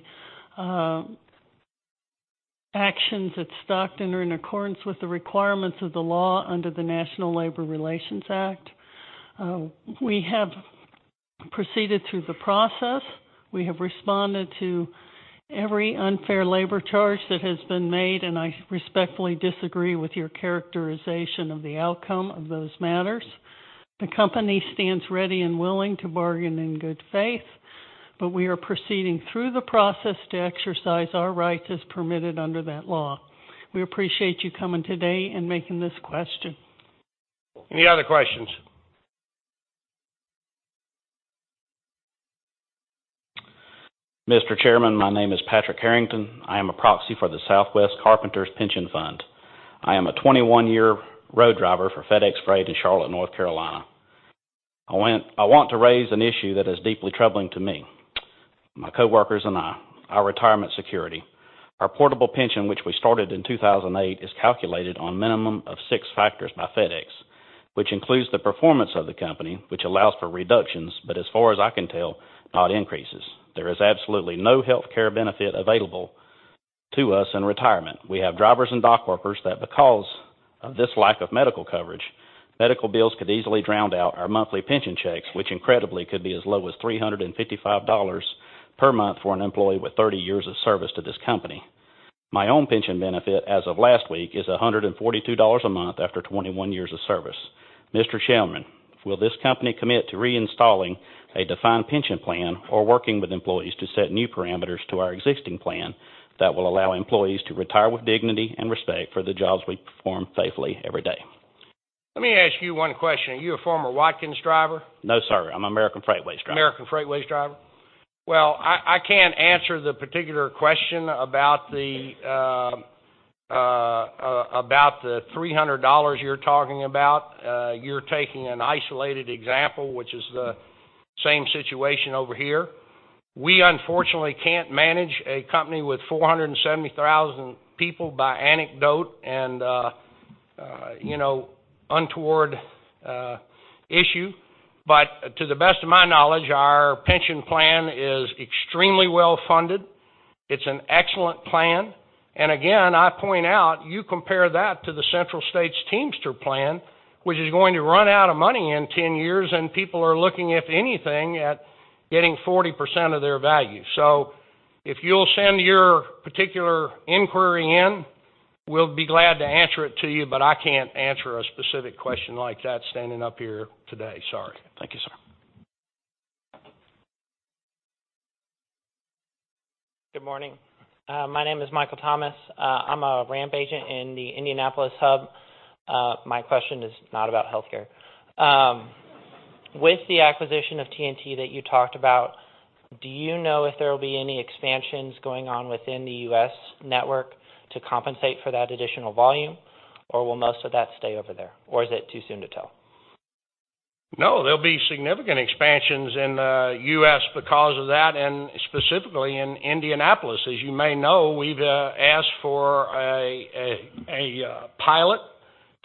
actions at Stockton are in accordance with the requirements of the law under the National Labor Relations Act. We have proceeded through the process. We have responded to every unfair labor charge that has been made, and I respectfully disagree with your characterization of the outcome of those matters. The company stands ready and willing to bargain in good faith, but we are proceeding through the process to exercise our rights as permitted under that law. We appreciate you coming today and making this question. Any other questions? Mr. Chairman, my name is Patrick Harrington. I am a proxy for the Southwest Carpenters Pension Fund. I am a 21-year road driver for FedEx Freight in Charlotte, North Carolina. I want, I want to raise an issue that is deeply troubling to me, my coworkers and I, our retirement security. Our portable pension, which we started in 2008, is calculated on a minimum of six factors by FedEx, which includes the performance of the company, which allows for reductions, but as far as I can tell, not increases. There is absolutely no healthcare benefit available to us in retirement. We have drivers and dock workers that because of this lack of medical coverage, medical bills could easily drown out our monthly pension checks, which incredibly, could be as low as $355 per month for an employee with 30 years of service to this company. My own pension benefit, as of last week, is $142 a month after 21 years of service. Mr. Chairman, will this company commit to reinstalling a defined pension plan or working with employees to set new parameters to our existing plan that will allow employees to retire with dignity and respect for the jobs we perform safely every day? Let me ask you one question. Are you a former Watkins driver? No, sir. I'm an American Freightways driver. American Freightways driver. Well, I can't answer the particular question about the $300 you're talking about. You're taking an isolated example, which is the same situation over here. We unfortunately can't manage a company with 470,000 people by anecdote and you know, untoward issue. But to the best of my knowledge, our pension plan is extremely well-funded. It's an excellent plan. And again, I point out, you compare that to the Central States Teamster plan, which is going to run out of money in 10 years, and people are looking at anything, at getting 40% of their value. So if you'll send your particular inquiry in, we'll be glad to answer it to you, but I can't answer a specific question like that standing up here today. Sorry. Thank you, sir. Good morning. My name is Michael Thomas. I'm a ramp agent in the Indianapolis hub. My question is not about healthcare. With the acquisition of TNT that you talked about, do you know if there will be any expansions going on within the US network to compensate for that additional volume, or will most of that stay over there, or is it too soon to tell? No, there'll be significant expansions in the U.S. because of that, and specifically in Indianapolis. As you may know, we've asked for a pilot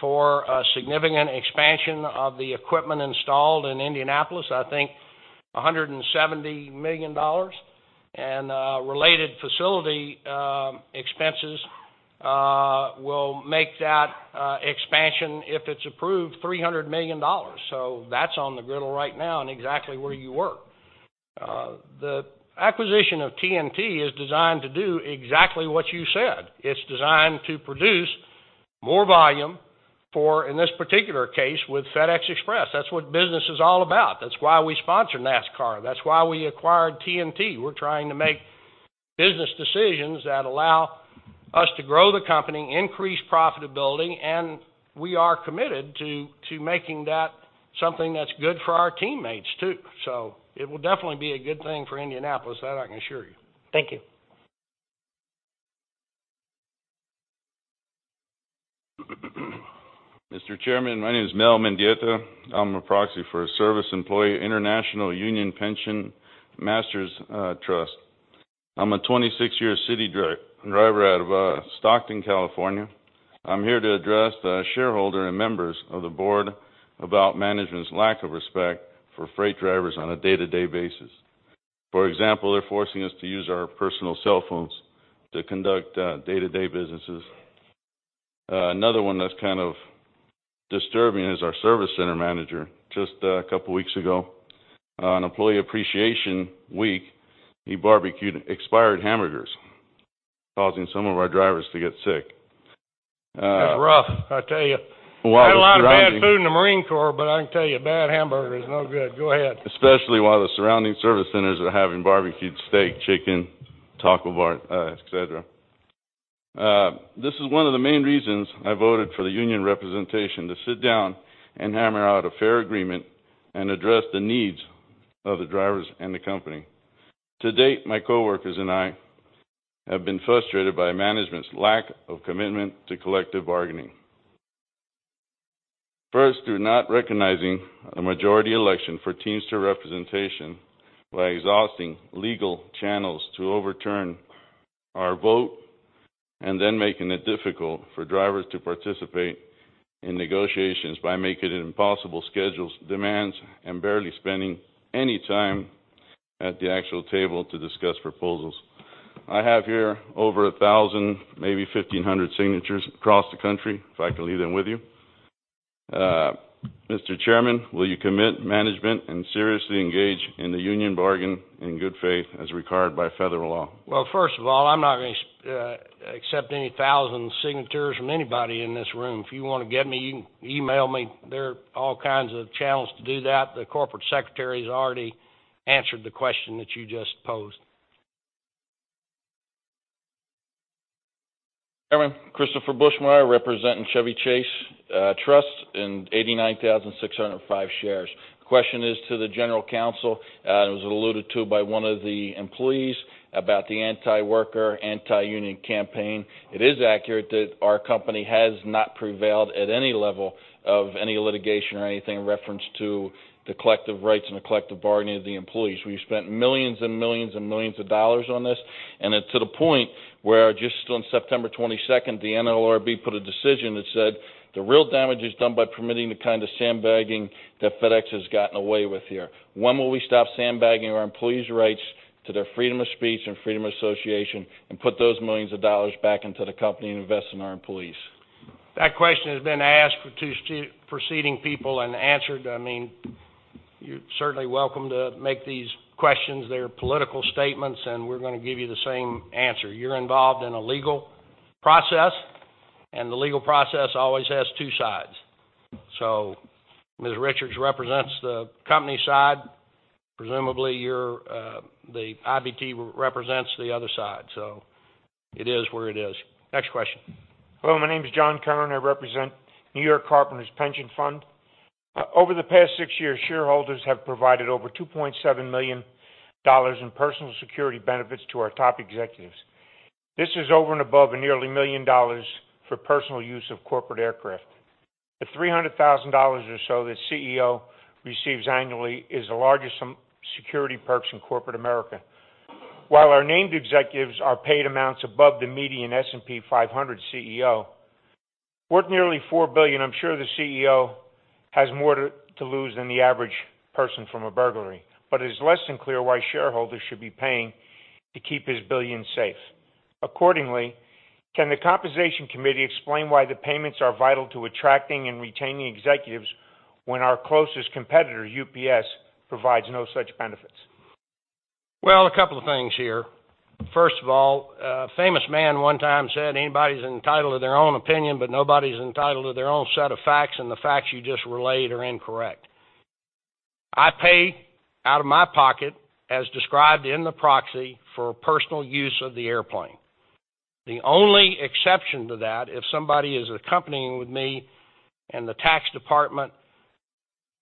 for a significant expansion of the equipment installed in Indianapolis. I think $170 million and related facility expenses will make that expansion, if it's approved, $300 million. So that's on the griddle right now and exactly where you work. The acquisition of TNT is designed to do exactly what you said. It's designed to produce more volume for, in this particular case, with FedEx Express. That's what business is all about. That's why we sponsor NASCAR. That's why we acquired TNT. We're trying to make business decisions that allow us to grow the company, increase profitability, and we are committed to making that something that's good for our teammates, too. So it will definitely be a good thing for Indianapolis, that I can assure you. Thank you. Mr. Chairman, my name is Mel Mendieta. I'm a proxy for Service Employees International Union Pension Masters Trust. I'm a 26-year city driver out of Stockton, California. I'm here to address the shareholder and members of the board about management's lack of respect for freight drivers on a day-to-day basis. For example, they're forcing us to use our personal cell phones to conduct day-to-day businesses. Another one that's kind of disturbing is our service center manager. Just a couple weeks ago, on Employee Appreciation Week, he barbecued expired hamburgers, causing some of our drivers to get sick. That's rough, I tell you. While the surrounding- I had a lot of bad food in the Marine Corps, but I can tell you, a bad hamburger is no good. Go ahead. Especially while the surrounding service centers are having barbecued steak, chicken, taco bar, et cetera. This is one of the main reasons I voted for the union representation, to sit down and hammer out a fair agreement and address the needs of the drivers and the company. To date, my coworkers and I have been frustrated by management's lack of commitment to collective bargaining. First, through not recognizing a majority election for Teamster representation by exhausting legal channels to overturn our vote, and then making it difficult for drivers to participate in negotiations by making it impossible schedules, demands, and barely spending any time at the actual table to discuss proposals. I have here over 1,000, maybe 1,500 signatures across the country, if I can leave them with you. Mr. Chairman, will you commit management and seriously engage in the union bargain in good faith as required by federal law? Well, first of all, I'm not going to accept any thousand signatures from anybody in this room. If you want to get me, you can email me. There are all kinds of channels to do that. The corporate secretary has already answered the question that you just posed. ... Christopher Buchmeyer, representing Chevy Chase Trust and 89,605 shares. The question is to the general counsel. It was alluded to by one of the employees about the anti-worker, anti-union campaign. It is accurate that our company has not prevailed at any level of any litigation or anything in reference to the collective rights and the collective bargaining of the employees. We've spent $ millions and $ millions and $ millions on this, and it's to the point where, just on September twenty-second, the NLRB put a decision that said, "The real damage is done by permitting the kind of sandbagging that FedEx has gotten away with here." When will we stop sandbagging our employees' rights to their freedom of speech and freedom of association and put those $ millions back into the company and invest in our employees? That question has been asked to preceding people and answered. I mean, you're certainly welcome to make these questions. They're political statements, and we're gonna give you the same answer. You're involved in a legal process, and the legal process always has two sides. So Ms. Richards represents the company side, presumably, you're the IBT represents the other side, so it is where it is. Next question. Hello, my name is John Kern. I represent New York Carpenters Pension Fund. Over the past six years, shareholders have provided over $2.7 million in personal security benefits to our top executives. This is over and above nearly $1 million for personal use of corporate aircraft. The $300,000 or so that CEO receives annually is the largest security perks in corporate America. While our named executives are paid amounts above the median S&P 500 CEO, worth nearly $4 billion, I'm sure the CEO has more to lose than the average person from a burglary, but it's less than clear why shareholders should be paying to keep his billion safe. Accordingly, can the Compensation Committee explain why the payments are vital to attracting and retaining executives when our closest competitor, UPS, provides no such benefits? Well, a couple of things here. First of all, a famous man one time said, "Anybody's entitled to their own opinion, but nobody's entitled to their own set of facts," and the facts you just relayed are incorrect. I pay out of my pocket, as described in the proxy, for personal use of the airplane. The only exception to that, if somebody is accompanying with me and the tax department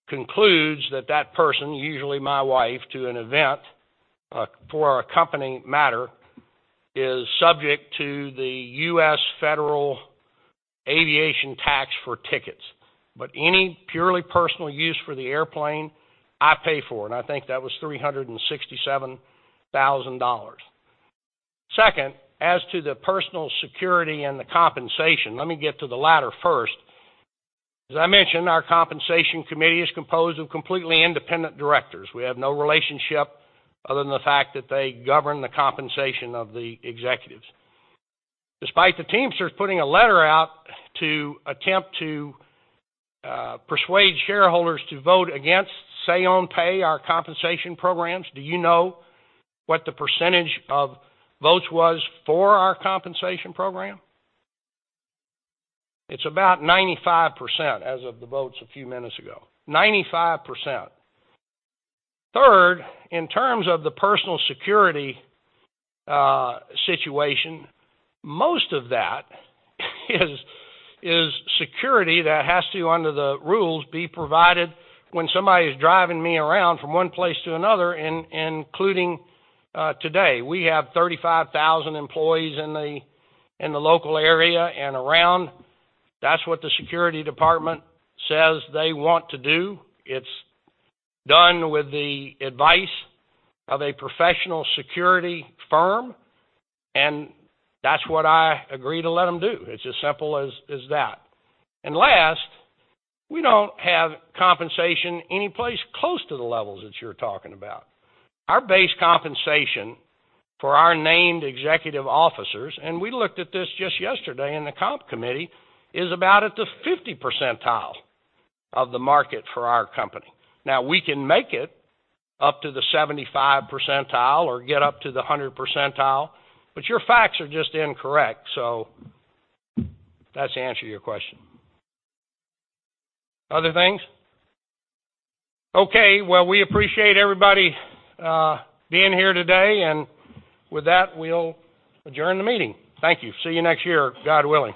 concludes that that person, usually my wife, to an event, for a company matter, is subject to the U.S. Federal Aviation tax for tickets. But any purely personal use for the airplane, I pay for, and I think that was $367,000. Second, as to the personal security and the compensation, let me get to the latter first. As I mentioned, our compensation committee is composed of completely independent directors. We have no relationship other than the fact that they govern the compensation of the executives. Despite the Teamsters putting a letter out to attempt to persuade shareholders to vote against say on pay, our compensation programs, do you know what the percentage of votes was for our compensation program? It's about 95% as of the votes a few minutes ago. 95%. Third, in terms of the personal security situation, most of that is security that has to, under the rules, be provided when somebody is driving me around from one place to another, including today. We have 35,000 employees in the local area and around. That's what the security department says they want to do. It's done with the advice of a professional security firm, and that's what I agree to let them do. It's as simple as that. And last, we don't have compensation any place close to the levels that you're talking about. Our base compensation for our named executive officers, and we looked at this just yesterday in the comp committee, is about at the 50 percentile of the market for our company. Now, we can make it up to the 75 percentile or get up to the 100 percentile, but your facts are just incorrect. So that's the answer to your question. Other things? Okay, well, we appreciate everybody being here today, and with that, we'll adjourn the meeting. Thank you. See you next year, God willing.